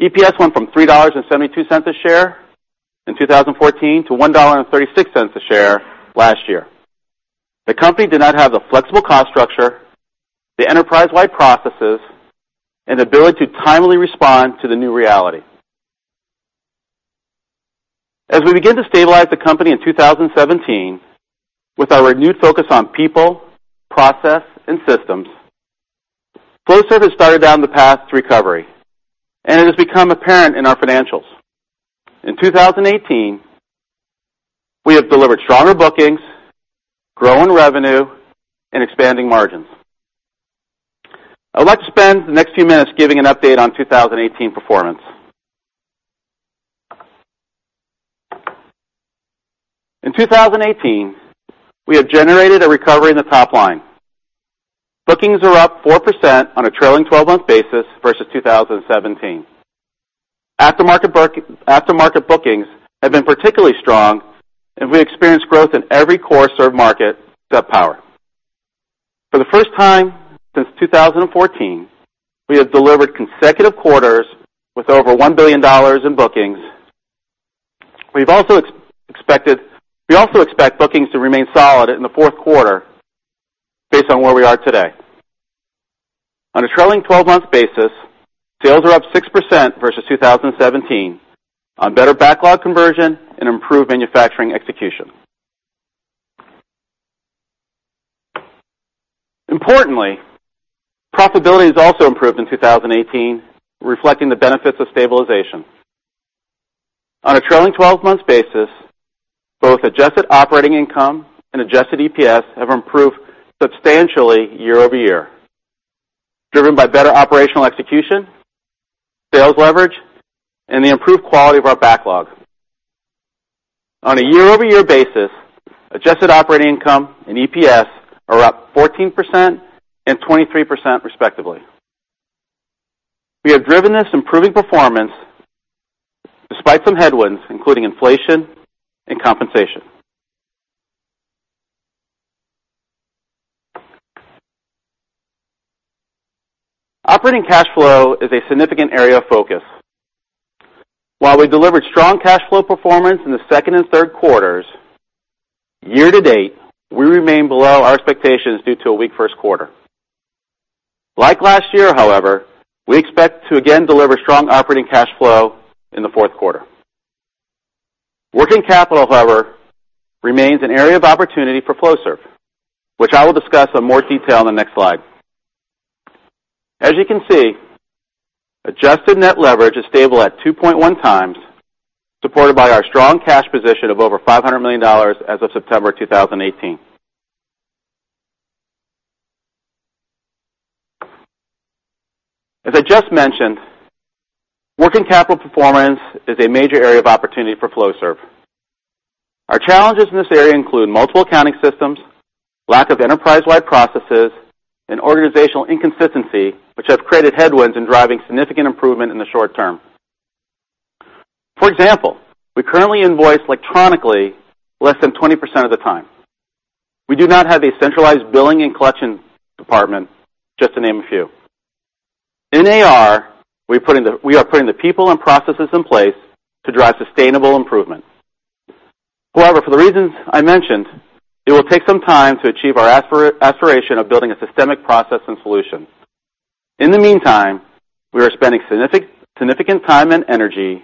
EPS went from $3.72 a share in 2014 to $1.36 a share last year. The company did not have the flexible cost structure, the enterprise-wide processes, and ability to timely respond to the new reality. As we begin to stabilize the company in 2017 with our renewed focus on people, process, and systems, Flowserve has started down the path to recovery, and it has become apparent in our financials. In 2018, we have delivered stronger bookings, growing revenue, and expanding margins. I would like to spend the next few minutes giving an update on 2018 performance. In 2018, we have generated a recovery in the top line. Bookings are up 4% on a trailing 12-month basis versus 2017. Aftermarket bookings have been particularly strong. We experienced growth in every core served market except Power. For the first time since 2014, we have delivered consecutive quarters with over $1 billion in bookings. We also expect bookings to remain solid in the fourth quarter based on where we are today. On a trailing 12-month basis, sales are up 6% versus 2017 on better backlog conversion and improved manufacturing execution. Importantly, profitability has also improved in 2018, reflecting the benefits of stabilization. On a trailing 12-month basis, both adjusted operating income and adjusted EPS have improved substantially year-over-year, driven by better operational execution, sales leverage, and the improved quality of our backlog. On a year-over-year basis, adjusted operating income and EPS are up 14% and 23% respectively. We have driven this improving performance despite some headwinds, including inflation and compensation. Operating cash flow is a significant area of focus. While we delivered strong cash flow performance in the second and third quarters, year-to-date, we remain below our expectations due to a weak first quarter. Like last year, however, we expect to again deliver strong operating cash flow in the fourth quarter. Working capital, however, remains an area of opportunity for Flowserve, which I will discuss in more detail on the next slide. As you can see, adjusted net leverage is stable at 2.1 times, supported by our strong cash position of over $500 million as of September 2018. As I just mentioned, working capital performance is a major area of opportunity for Flowserve. Our challenges in this area include multiple accounting systems, lack of enterprise-wide processes, and organizational inconsistency, which has created headwinds in driving significant improvement in the short term. For example, we currently invoice electronically less than 20% of the time. We do not have a centralized billing and collection department, just to name a few. In AR, we are putting the people and processes in place to drive sustainable improvement. However, for the reasons I mentioned, it will take some time to achieve our aspiration of building a systemic process and solution. In the meantime, we are spending significant time and energy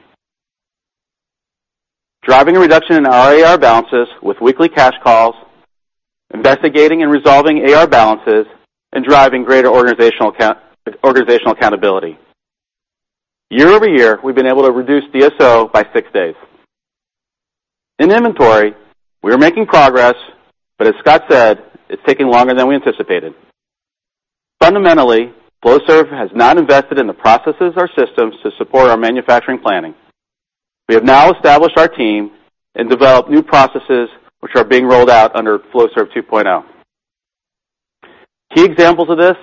driving a reduction in our AR balances with weekly cash calls, investigating and resolving AR balances, and driving greater organizational accountability. Year-over-year, we've been able to reduce DSO by six days. In inventory, we are making progress, but as Scott said, it's taking longer than we anticipated. Fundamentally, Flowserve has not invested in the processes or systems to support our manufacturing planning. We have now established our team and developed new processes which are being rolled out under Flowserve 2.0. Key examples of this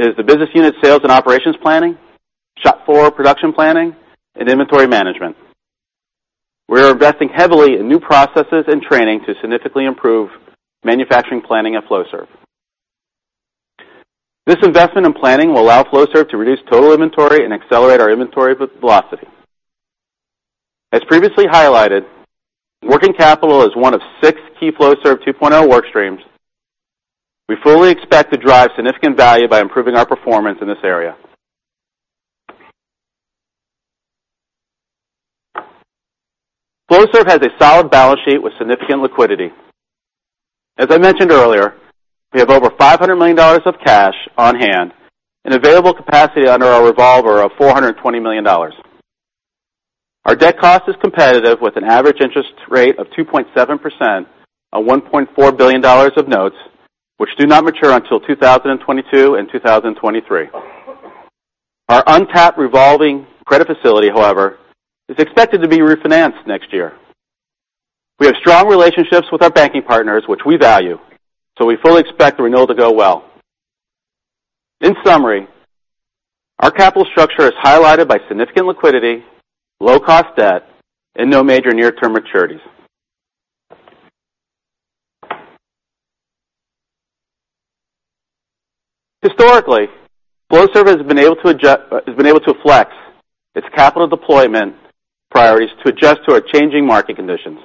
is the business unit sales and operations planning, shop floor production planning, and inventory management. We are investing heavily in new processes and training to significantly improve manufacturing planning at Flowserve. This investment in planning will allow Flowserve to reduce total inventory and accelerate our inventory velocity. As previously highlighted, working capital is one of six key Flowserve 2.0 work streams. We fully expect to drive significant value by improving our performance in this area. Flowserve has a solid balance sheet with significant liquidity. As I mentioned earlier, we have over $500 million of cash on hand and available capacity under our revolver of $420 million. Our debt cost is competitive with an average interest rate of 2.7% on $1.4 billion of notes, which do not mature until 2022 and 2023. Our untapped revolving credit facility, however, is expected to be refinanced next year. We have strong relationships with our banking partners, which we value, so we fully expect the renewal to go well. In summary, our capital structure is highlighted by significant liquidity, low cost debt, and no major near-term maturities. Historically, Flowserve has been able to flex its capital deployment priorities to adjust to our changing market conditions.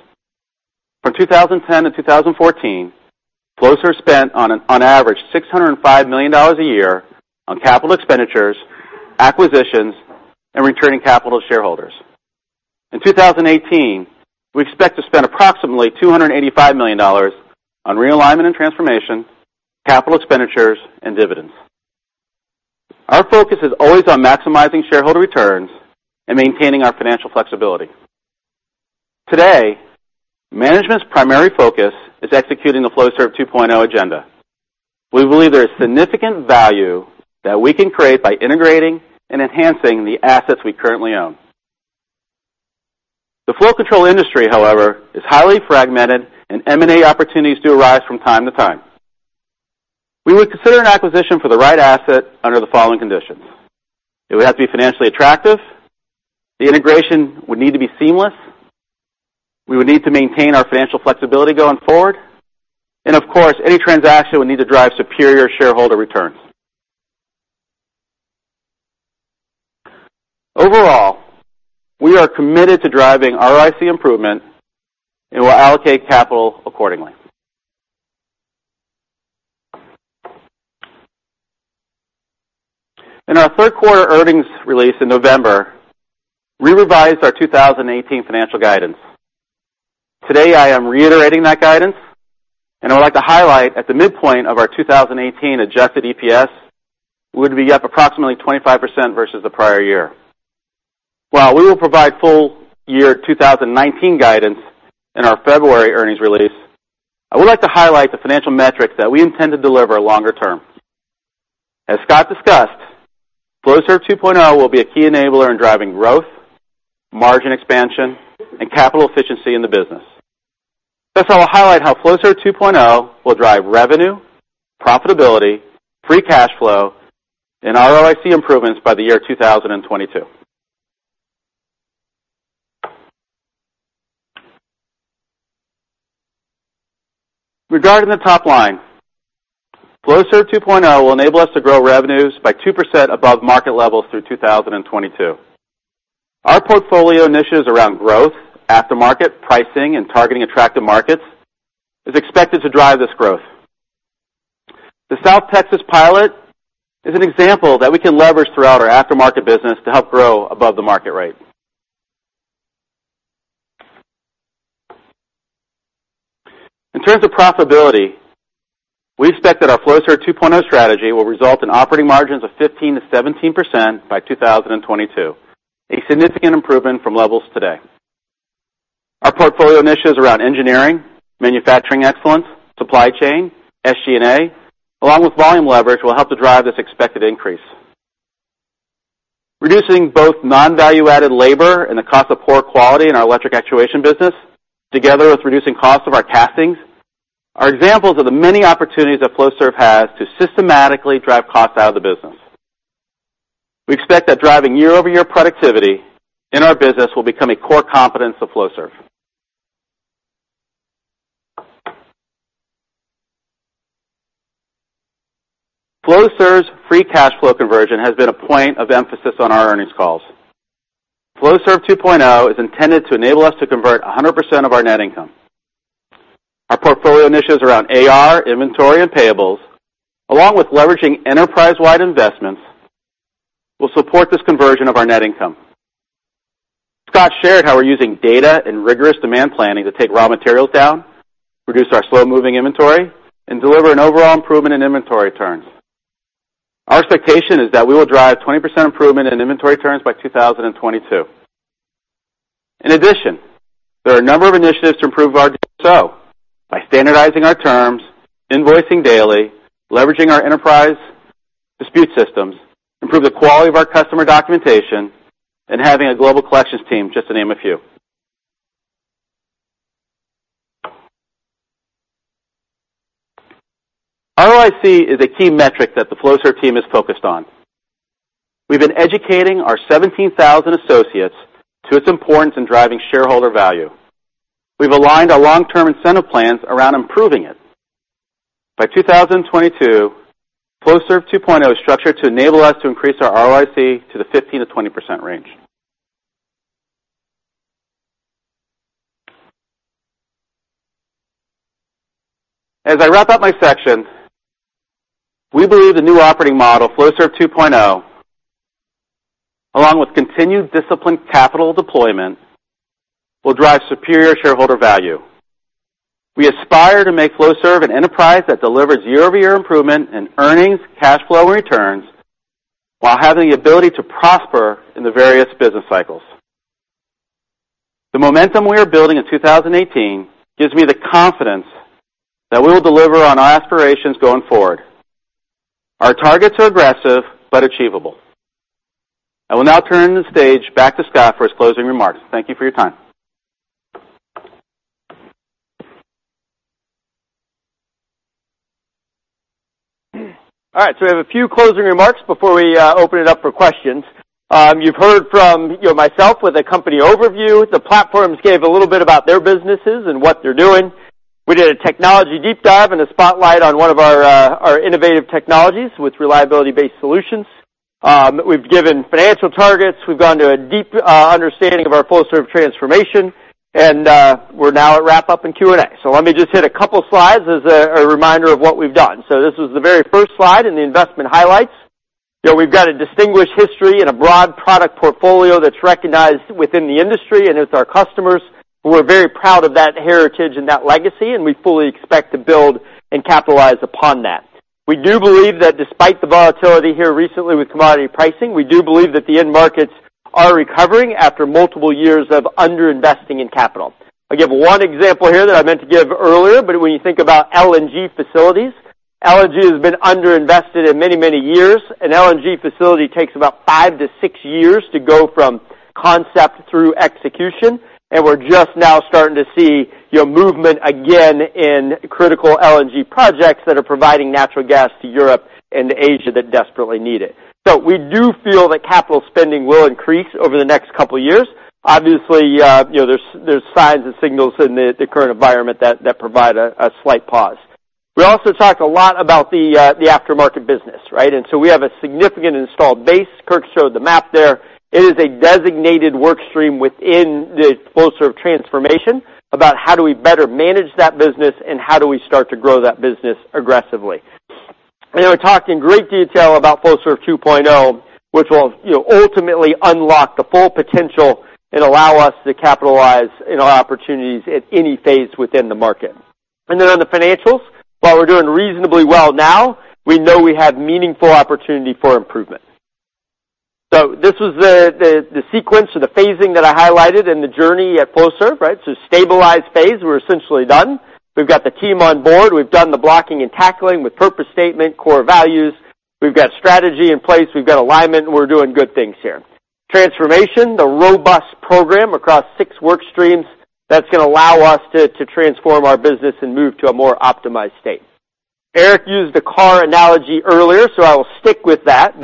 From 2010 to 2014, Flowserve spent on average $605 million a year on capital expenditures, acquisitions, and returning capital to shareholders. In 2018, we expect to spend approximately $285 million on realignment and transformation, capital expenditures, and dividends. Our focus is always on maximizing shareholder returns and maintaining our financial flexibility. Today, management's primary focus is executing the Flowserve 2.0 agenda. We believe there is significant value that we can create by integrating and enhancing the assets we currently own. The flow control industry, however, is highly fragmented, and M&A opportunities do arise from time to time. We would consider an acquisition for the right asset under the following conditions. It would have to be financially attractive, the integration would need to be seamless, we would need to maintain our financial flexibility going forward, and of course, any transaction would need to drive superior shareholder returns. Overall, we are committed to driving ROIC improvement and will allocate capital accordingly. In our third quarter earnings release in November, we revised our 2018 financial guidance. Today, I am reiterating that guidance, and I would like to highlight at the midpoint of our 2018 adjusted EPS would be up approximately 25% versus the prior year. While we will provide full year 2019 guidance in our February earnings release, I would like to highlight the financial metrics that we intend to deliver longer term. As Scott discussed, Flowserve 2.0 will be a key enabler in driving growth, margin expansion, and capital efficiency in the business. First, I will highlight how Flowserve 2.0 will drive revenue, profitability, free cash flow, and ROIC improvements by the year 2022. Regarding the top line, Flowserve 2.0 will enable us to grow revenues by 2% above market levels through 2022. Our portfolio initiatives around growth, aftermarket pricing, and targeting attractive markets is expected to drive this growth. The South Texas pilot is an example that we can leverage throughout our aftermarket business to help grow above the market rate. In terms of profitability, we expect that our Flowserve 2.0 strategy will result in operating margins of 15%-17% by 2022, a significant improvement from levels today. Our portfolio initiatives around engineering, manufacturing excellence, supply chain, SG&A, along with volume leverage, will help to drive this expected increase. Reducing both non-value-added labor and the cost of poor quality in our electric actuation business, together with reducing costs of our castings, are examples of the many opportunities that Flowserve has to systematically drive costs out of the business. We expect that driving year-over-year productivity in our business will become a core competence of Flowserve. Flowserve's free cash flow conversion has been a point of emphasis on our earnings calls. Flowserve 2.0 is intended to enable us to convert 100% of our net income. Our portfolio initiatives around AR, inventory, and payables, along with leveraging enterprise-wide investments, will support this conversion of our net income. Scott shared how we're using data and rigorous demand planning to take raw materials down, reduce our slow-moving inventory, and deliver an overall improvement in inventory turns. Our expectation is that we will drive 20% improvement in inventory turns by 2022. In addition, there are a number of initiatives to improve our DSO by standardizing our terms, invoicing daily, leveraging our enterprise dispute systems, improve the quality of our customer documentation, and having a global collections team, just to name a few. ROIC is a key metric that the Flowserve team is focused on. We've been educating our 17,000 associates to its importance in driving shareholder value. We've aligned our long-term incentive plans around improving it. By 2022, Flowserve 2.0 is structured to enable us to increase our ROIC to the 15%-20% range. As I wrap up my section, we believe the new operating model, Flowserve 2.0, along with continued disciplined capital deployment, will drive superior shareholder value. We aspire to make Flowserve an enterprise that delivers year-over-year improvement in earnings, cash flow, and returns while having the ability to prosper in the various business cycles. The momentum we are building in 2018 gives me the confidence that we will deliver on our aspirations going forward. Our targets are aggressive but achievable. I will now turn the stage back to Scott for his closing remarks. Thank you for your time. All right, we have a few closing remarks before we open it up for questions. You've heard from myself with a company overview. The platforms gave a little bit about their businesses and what they're doing. We did a technology deep dive and a spotlight on one of our innovative technologies with reliability-based solutions. We've given financial targets. We've gone to a deep understanding of our Flowserve transformation, and we're now at wrap up and Q&A. Let me just hit a couple slides as a reminder of what we've done. This was the very first slide in the investment highlights. We've got a distinguished history and a broad product portfolio that's recognized within the industry and with our customers who are very proud of that heritage and that legacy, and we fully expect to build and capitalize upon that. We do believe that despite the volatility here recently with commodity pricing, we do believe that the end markets are recovering after multiple years of under-investing in capital. I give one example here that I meant to give earlier, but when you think about LNG facilities, LNG has been under-invested in many, many years. An LNG facility takes about five to six years to go from concept through execution, and we're just now starting to see movement again in critical LNG projects that are providing natural gas to Europe and Asia that desperately need it. We do feel that capital spending will increase over the next couple of years. Obviously, there's signs and signals in the current environment that provide a slight pause. We also talked a lot about the aftermarket business, right? We have a significant installed base. Kirk showed the map there. It is a designated work stream within the Flowserve transformation about how do we better manage that business and how do we start to grow that business aggressively. We talked in great detail about Flowserve 2.0, which will ultimately unlock the full potential and allow us to capitalize in our opportunities at any phase within the market. On the financials, while we're doing reasonably well now, we know we have meaningful opportunity for improvement. This was the sequence or the phasing that I highlighted in the journey at Flowserve, right? Stabilize phase, we're essentially done. We've got the team on board. We've done the blocking and tackling with purpose statement, core values. We've got strategy in place. We've got alignment, and we're doing good things here. Transformation, the robust program across six work streams that's going to allow us to transform our business and move to a more optimized state. Eric used the car analogy earlier, I will stick with that.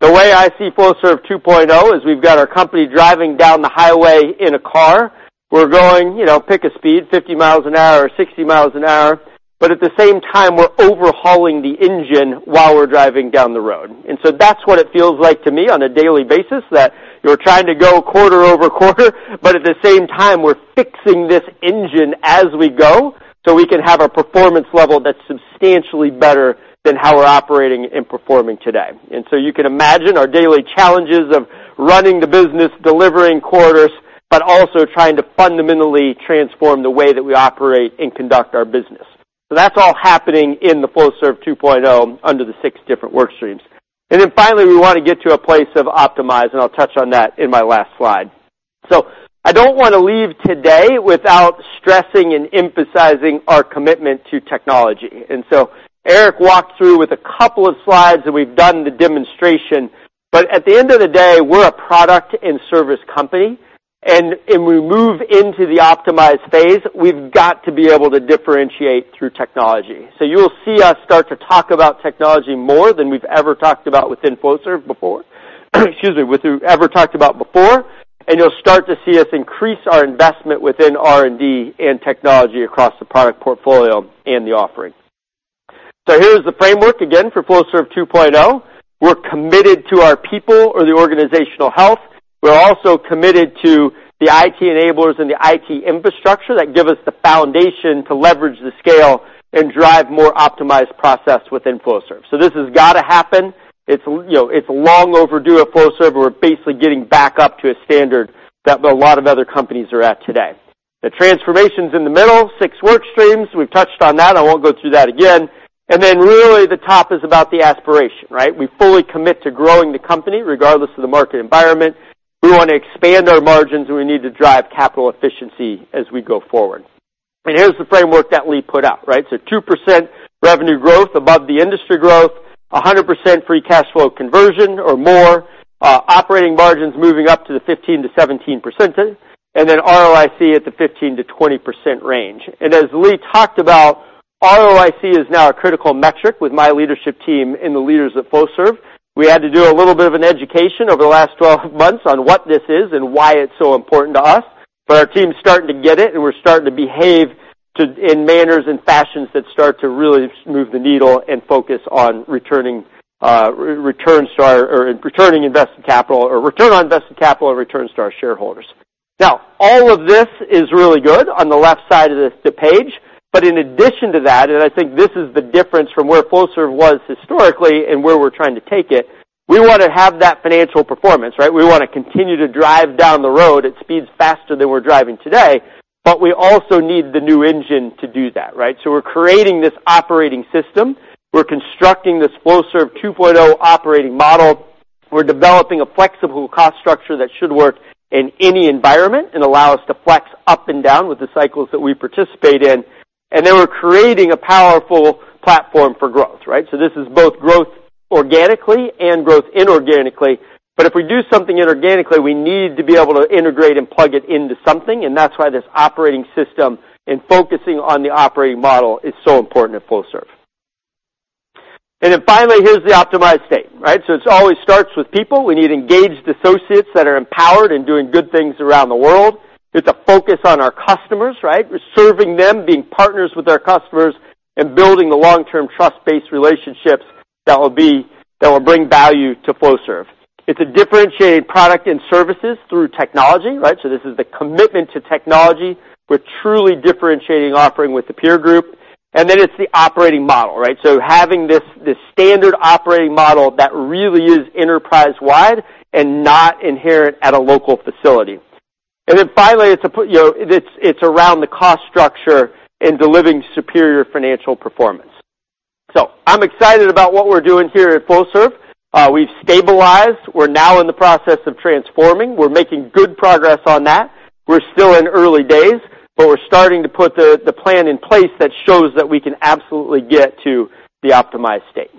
The way I see Flowserve 2.0 is we've got our company driving down the highway in a car. We're going, pick a speed, 50 miles an hour or 60 miles an hour, but at the same time, we're overhauling the engine while we're driving down the road. That's what it feels like to me on a daily basis, that you're trying to go quarter-over-quarter, but at the same time, we're fixing this engine as we go so we can have a performance level that's substantially better than how we're operating and performing today. You can imagine our daily challenges of running the business, delivering quarters, but also trying to fundamentally transform the way that we operate and conduct our business. That's all happening in the Flowserve 2.0 under the six different work streams. Finally, we want to get to a place of optimize, and I'll touch on that in my last slide. I don't want to leave today without stressing and emphasizing our commitment to technology. Eric walked through with a couple of slides that we've done the demonstration. At the end of the day, we're a product and service company, and we move into the optimized phase. We've got to be able to differentiate through technology. You'll see us start to talk about technology more than we've ever talked about within Flowserve before. Excuse me, ever talked about before, you'll start to see us increase our investment within R&D and technology across the product portfolio and the offering. Here is the framework again for Flowserve 2.0. We're committed to our people or the organizational health. We're also committed to the IT enablers and the IT infrastructure that give us the foundation to leverage the scale and drive more optimized process within Flowserve. This has got to happen. It's long overdue at Flowserve. We're basically getting back up to a standard that a lot of other companies are at today. The transformation's in the middle, six work streams. We've touched on that. I won't go through that again. Really the top is about the aspiration, right? We fully commit to growing the company regardless of the market environment. We want to expand our margins, we need to drive capital efficiency as we go forward. Here's the framework that Lee put out, right? 2% revenue growth above the industry growth, 100% free cash flow conversion or more, operating margins moving up to the 15%-17% range, and then ROIC at the 15%-20% range. As Lee talked about, ROIC is now a critical metric with my leadership team and the leaders at Flowserve. We had to do a little bit of an education over the last 12 months on what this is and why it's so important to us. Our team's starting to get it, and we're starting to behave in manners and fashions that start to really move the needle and focus on returning invested capital or return on invested capital and returns to our shareholders. All of this is really good on the left side of the page. In addition to that, and I think this is the difference from where Flowserve was historically and where we're trying to take it, we want to have that financial performance. We want to continue to drive down the road at speeds faster than we're driving today, we also need the new engine to do that. We're creating this operating system. We're constructing this Flowserve 2.0 operating model. We're developing a flexible cost structure that should work in any environment and allow us to flex up and down with the cycles that we participate in. We're creating a powerful platform for growth. This is both growth organically and growth inorganically. If we do something inorganically, we need to be able to integrate and plug it into something, and that's why this operating system and focusing on the operating model is so important at Flowserve. Finally, here's the optimized state. It always starts with people. We need engaged associates that are empowered and doing good things around the world. It's a focus on our customers. We're serving them, being partners with our customers, and building the long-term trust-based relationships that will bring value to Flowserve. It's a differentiated product and services through technology. This is the commitment to technology. We're truly differentiating offering with the peer group. It's the operating model. Having this standard operating model that really is enterprise-wide and not inherent at a local facility. Finally, it's around the cost structure and delivering superior financial performance. I'm excited about what we're doing here at Flowserve. We've stabilized. We're now in the process of transforming. We're making good progress on that. We're still in early days, we're starting to put the plan in place that shows that we can absolutely get to the optimized state.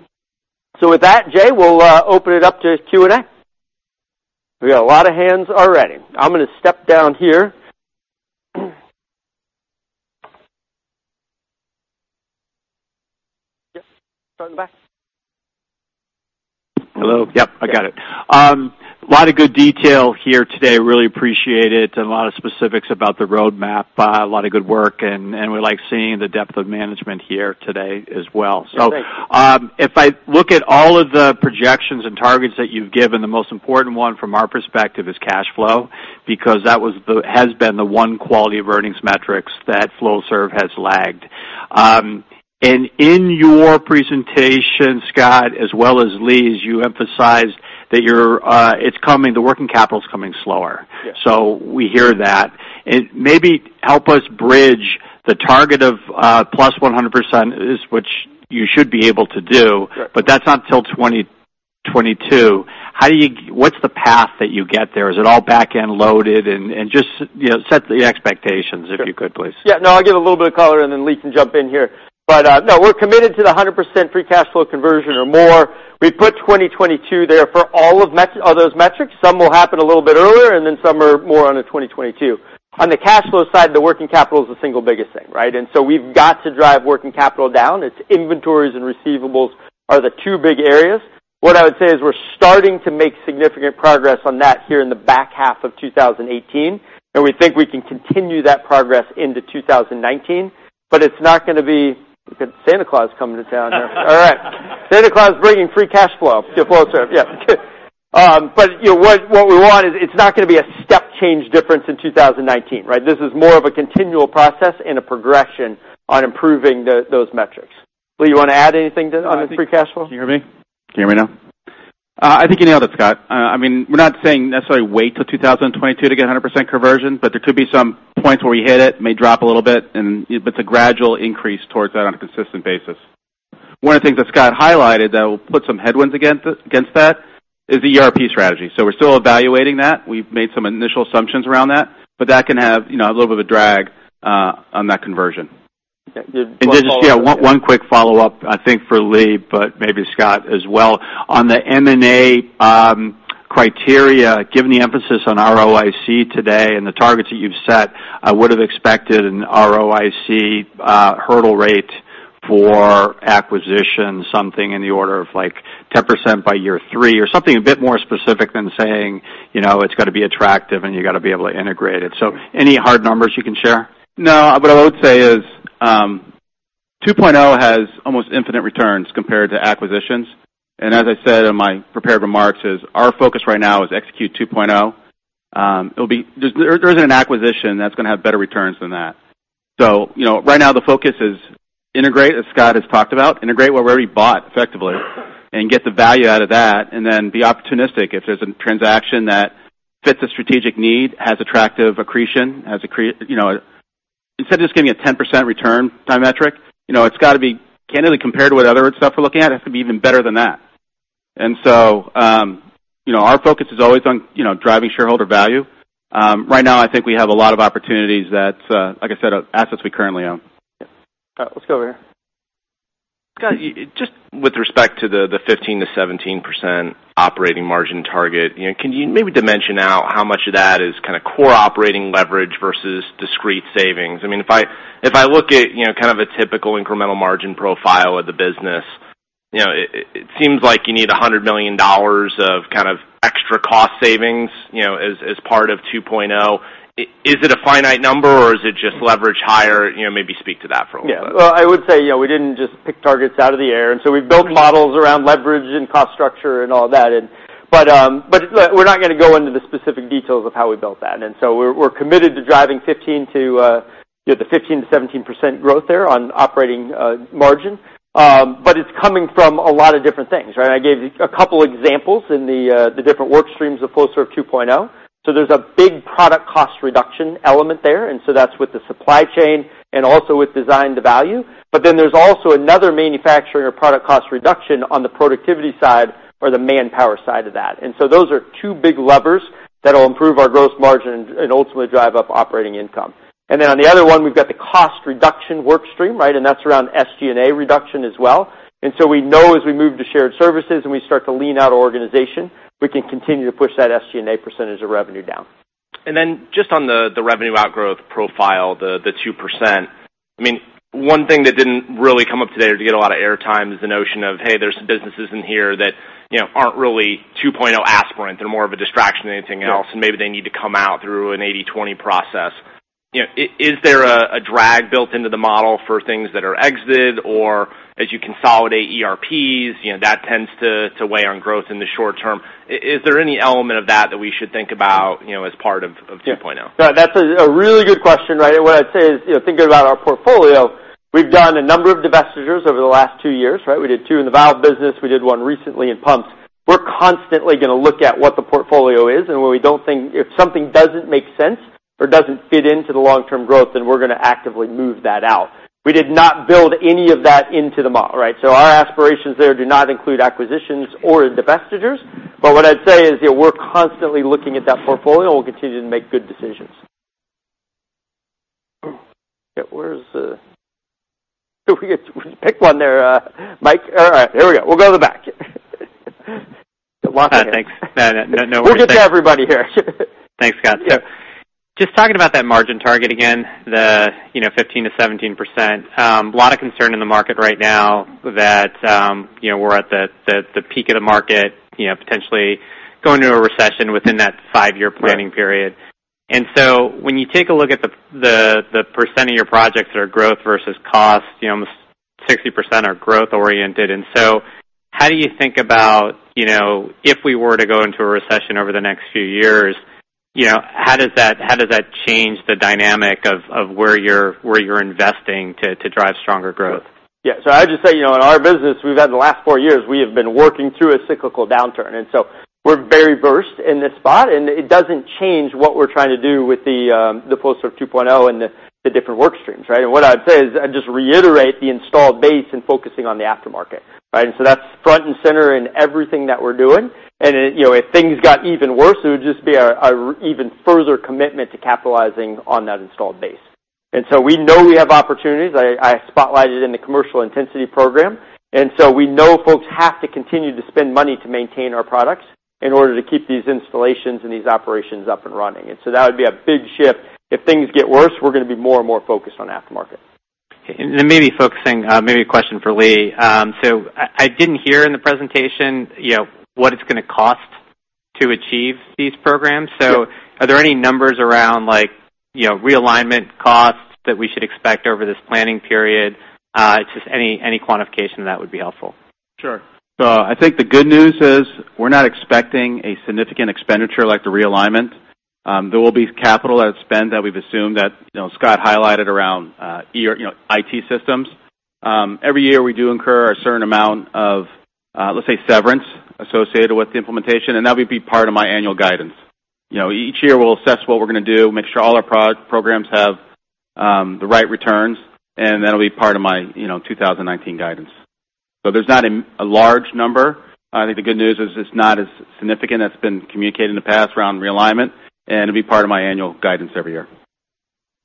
With that, Jay, we'll open it up to Q&A. We got a lot of hands already. I'm going to step down here. Yep. Start in the back. Hello? Yep, I got it. Lot of good detail here today. Really appreciate it. A lot of specifics about the roadmap. A lot of good work. We like seeing the depth of management here today as well. Great. If I look at all of the projections and targets that you've given, the most important one from our perspective is cash flow, because that has been the one quality of earnings metrics that Flowserve has lagged. In your presentation, Scott, as well as Lee's, you emphasized that the working capital's coming slower. Yes. We hear that. Maybe help us bridge the target of plus 100%, which you should be able to do. Correct. That's not till 2022. What's the path that you get there? Is it all back-end loaded? Just set the expectations, if you could, please. I'll give a little bit of color, then Lee can jump in here. We're committed to the 100% free cash flow conversion or more. We put 2022 there for all of those metrics. Some will happen a little bit earlier, then some are more on the 2022. On the cash flow side, the working capital is the single biggest thing. We've got to drive working capital down. It's inventories and receivables are the two big areas. What I would say is we're starting to make significant progress on that here in the back half of 2018, we think we can continue that progress into 2019, it's not going to be Look at Santa Claus coming down there. All right. Santa Claus bringing free cash flow to Flowserve. What we want is it's not going to be a step change difference in 2019. This is more of a continual process and a progression on improving those metrics. Lee, you want to add anything to on the free cash flow? Can you hear me? Can you hear me now? I think you nailed it, Scott. We're not saying necessarily wait till 2022 to get 100% conversion, there could be some points where we hit it. It may drop a little bit, it's a gradual increase towards that on a consistent basis. One of the things that Scott highlighted that will put some headwinds against that is the ERP strategy. We're still evaluating that. We've made some initial assumptions around that can have a little bit of a drag on that conversion. Okay. Just one follow up- Just one quick follow-up, I think for Lee, but maybe Scott as well. On the M&A criteria, given the emphasis on ROIC today and the targets that you've set, I would've expected an ROIC hurdle rate for acquisition, something in the order of 10% by year three or something a bit more specific than saying it's got to be attractive and you got to be able to integrate it. Any hard numbers you can share? No. What I would say is 2.0 has almost infinite returns compared to acquisitions, and as I said in my prepared remarks, our focus right now is execute 2.0. There isn't an acquisition that's going to have better returns than that. Right now the focus is integrate, as Scott has talked about, integrate what we already bought effectively and get the value out of that, then be opportunistic. If there's a transaction that fits a strategic need, has attractive accretion. Instead of just giving a 10% return metric, it's got to be candidly compared to what other stuff we're looking at, it has to be even better than that. Our focus is always on driving shareholder value. Right now I think we have a lot of opportunities that, like I said, are assets we currently own. Yep. All right. Let's go over here. Scott, just with respect to the 15%-17% operating margin target, can you maybe dimension out how much of that is kind of core operating leverage versus discrete savings? If I look at kind of a typical incremental margin profile of the business, it seems like you need $100 million of kind of extra cost savings as part of 2.0. Is it a finite number or is it just leverage higher? Maybe speak to that for a little bit. Well, I would say, we didn't just pick targets out of the air. We've built models around leverage and cost structure and all that. We're not going to go into the specific details of how we built that. We're committed to driving the 15%-17% growth there on operating margin. It's coming from a lot of different things, right. I gave a couple examples in the different work streams of Flowserve 2.0. There's a big product cost reduction element there. That's with the supply chain and also with design to value. There's also another manufacturing or product cost reduction on the productivity side or the manpower side of that. Those are two big levers that'll improve our gross margin and ultimately drive up operating income. On the other one, we've got the cost reduction work stream, right. That's around SG&A reduction as well. We know as we move to shared services and we start to lean out organization, we can continue to push that SG&A percentage of revenue down. Just on the revenue outgrowth profile, the 2%. One thing that didn't really come up today or to get a lot of air time is the notion of, hey, there's some businesses in here that aren't really 2.0 aspirants. They're more of a distraction than anything else, and maybe they need to come out through an 80/20 process. Is there a drag built into the model for things that are exited or as you consolidate ERPs, that tends to weigh on growth in the short term? Is there any element of that that we should think about as part of 2.0? No, that's a really good question. What I'd say is, thinking about our portfolio, we've done a number of divestitures over the last two years, right. We did two in the valve business. We did one recently in pumps. We're constantly going to look at what the portfolio is, and if something doesn't make sense or doesn't fit into the long-term growth, then we're going to actively move that out. We did not build any of that into the model, right. Our aspirations there do not include acquisitions or divestitures. What I'd say is, we're constantly looking at that portfolio, and we'll continue to make good decisions. Where is the Pick one there, Mike. All right, there we go. We'll go to the back. Thanks. No worries. Thanks. We'll get to everybody here. Thanks, Scott. Just talking about that margin target again, the 15%-17%. A lot of concern in the market right now that we're at the peak of the market, potentially going into a recession within that five-year planning period. Yeah. When you take a look at the percent of your projects that are growth versus cost, almost 60% are growth oriented. How do you think about if we were to go into a recession over the next few years, how does that change the dynamic of where you're investing to drive stronger growth? I'd just say, in our business, we've had the last 4 years, we have been working through a cyclical downturn. We're very versed in this spot, and it doesn't change what we're trying to do with the Flowserve 2.0 and the different work streams, right? What I'd say is I'd just reiterate the installed base and focusing on the aftermarket, right? That's front and center in everything that we're doing. If things got even worse, it would just be our even further commitment to capitalizing on that installed base. We know we have opportunities. I spotlighted in the Commercial Intensity Program. We know folks have to continue to spend money to maintain our products in order to keep these installations and these operations up and running. That would be a big shift. If things get worse, we're going to be more and more focused on aftermarket. Okay. Maybe focusing, maybe a question for Lee. I didn't hear in the presentation what it's going to cost to achieve these programs. Sure. Are there any numbers around realignment costs that we should expect over this planning period? It's just any quantification of that would be helpful. Sure. I think the good news is we're not expecting a significant expenditure like the realignment. There will be capital spend that we've assumed that Scott highlighted around IT systems. Every year, we do incur a certain amount of, let's say, severance associated with the implementation, and that would be part of my annual guidance. Each year, we'll assess what we're going to do, make sure all our programs have the right returns, and that'll be part of my 2019 guidance. There's not a large number. I think the good news is it's not as significant as it's been communicated in the past around realignment, and it'll be part of my annual guidance every year.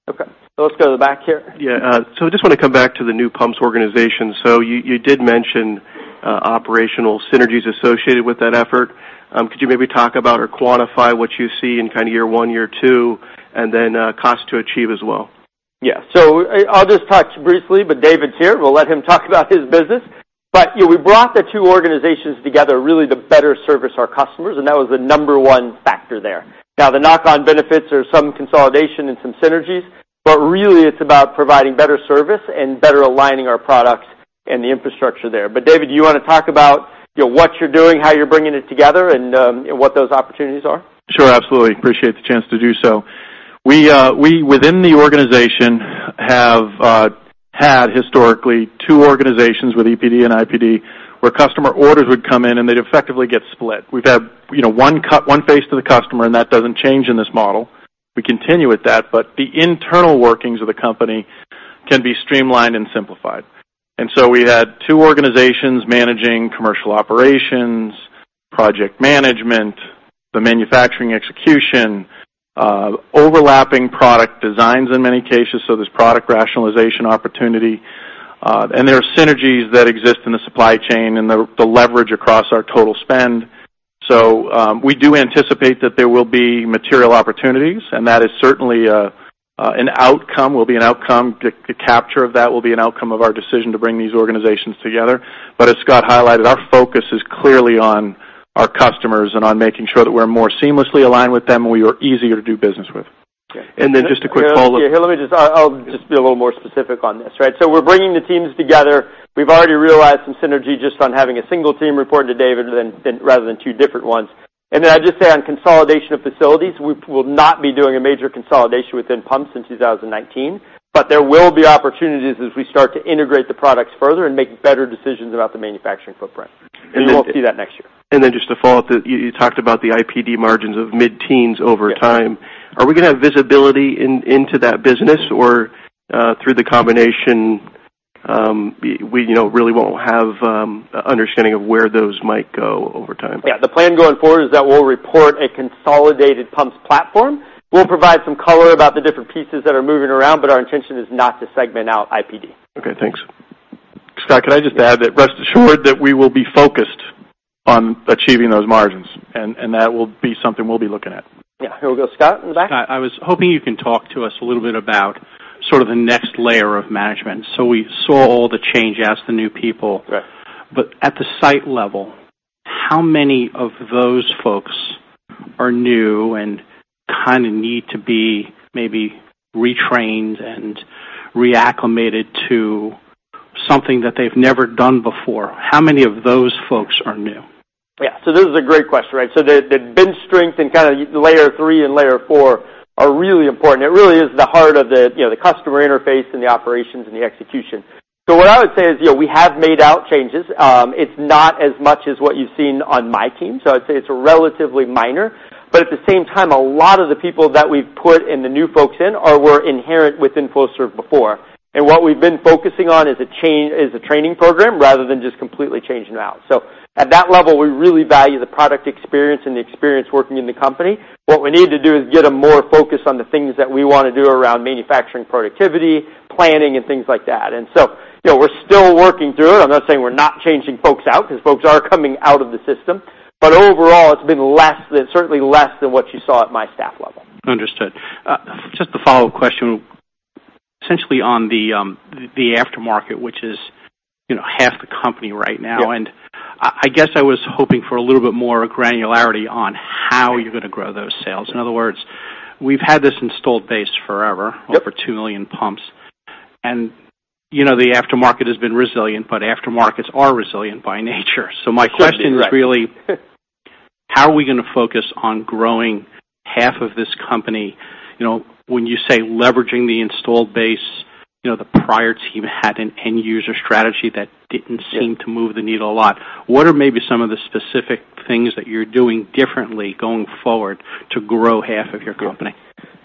Okay. Let's go to the back here. Yeah. I just want to come back to the new pumps organization. You did mention operational synergies associated with that effort. Could you maybe talk about or quantify what you see in kind of year one, year two, and then cost to achieve as well? Yeah. I'll just touch briefly, but David's here. We'll let him talk about his business. We brought the two organizations together really to better service our customers, and that was the number 1 factor there. Now, the knock-on benefits are some consolidation and some synergies, but really, it's about providing better service and better aligning our products and the infrastructure there. David, do you want to talk about what you're doing, how you're bringing it together, and what those opportunities are? Sure, absolutely. Appreciate the chance to do so. We, within the organization, have had historically two organizations with EPD and IPD, where customer orders would come in, and they'd effectively get split. We've had one face to the customer, and that doesn't change in this model. We continue with that, the internal workings of the company can be streamlined and simplified. We had two organizations managing commercial operations Project management, the manufacturing execution, overlapping product designs in many cases, so there's product rationalization opportunity. There are synergies that exist in the supply chain and the leverage across our total spend. We do anticipate that there will be material opportunities, and that is certainly an outcome, will be an outcome. The capture of that will be an outcome of our decision to bring these organizations together. As Scott highlighted, our focus is clearly on our customers and on making sure that we're more seamlessly aligned with them, and we are easier to do business with. Just a quick follow-up. Let me just I'll just be a little more specific on this. We're bringing the teams together. We've already realized some synergy just on having a single team reporting to David rather than two different ones. I'd just say on consolidation of facilities, we will not be doing a major consolidation within pumps in 2019, but there will be opportunities as we start to integrate the products further and make better decisions about the manufacturing footprint. You won't see that next year. Just to follow up, you talked about the IPD margins of mid-teens over time. Yes. Are we going to have visibility into that business? Through the combination we really won't have understanding of where those might go over time? Yeah. The plan going forward is that we'll report a consolidated pumps platform. We'll provide some color about the different pieces that are moving around, our intention is not to segment out IPD. Okay, thanks. Scott, could I just add that rest assured that we will be focused on achieving those margins, that will be something we'll be looking at. Yeah. Here we go, Scott, in the back. Scott, I was hoping you can talk to us a little bit about sort of the next layer of management. We saw all the change as the new people. Right. At the site level, how many of those folks are new and kind of need to be maybe retrained and reacclimated to something that they've never done before? How many of those folks are new? Yeah. This is a great question. The bench strength in kind of layer 3 and layer 4 are really important. It really is the heart of the customer interface and the operations and the execution. What I would say is we have made out changes. It's not as much as what you've seen on my team, I'd say it's relatively minor. At the same time, a lot of the people that we've put and the new folks in were inherent within Flowserve before. What we've been focusing on is a training program rather than just completely changing them out. At that level, we really value the product experience and the experience working in the company. What we need to do is get them more focused on the things that we want to do around manufacturing productivity, planning, and things like that. We're still working through it. I'm not saying we're not changing folks out because folks are coming out of the system. Overall, it's been certainly less than what you saw at my staff level. Understood. Just a follow-up question, essentially on the Aftermarket, which is half the company right now. Yeah. I guess I was hoping for a little bit more granularity on how you're going to grow those sales. In other words, we've had this installed base forever. Yep over 2 million pumps. The Aftermarket has been resilient, Aftermarkets are resilient by nature. My question. Certainly. Right. is really how are we going to focus on growing half of this company? When you say leveraging the installed base, the prior team had an end user strategy that didn't seem- Yeah to move the needle a lot. What are maybe some of the specific things that you're doing differently going forward to grow half of your company?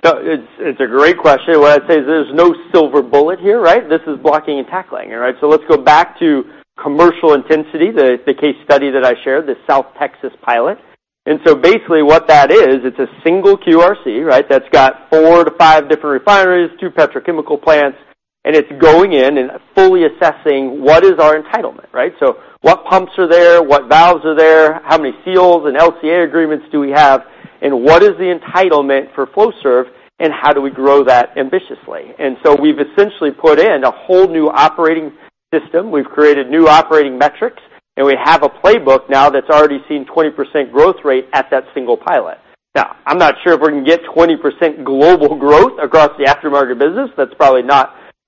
It's a great question. There's no silver bullet here, right? This is blocking and tackling. Let's go back to commercial intensity, the case study that I shared, the South Texas pilot. It's a single QRC that's got 4 to 5 different refineries, 2 petrochemical plants, and it's going in and fully assessing what is our entitlement. What pumps are there, what valves are there, how many seals and LCA agreements do we have, and what is the entitlement for Flowserve, and how do we grow that ambitiously? We've essentially put in a whole new operating system. We've created new operating metrics, and we have a playbook now that's already seen 20% growth rate at that single pilot. I'm not sure if we're going to get 20% global growth across the aftermarket business. That's probably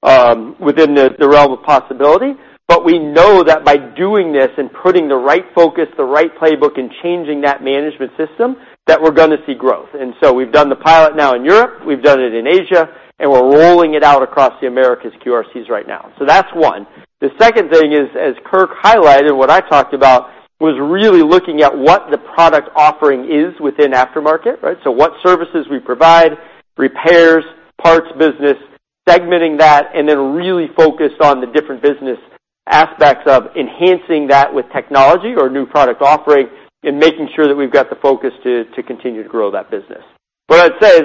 not within the realm of possibility. We know that by doing this and putting the right focus, the right playbook, and changing that management system, that we're going to see growth. We've done the pilot now in Europe, we've done it in Asia, and we're rolling it out across the Americas QRCs right now. That's one. The second thing is, as Kirk highlighted, what I talked about was really looking at what the product offering is within aftermarket. What services we provide, repairs, parts business, segmenting that, and then really focus on the different business aspects of enhancing that with technology or new product offerings and making sure that we've got the focus to continue to grow that business. What I'd say is,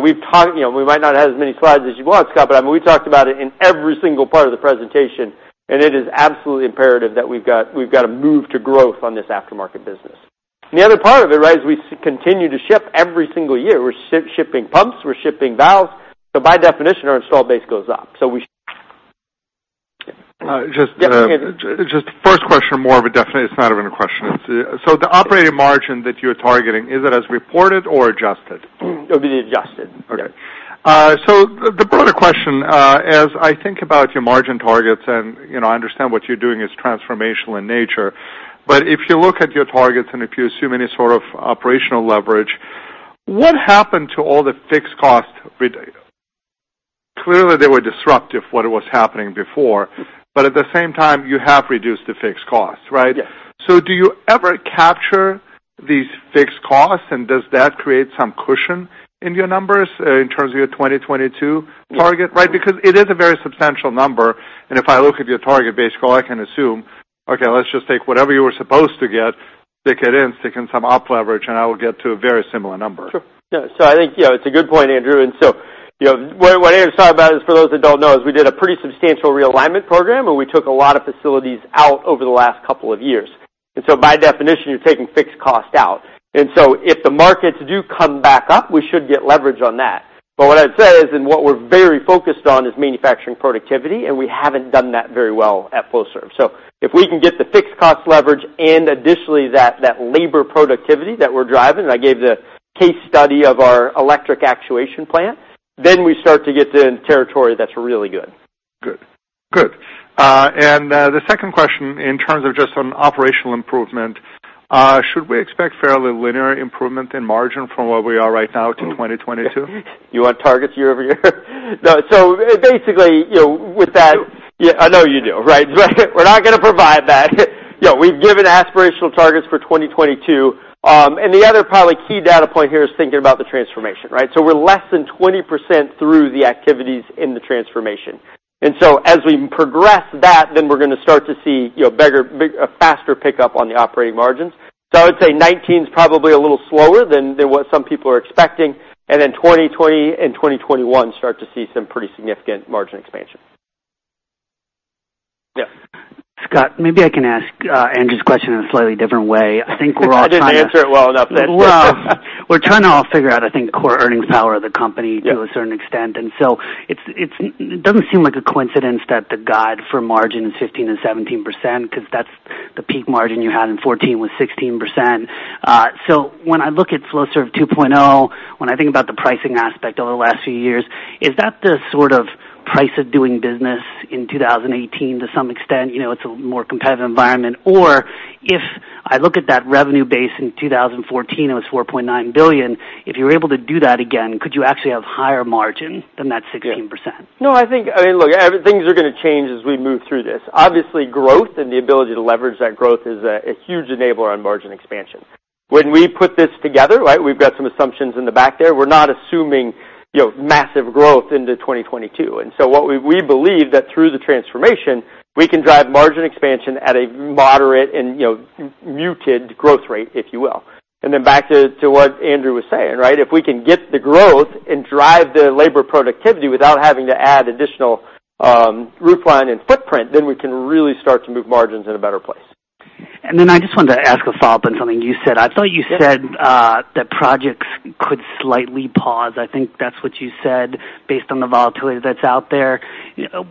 we might not have as many slides as you want, Scott, we talked about it in every single part of the presentation, it is absolutely imperative that we've got to move to growth on this aftermarket business. The other part of it is we continue to ship every single year. We're shipping pumps, we're shipping valves. By definition, our installed base goes up. Just the first question, more of a definition. It's not even a question. The operating margin that you're targeting, is it as reported or adjusted? It'll be adjusted. Okay. The broader question, as I think about your margin targets, and I understand what you're doing is transformational in nature. If you look at your targets and if you assume any sort of operational leverage, what happened to all the fixed costs? Clearly, they were disruptive, what was happening before. At the same time, you have reduced the fixed costs, right? Yes. Do you ever capture these fixed costs, and does that create some cushion in your numbers in terms of your 2022 target? Yes. It is a very substantial number, and if I look at your target base, all I can assume, okay, let's just take whatever you were supposed to get stick it in, stick in some op leverage, and I will get to a very similar number. Sure. Yeah. I think it's a good point, Andrew. What Andrew's talking about is, for those that don't know, is we did a pretty substantial realignment program where we took a lot of facilities out over the last couple of years. By definition, you're taking fixed cost out. If the markets do come back up, we should get leverage on that. What I'd say is, and what we're very focused on, is manufacturing productivity, and we haven't done that very well at Flowserve. If we can get the fixed cost leverage and additionally that labor productivity that we're driving, and I gave the case study of our electric actuation plant, then we start to get to territory that's really good. Good. The second question in terms of just on operational improvement, should we expect fairly linear improvement in margin from where we are right now to 2022? You want targets year-over-year? No. Sure. Yeah, I know you do, right? We're not going to provide that. We've given aspirational targets for 2022. The other probably key data point here is thinking about the Transformation, right? We're less than 20% through the activities in the Transformation. As we progress that, then we're going to start to see a faster pickup on the operating margins. I would say 2019 is probably a little slower than what some people are expecting, then 2020 and 2021 start to see some pretty significant margin expansion. Yes. Scott, maybe I can ask Andrew's question in a slightly different way. I didn't answer it well enough then. Well, we're trying to all figure out, I think, core earnings power of the company to a certain extent. Yeah. It doesn't seem like a coincidence that the guide for margin 15% and 17%, because that's the peak margin you had in 2014 was 16%. When I look at Flowserve 2.0, when I think about the pricing aspect over the last few years, is that the sort of price of doing business in 2018 to some extent? It's a more competitive environment. If I look at that revenue base in 2014, it was $4.9 billion. If you're able to do that again, could you actually have higher margin than that 16%? Yeah. No, I think, look, things are going to change as we move through this. Obviously, growth and the ability to leverage that growth is a huge enabler on margin expansion. When we put this together, we've got some assumptions in the back there. We're not assuming massive growth into 2022. What we believe that through the transformation, we can drive margin expansion at a moderate and muted growth rate, if you will. Then back to what Andrew was saying. If we can get the growth and drive the labor productivity without having to add additional roof line and footprint, then we can really start to move margins in a better place. I just wanted to ask a follow-up on something you said. I thought you said that projects could slightly pause. I think that's what you said based on the volatility that's out there.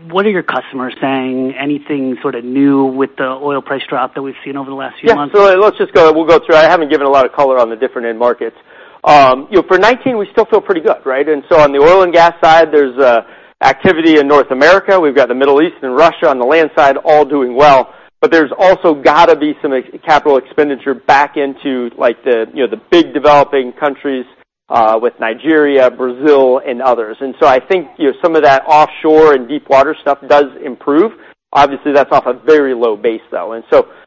What are your customers saying? Anything sort of new with the oil price drop that we've seen over the last few months? Yeah. We'll go through. I haven't given a lot of color on the different end markets. For 2019, we still feel pretty good. On the oil and gas side, there's activity in North America. We've got the Middle East and Russia on the land side all doing well. There's also got to be some capital expenditure back into the big developing countries with Nigeria, Brazil, and others. I think some of that offshore and deep water stuff does improve. Obviously, that's off a very low base, though.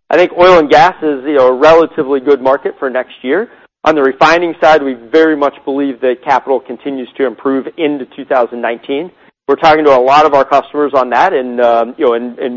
I think oil and gas is a relatively good market for next year. On the refining side, we very much believe that capital continues to improve into 2019. We're talking to a lot of our customers on that, and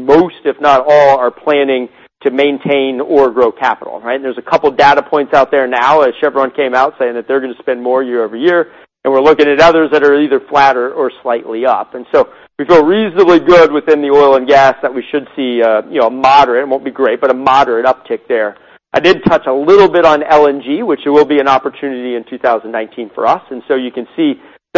most, if not all, are planning to maintain or grow capital. There's a couple data points out there now as Chevron came out saying that they're going to spend more year-over-year, and we're looking at others that are either flatter or slightly up. We feel reasonably good within the oil and gas that we should see a moderate, it won't be great, but a moderate uptick there. I did touch a little bit on LNG, which it will be an opportunity in 2019 for us. You can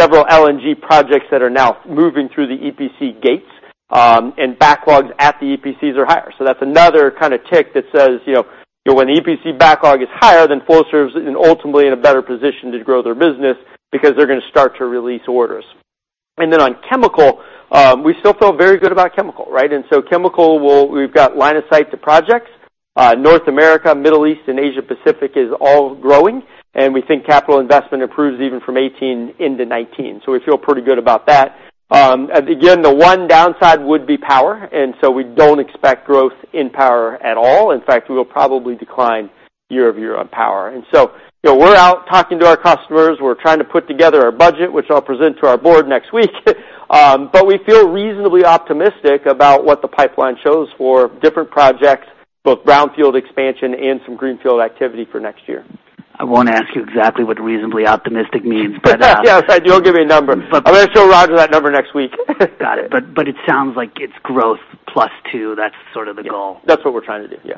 see several LNG projects that are now moving through the EPC gates, and backlogs at the EPCs are higher. That's another kind of tick that says when the EPC backlog is higher than Flowserve's, then ultimately in a better position to grow their business because they're going to start to release orders. On chemical, we still feel very good about chemical. Chemical, we've got line of sight to projects. North America, Middle East, and Asia Pacific is all growing, and we think capital investment improves even from 2018 into 2019. We feel pretty good about that. Again, the one downside would be power, we don't expect growth in power at all. In fact, we will probably decline year-over-year on power. We're out talking to our customers. We're trying to put together a budget, which I'll present to our board next week. We feel reasonably optimistic about what the pipeline shows for different projects, both brownfield expansion and some greenfield activity for next year. I won't ask you exactly what reasonably optimistic means, but. Yes, you won't give me a number. I'm going to show Roger that number next week. Got it. It sounds like it's growth plus two. That's sort of the goal. Yeah. That's what we're trying to do. Yeah.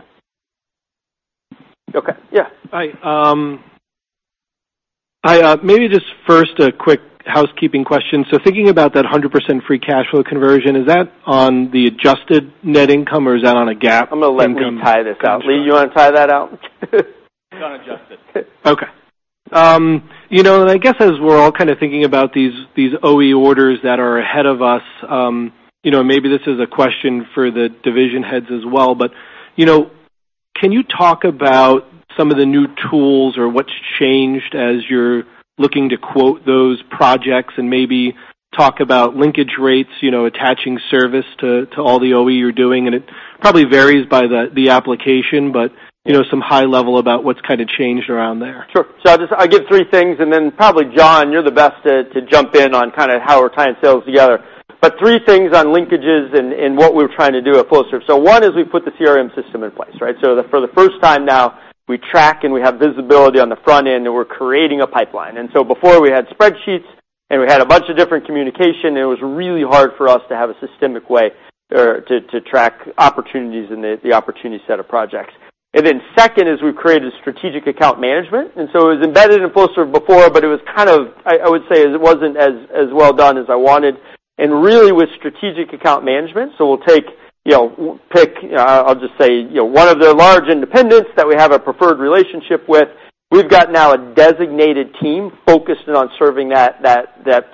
Okay. Yeah. Hi. Maybe just first a quick housekeeping question. Thinking about that 100% free cash flow conversion, is that on the adjusted net income, or is that on a GAAP income? I'm going to let Lee tie this out. Lee, you want to tie that out? It's on adjusted. Okay. I guess as we're all kind of thinking about these OE orders that are ahead of us, maybe this is a question for the division heads as well, but can you talk about some of the new tools or what's changed as you're looking to quote those projects and maybe talk about linkage rates, attaching service to all the OE you're doing? It probably varies by the application, but some high level about what's kind of changed around there. Sure. I'll give three things, and then probably, John, you're the best to jump in on kind of how we're tying sales together. Three things on linkages and what we're trying to do at Flowserve. One is we put the CRM system in place, right? For the first time now, we track and we have visibility on the front end, and we're creating a pipeline. Before we had spreadsheets and we had a bunch of different communication, and it was really hard for us to have a systemic way to track opportunities and the opportunity set of projects. Second is we've created strategic account management. It was embedded in Flowserve before, but I would say it wasn't as well done as I wanted. Really with strategic account management, we'll pick, I'll just say, one of the large independents that we have a preferred relationship with. We've got now a designated team focused on serving that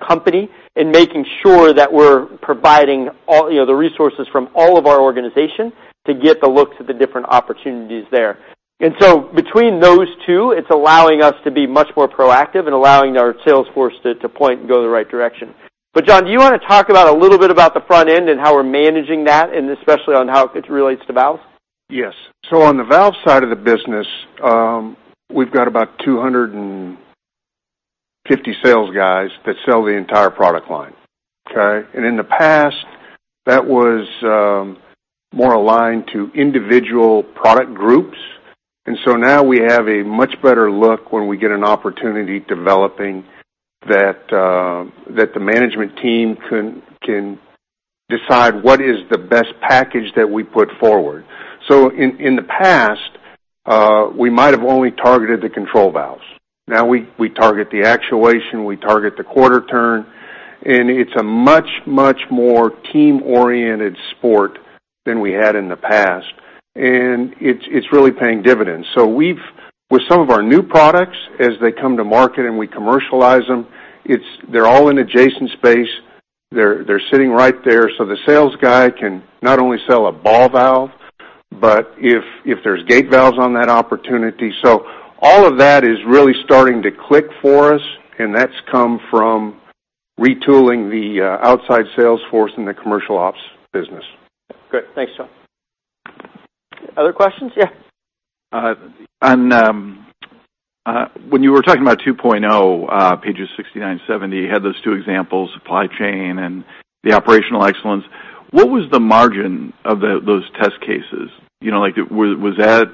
company and making sure that we're providing the resources from all of our organization to get the looks at the different opportunities there. Between those two, it's allowing us to be much more proactive and allowing our sales force to point and go the right direction. John, do you want to talk about a little bit about the front end and how we're managing that, and especially on how it relates to valves? Yes. On the valve side of the business, we've got about 250 sales guys that sell the entire product line. Okay. In the past, that was more aligned to individual product groups. Now we have a much better look when we get an opportunity developing that the management team can decide what is the best package that we put forward. In the past, we might have only targeted the control valves. Now we target the actuation, we target the quarter turn, and it's a much more team-oriented sport than we had in the past, and it's really paying dividends. With some of our new products, as they come to market and we commercialize them, they're all in adjacent space. They're sitting right there, so the sales guy can not only sell a ball valve, but if there's gate valves on that opportunity. All of that is really starting to click for us, and that's come from retooling the outside sales force and the commercial ops business. Great. Thanks, John. Other questions? Yeah. When you were talking about 2.0, pages 69, 70, you had those two examples, supply chain and the operational excellence. What was the margin of those test cases? Was that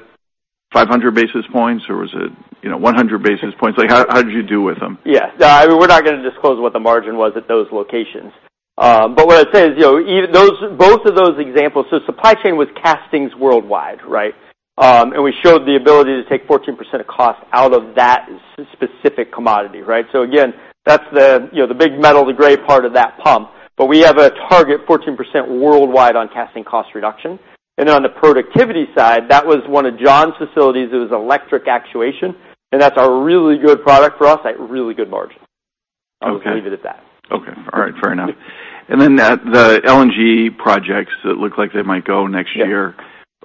500 basis points or was it 100 basis points? How did you do with them? Yeah. I mean, we're not going to disclose what the margin was at those locations. What I'd say is, both of those examples, supply chain was castings worldwide, right? We showed the ability to take 14% of cost out of that specific commodity, right? Again, that's the big metal, the gray part of that pump. We have a target 14% worldwide on casting cost reduction. On the productivity side, that was one of John's facilities. It was electric actuation, and that's a really good product for us at really good margin. Okay. I'll just leave it at that. Okay. All right. Fair enough. The LNG projects, it looked like they might go next year.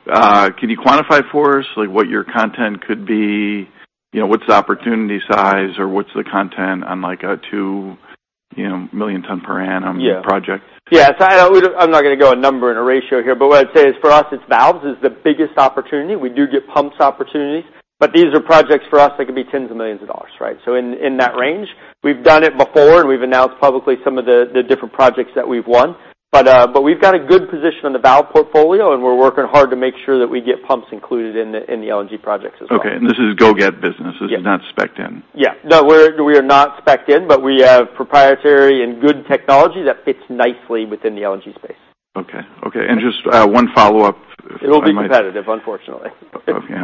Yes. Can you quantify for us, what your content could be? What's the opportunity size or what's the content on a two million ton per annum project? Yeah. I'm not going to go a number and a ratio here, but what I'd say is for us, it's valves. It's the biggest opportunity. We do get pumps opportunities, but these are projects for us that could be tens of millions of dollars, right? In that range. We've done it before, and we've announced publicly some of the different projects that we've won. We've got a good position on the valve portfolio, and we're working hard to make sure that we get pumps included in the LNG projects as well. Okay. This is go-get business. Yes. This is not spec'd in. Yeah. No, we are not spec'd in, but we have proprietary and good technology that fits nicely within the LNG space. Okay. Just one follow-up. It'll be competitive, unfortunately. Okay.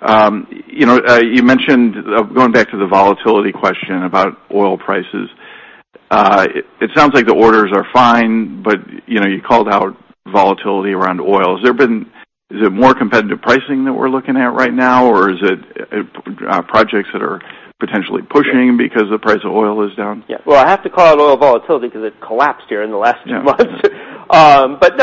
You mentioned, going back to the volatility question about oil prices. It sounds like the orders are fine, but you called out volatility around oil. Is there more competitive pricing that we're looking at right now, or is it projects that are potentially pushing because the price of oil is down? Yeah. Well, I have to call out oil volatility because it collapsed here in the last 2 months. No,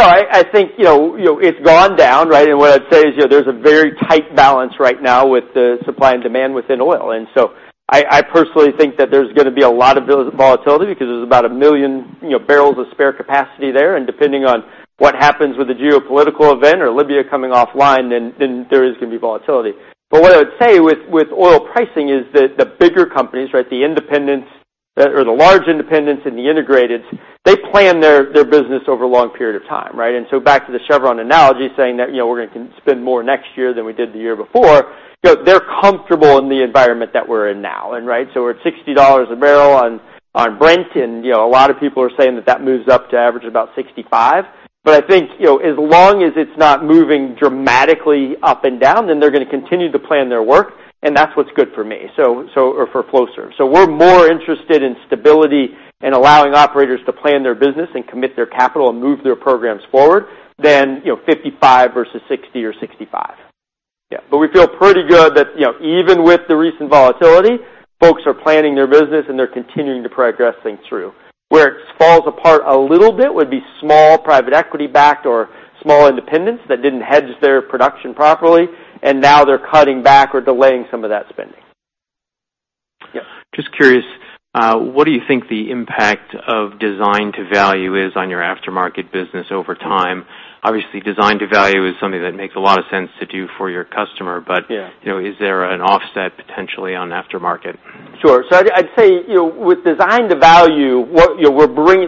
I think, it's gone down, right? What I'd say is, there's a very tight balance right now with the supply and demand within oil. I personally think that there's going to be a lot of volatility because there's about a million barrels of spare capacity there, and depending on what happens with a geopolitical event or Libya coming offline, then there is going to be volatility. What I would say with oil pricing is that the bigger companies, the independents, or the large independents and the integrated, they plan their business over a long period of time, right? Back to the Chevron analogy, saying that we're going to spend more next year than we did the year before. They're comfortable in the environment that we're in now, right? We're at $60 a barrel on Brent, and a lot of people are saying that that moves up to average about 65. I think, as long as it's not moving dramatically up and down, then they're going to continue to plan their work, and that's what's good for me, or for Flowserve. We're more interested in stability and allowing operators to plan their business and commit their capital and move their programs forward than 55 versus 60 or 65. Yeah. We feel pretty good that even with the recent volatility, folks are planning their business and they're continuing to progress things through. Where it falls apart a little bit would be small private equity backed or small independents that didn't hedge their production properly, and now they're cutting back or delaying some of that spending. Yeah. Just curious, what do you think the impact of design to value is on your aftermarket business over time? Obviously, design to value is something that makes a lot of sense to do for your customer. Yeah Is there an offset potentially on aftermarket? Sure. I'd say, with design to value,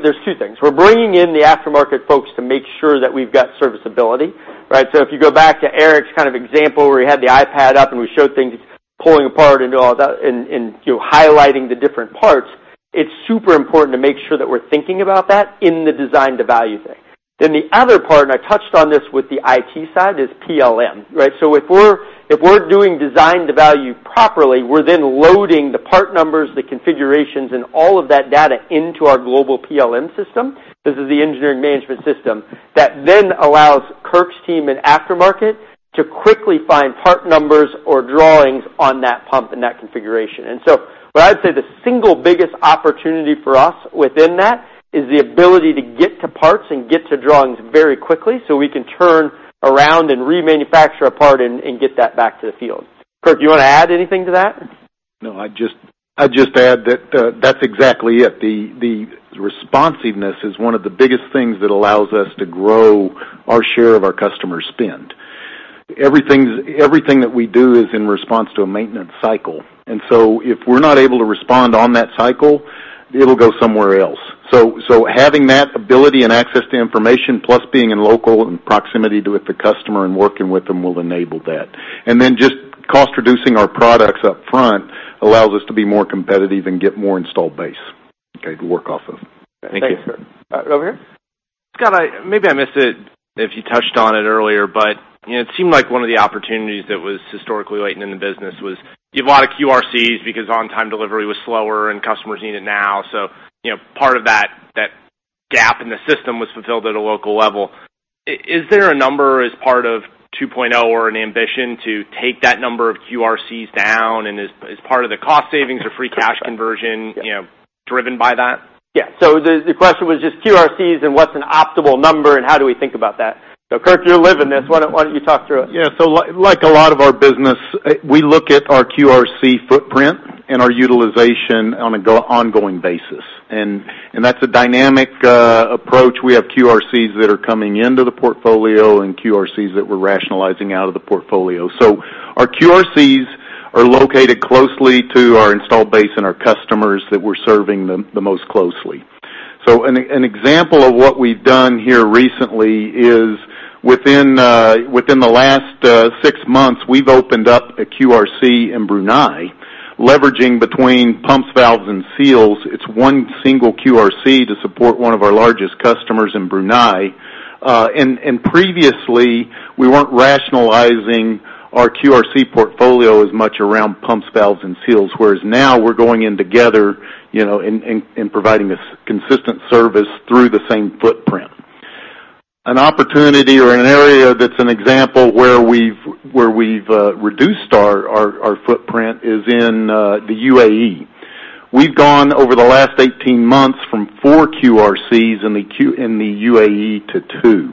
there's two things. We're bringing in the aftermarket folks to make sure that we've got serviceability. Right. If you go back to Eric's kind of example where he had the iPad up and we showed things pulling apart and all that, highlighting the different parts, it's super important to make sure that we're thinking about that in the design to value thing. The other part, I touched on this with the IT side, is PLM. Right? If we're doing design to value properly, we're then loading the part numbers, the configurations, and all of that data into our global PLM system. This is the engineering management system that allows Kirk's team in aftermarket to quickly find part numbers or drawings on that pump in that configuration. What I would say the single biggest opportunity for us within that is the ability to get to parts and get to drawings very quickly so we can turn around and remanufacture a part and get that back to the field. Kirk, do you want to add anything to that? No, I'd just add that that's exactly it. The responsiveness is one of the biggest things that allows us to grow our share of our customer spend. Everything that we do is in response to a maintenance cycle, if we're not able to respond on that cycle, it'll go somewhere else. Having that ability and access to information, plus being in local and proximity with the customer and working with them will enable that. Just cost reducing our products up front allows us to be more competitive and get more installed base, okay, to work off of. Thank you. Thanks, Kirk. Over here? Scott, maybe I missed it if you touched on it earlier, but it seemed like one of the opportunities that was historically latent in the business was you have a lot of QRCs because on-time delivery was slower and customers need it now. Part of that gap in the system was fulfilled at a local level. Is there a number as part of 2.0 or an ambition to take that number of QRCs down, and is part of the cost savings or free cash conversion driven by that? Yeah. The question was just QRCs and what's an optimal number and how do we think about that? Kirk, you're living this. Why don't you talk through it? Yeah. Like a lot of our business, we look at our QRC footprint and our utilization on an ongoing basis. That's a dynamic approach. We have QRCs that are coming into the portfolio and QRCs that we're rationalizing out of the portfolio. Our QRCs are located closely to our installed base and our customers that we're serving the most closely. An example of what we've done here recently is within the last six months, we've opened up a QRC in Brunei, leveraging between pumps, valves, and seals. It's one single QRC to support one of our largest customers in Brunei. Previously, we weren't rationalizing our QRC portfolio as much around pumps, valves, and seals, whereas now we're going in together and providing this consistent service through the same footprint. An opportunity or an area that's an example where we've reduced our footprint is in the U.A.E. We've gone over the last 18 months from 4 QRCs in the U.A.E. to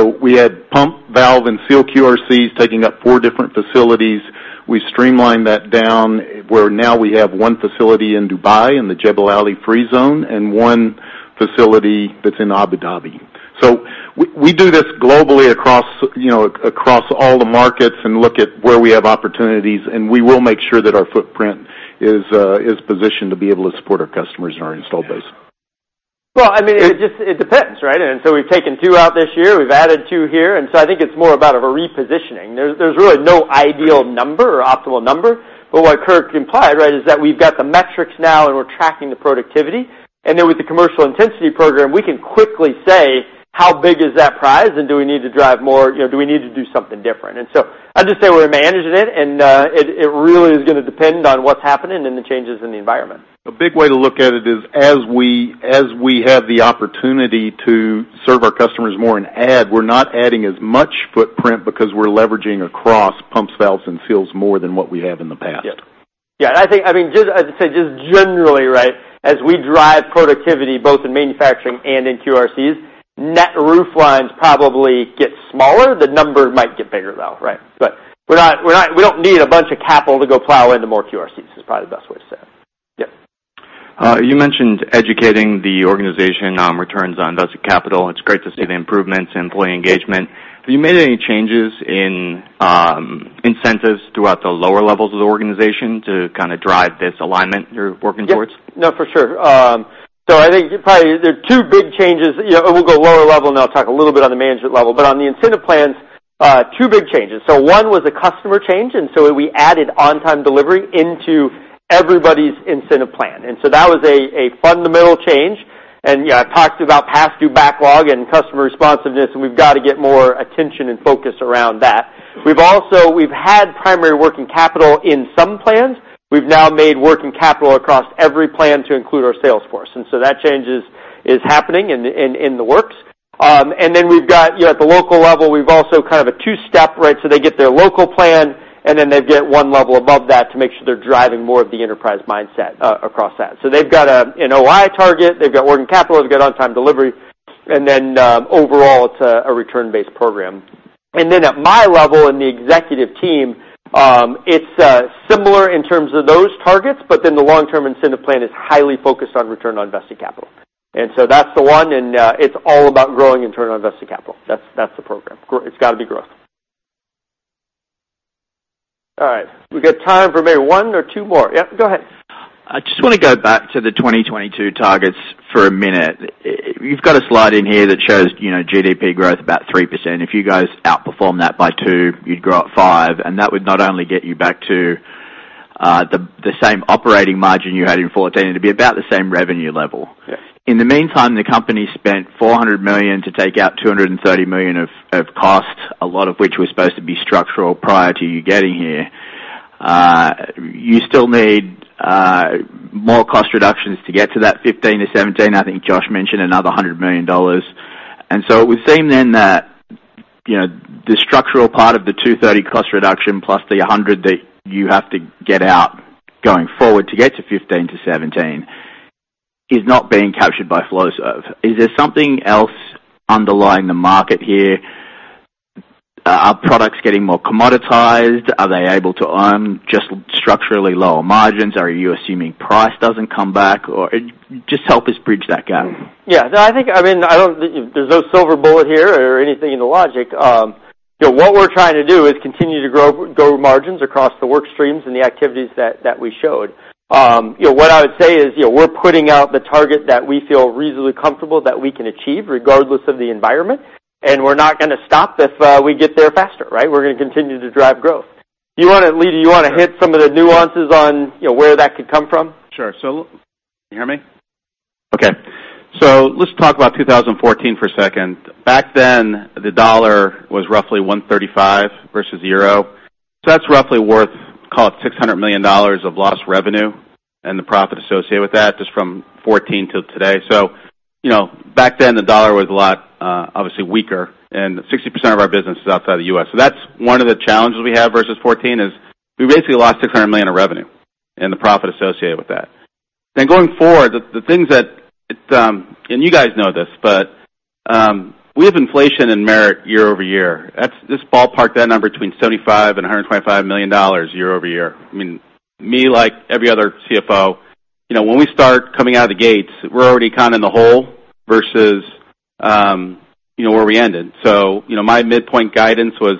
2. We had pump, valve, and seal QRCs taking up 4 different facilities. We streamlined that down where now we have 1 facility in Dubai in the Jebel Ali Free Zone and 1 facility that's in Abu Dhabi. We do this globally across all the markets and look at where we have opportunities, and we will make sure that our footprint is positioned to be able to support our customers and our installed base. It depends, right? We've taken 2 out this year, we've added 2 here, I think it's more about a repositioning. There's really no ideal number or optimal number. What Kirk implied, right, is that we've got the metrics now and we're tracking the productivity. With the commercial intensity program, we can quickly say how big is that prize and do we need to drive more, do we need to do something different? I'd just say we're managing it, and it really is going to depend on what's happening and the changes in the environment. A big way to look at it is as we have the opportunity to serve our customers more and add, we're not adding as much footprint because we're leveraging across pumps, valves, and seals more than what we have in the past. Yes. Yeah. I think just generally, right, as we drive productivity both in manufacturing and in QRCs, net rooflines probably get smaller. The number might get bigger, though, right? We don't need a bunch of capital to go plow into more QRCs is probably the best way to say it. Yeah. You mentioned educating the organization on returns on invested capital, it's great to see the improvements in employee engagement. Have you made any changes in incentives throughout the lower levels of the organization to kind of drive this alignment you're working towards? Yes. No, for sure. I think probably there are two big changes. We'll go lower level, then I'll talk a little bit on the management level. On the incentive plans, two big changes. One was a customer change, we added on-time delivery into everybody's incentive plan. That was a fundamental change. I've talked about past due backlog and customer responsiveness, we've got to get more attention and focus around that. We've had primary working capital in some plans. We've now made working capital across every plan to include our sales force, that change is happening in the works. We've got at the local level, we've also kind of a two-step, right? They get their local plan, they get one level above that to make sure they're driving more of the enterprise mindset across that. They've got an OI target, they've got working capital, they've got on-time delivery, overall, it's a return-based program. At my level in the executive team, it's similar in terms of those targets, the long-term incentive plan is highly focused on return on invested capital. That's the one, it's all about growing return on invested capital. That's the program. All right. We got time for maybe one or two more. Yeah, go ahead. I just want to go back to the 2022 targets for a minute. You've got a slide in here that shows GDP growth about 3%. If you guys outperform that by two, you'd grow at five, that would not only get you back to the same operating margin you had in 2014, it'd be about the same revenue level. Yes. In the meantime, the company spent $400 million to take out $230 million of costs, a lot of which was supposed to be structural prior to you getting here. You still need more cost reductions to get to that 15%-17%. I think Josh mentioned another $100 million. So we've seen then that the structural part of the 230 cost reduction plus the 100 that you have to get out going forward to get to 15%-17%, is not being captured by Flowserve. Is there something else underlying the market here? Are products getting more commoditized? Are they able to earn just structurally lower margins? Are you assuming price doesn't come back? Just help us bridge that gap. Yeah. There's no silver bullet here or anything in the logic. What we're trying to do is continue to grow margins across the work streams and the activities that we showed. What I would say is, we're putting out the target that we feel reasonably comfortable that we can achieve regardless of the environment, and we're not going to stop if we get there faster, right? We're going to continue to drive growth. Lee, do you want to hit some of the nuances on where that could come from? Sure. Can you hear me? Okay. Let's talk about 2014 for a second. Back then, the dollar was roughly 135 versus the euro. That's roughly worth, call it $600 million of lost revenue and the profit associated with that, just from 2014 till today. Back then, the dollar was a lot, obviously weaker, and 60% of our business is outside the U.S. That's one of the challenges we have versus 2014, is we basically lost $600 million of revenue and the profit associated with that. Going forward, the things that, and you guys know this, but we have inflation in merit year-over-year. Let's ballpark that number between $75 million-$125 million year-over-year. Me, like every other CFO, when we start coming out of the gates, we're already kind of in the hole versus where we ended. My midpoint guidance was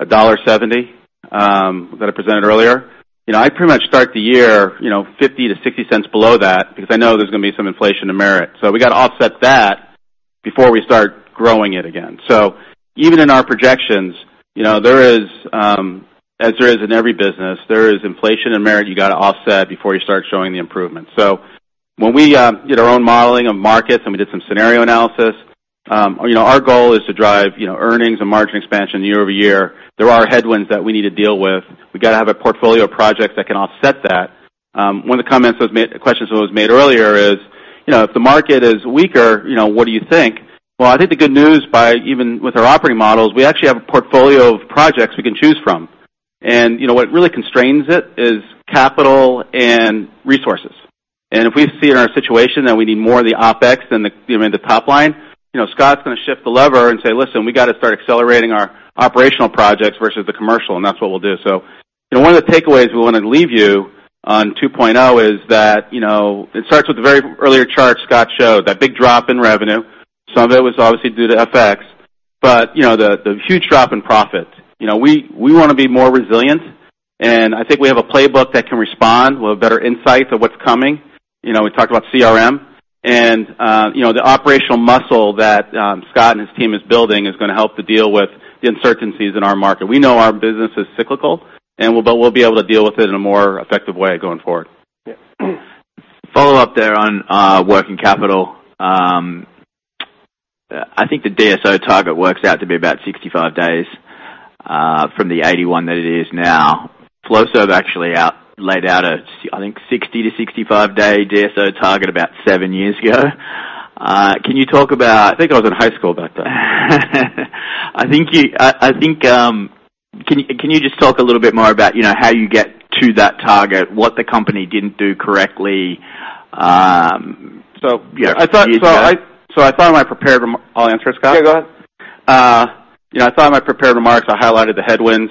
$1.70, that I presented earlier. I pretty much start the year, $0.50-$0.60 below that because I know there's going to be some inflation to merit. We got to offset that before we start growing it again. Even in our projections, as there is in every business, there is inflation in merit you got to offset before you start showing the improvement. When we did our own modeling of markets and we did some scenario analysis, our goal is to drive earnings and margin expansion year-over-year. There are headwinds that we need to deal with. We got to have a portfolio of projects that can offset that. One of the questions that was made earlier is, "If the market is weaker, what do you think?" Well, I think the good news by even with our operating models, we actually have a portfolio of projects we can choose from. What really constrains it is capital and resources. If we see in our situation that we need more of the OpEx than in the top line, Scott's going to shift the lever and say, "Listen, we got to start accelerating our operational projects versus the commercial," and that's what we'll do. One of the takeaways we want to leave you on Flowserve 2.0 is that, it starts with the very earlier chart Scott showed, that big drop in revenue. Some of it was obviously due to FX, but the huge drop in profits. We want to be more resilient, and I think we have a playbook that can respond. We'll have better insights of what's coming. We talked about CRM and the operational muscle that Scott and his team is building is going to help to deal with the uncertainties in our market. We know our business is cyclical, and we'll be able to deal with it in a more effective way going forward. Yeah. Follow up there on working capital. I think the DSO target works out to be about 65 days, from the 81 that it is now. Flowserve actually laid out a, I think, 60 to 65-day DSO target about seven years ago. I think I was in high school back then. Can you just talk a little bit more about how you get to that target, what the company didn't do correctly years ago? I'll answer it, Scott. Okay, go ahead. I thought in my prepared remarks, I highlighted the headwinds.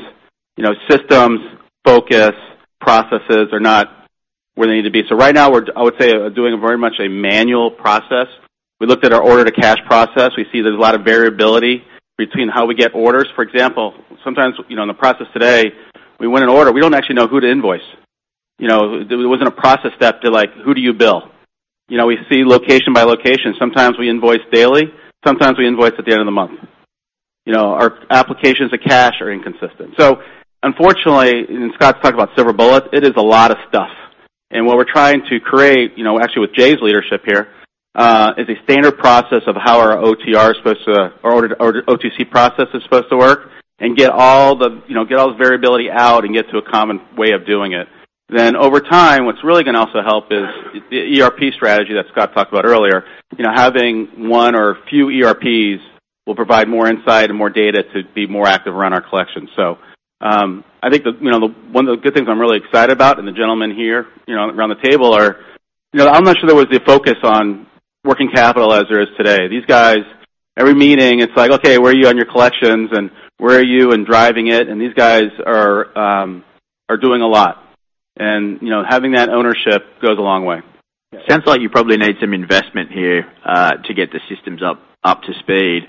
Systems, focus, processes are not where they need to be. Right now, I would say we're doing very much a manual process. We looked at our Order-to-Cash process. We see there's a lot of variability between how we get orders. For example, sometimes in the process today, we win an order, we don't actually know who to invoice. There wasn't a process step to like, who do you bill? We see location by location. Sometimes we invoice daily, sometimes we invoice at the end of the month. Our applications of cash are inconsistent. Unfortunately, and Scott's talked about silver bullets, it is a lot of stuff. What we're trying to create, actually with Jay's leadership here, is a standard process of how our OTR is supposed to, or OTC process is supposed to work, and get all this variability out and get to a common way of doing it. Over time, what's really going to also help is the ERP strategy that Scott talked about earlier. Having one or a few ERPs will provide more insight and more data to be more active around our collections. I think one of the good things I'm really excited about, and the gentlemen here around the table are, I'm not sure there was a focus on working capital as there is today. These guys, every meeting, it's like, "Okay, where are you on your collections, and where are you in driving it?" These guys are doing a lot. Having that ownership goes a long way. Sounds like you probably need some investment here to get the systems up to speed.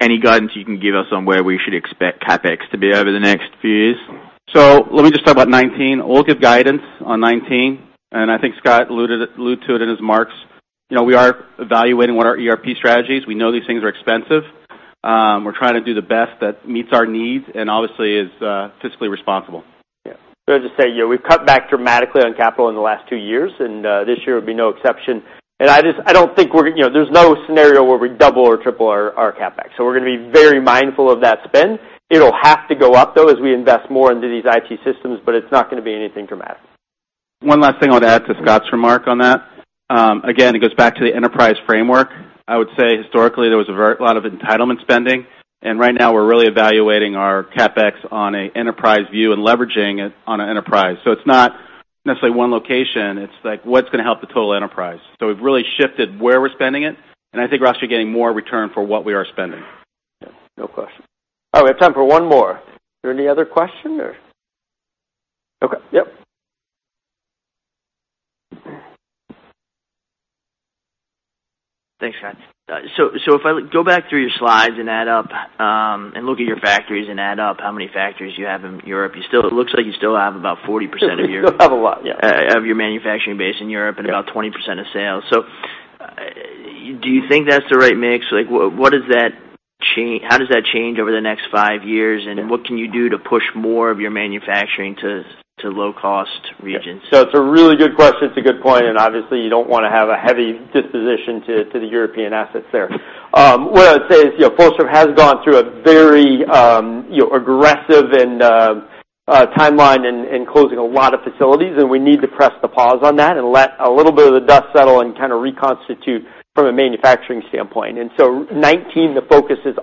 Any guidance you can give us on where we should expect CapEx to be over the next few years? Let me just talk about 2019. We'll give guidance on 2019, and I think Scott alluded to it in his marks. We are evaluating what our ERP strategy is. We know these things are expensive. We're trying to do the best that meets our needs and obviously is fiscally responsible. Yeah. I was going to say, we've cut back dramatically on capital in the last two years, and this year will be no exception. I don't think there's no scenario where we double or triple our CapEx. We're going to be very mindful of that spend. It'll have to go up, though, as we invest more into these IT systems, but it's not going to be anything dramatic. One last thing I'll add to Scott's remark on that. Again, it goes back to the enterprise framework. I would say historically, there was a lot of entitlement spending, and right now we're really evaluating our CapEx on a enterprise view and leveraging it on a enterprise. It's not necessarily one location, it's like, what's going to help the total enterprise? We've really shifted where we're spending it, and I think we're actually getting more return for what we are spending. Yeah. No question. All right, we have time for one more. Are there any other questions or Okay. Yep. Thanks, guys. If I go back through your slides and add up and look at your factories and add up how many factories you have in Europe, it looks like you still have about 40% of your- Still have a lot, yeah of your manufacturing base in Europe and about 20% of sales. Do you think that's the right mix? How does that change over the next five years, and what can you do to push more of your manufacturing to low-cost regions? It's a really good question. It's a good point. Obviously you don't want to have a heavy disposition to the European assets there. What I would say is Flowserve has gone through a very aggressive timeline in closing a lot of facilities. We need to press the pause on that and let a little bit of the dust settle and kind of reconstitute from a manufacturing standpoint. 2019, the focus is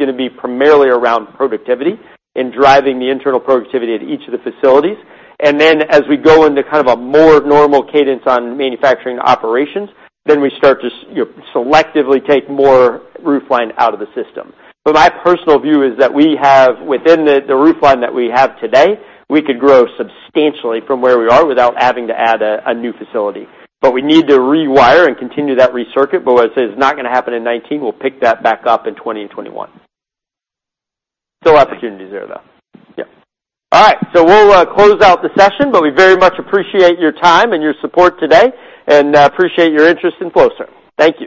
going to be primarily around productivity and driving the internal productivity at each of the facilities. As we go into kind of a more normal cadence on manufacturing operations, we start to selectively take more roofline out of the system. My personal view is that we have, within the roofline that we have today, we could grow substantially from where we are without having to add a new facility. We need to rewire and continue that recircuit. What I'd say, it's not going to happen in 2019. We'll pick that back up in 2020 and 2021. Still opportunities there, though. Yeah. All right. We'll close out the session. We very much appreciate your time and your support today and appreciate your interest in Flowserve. Thank you.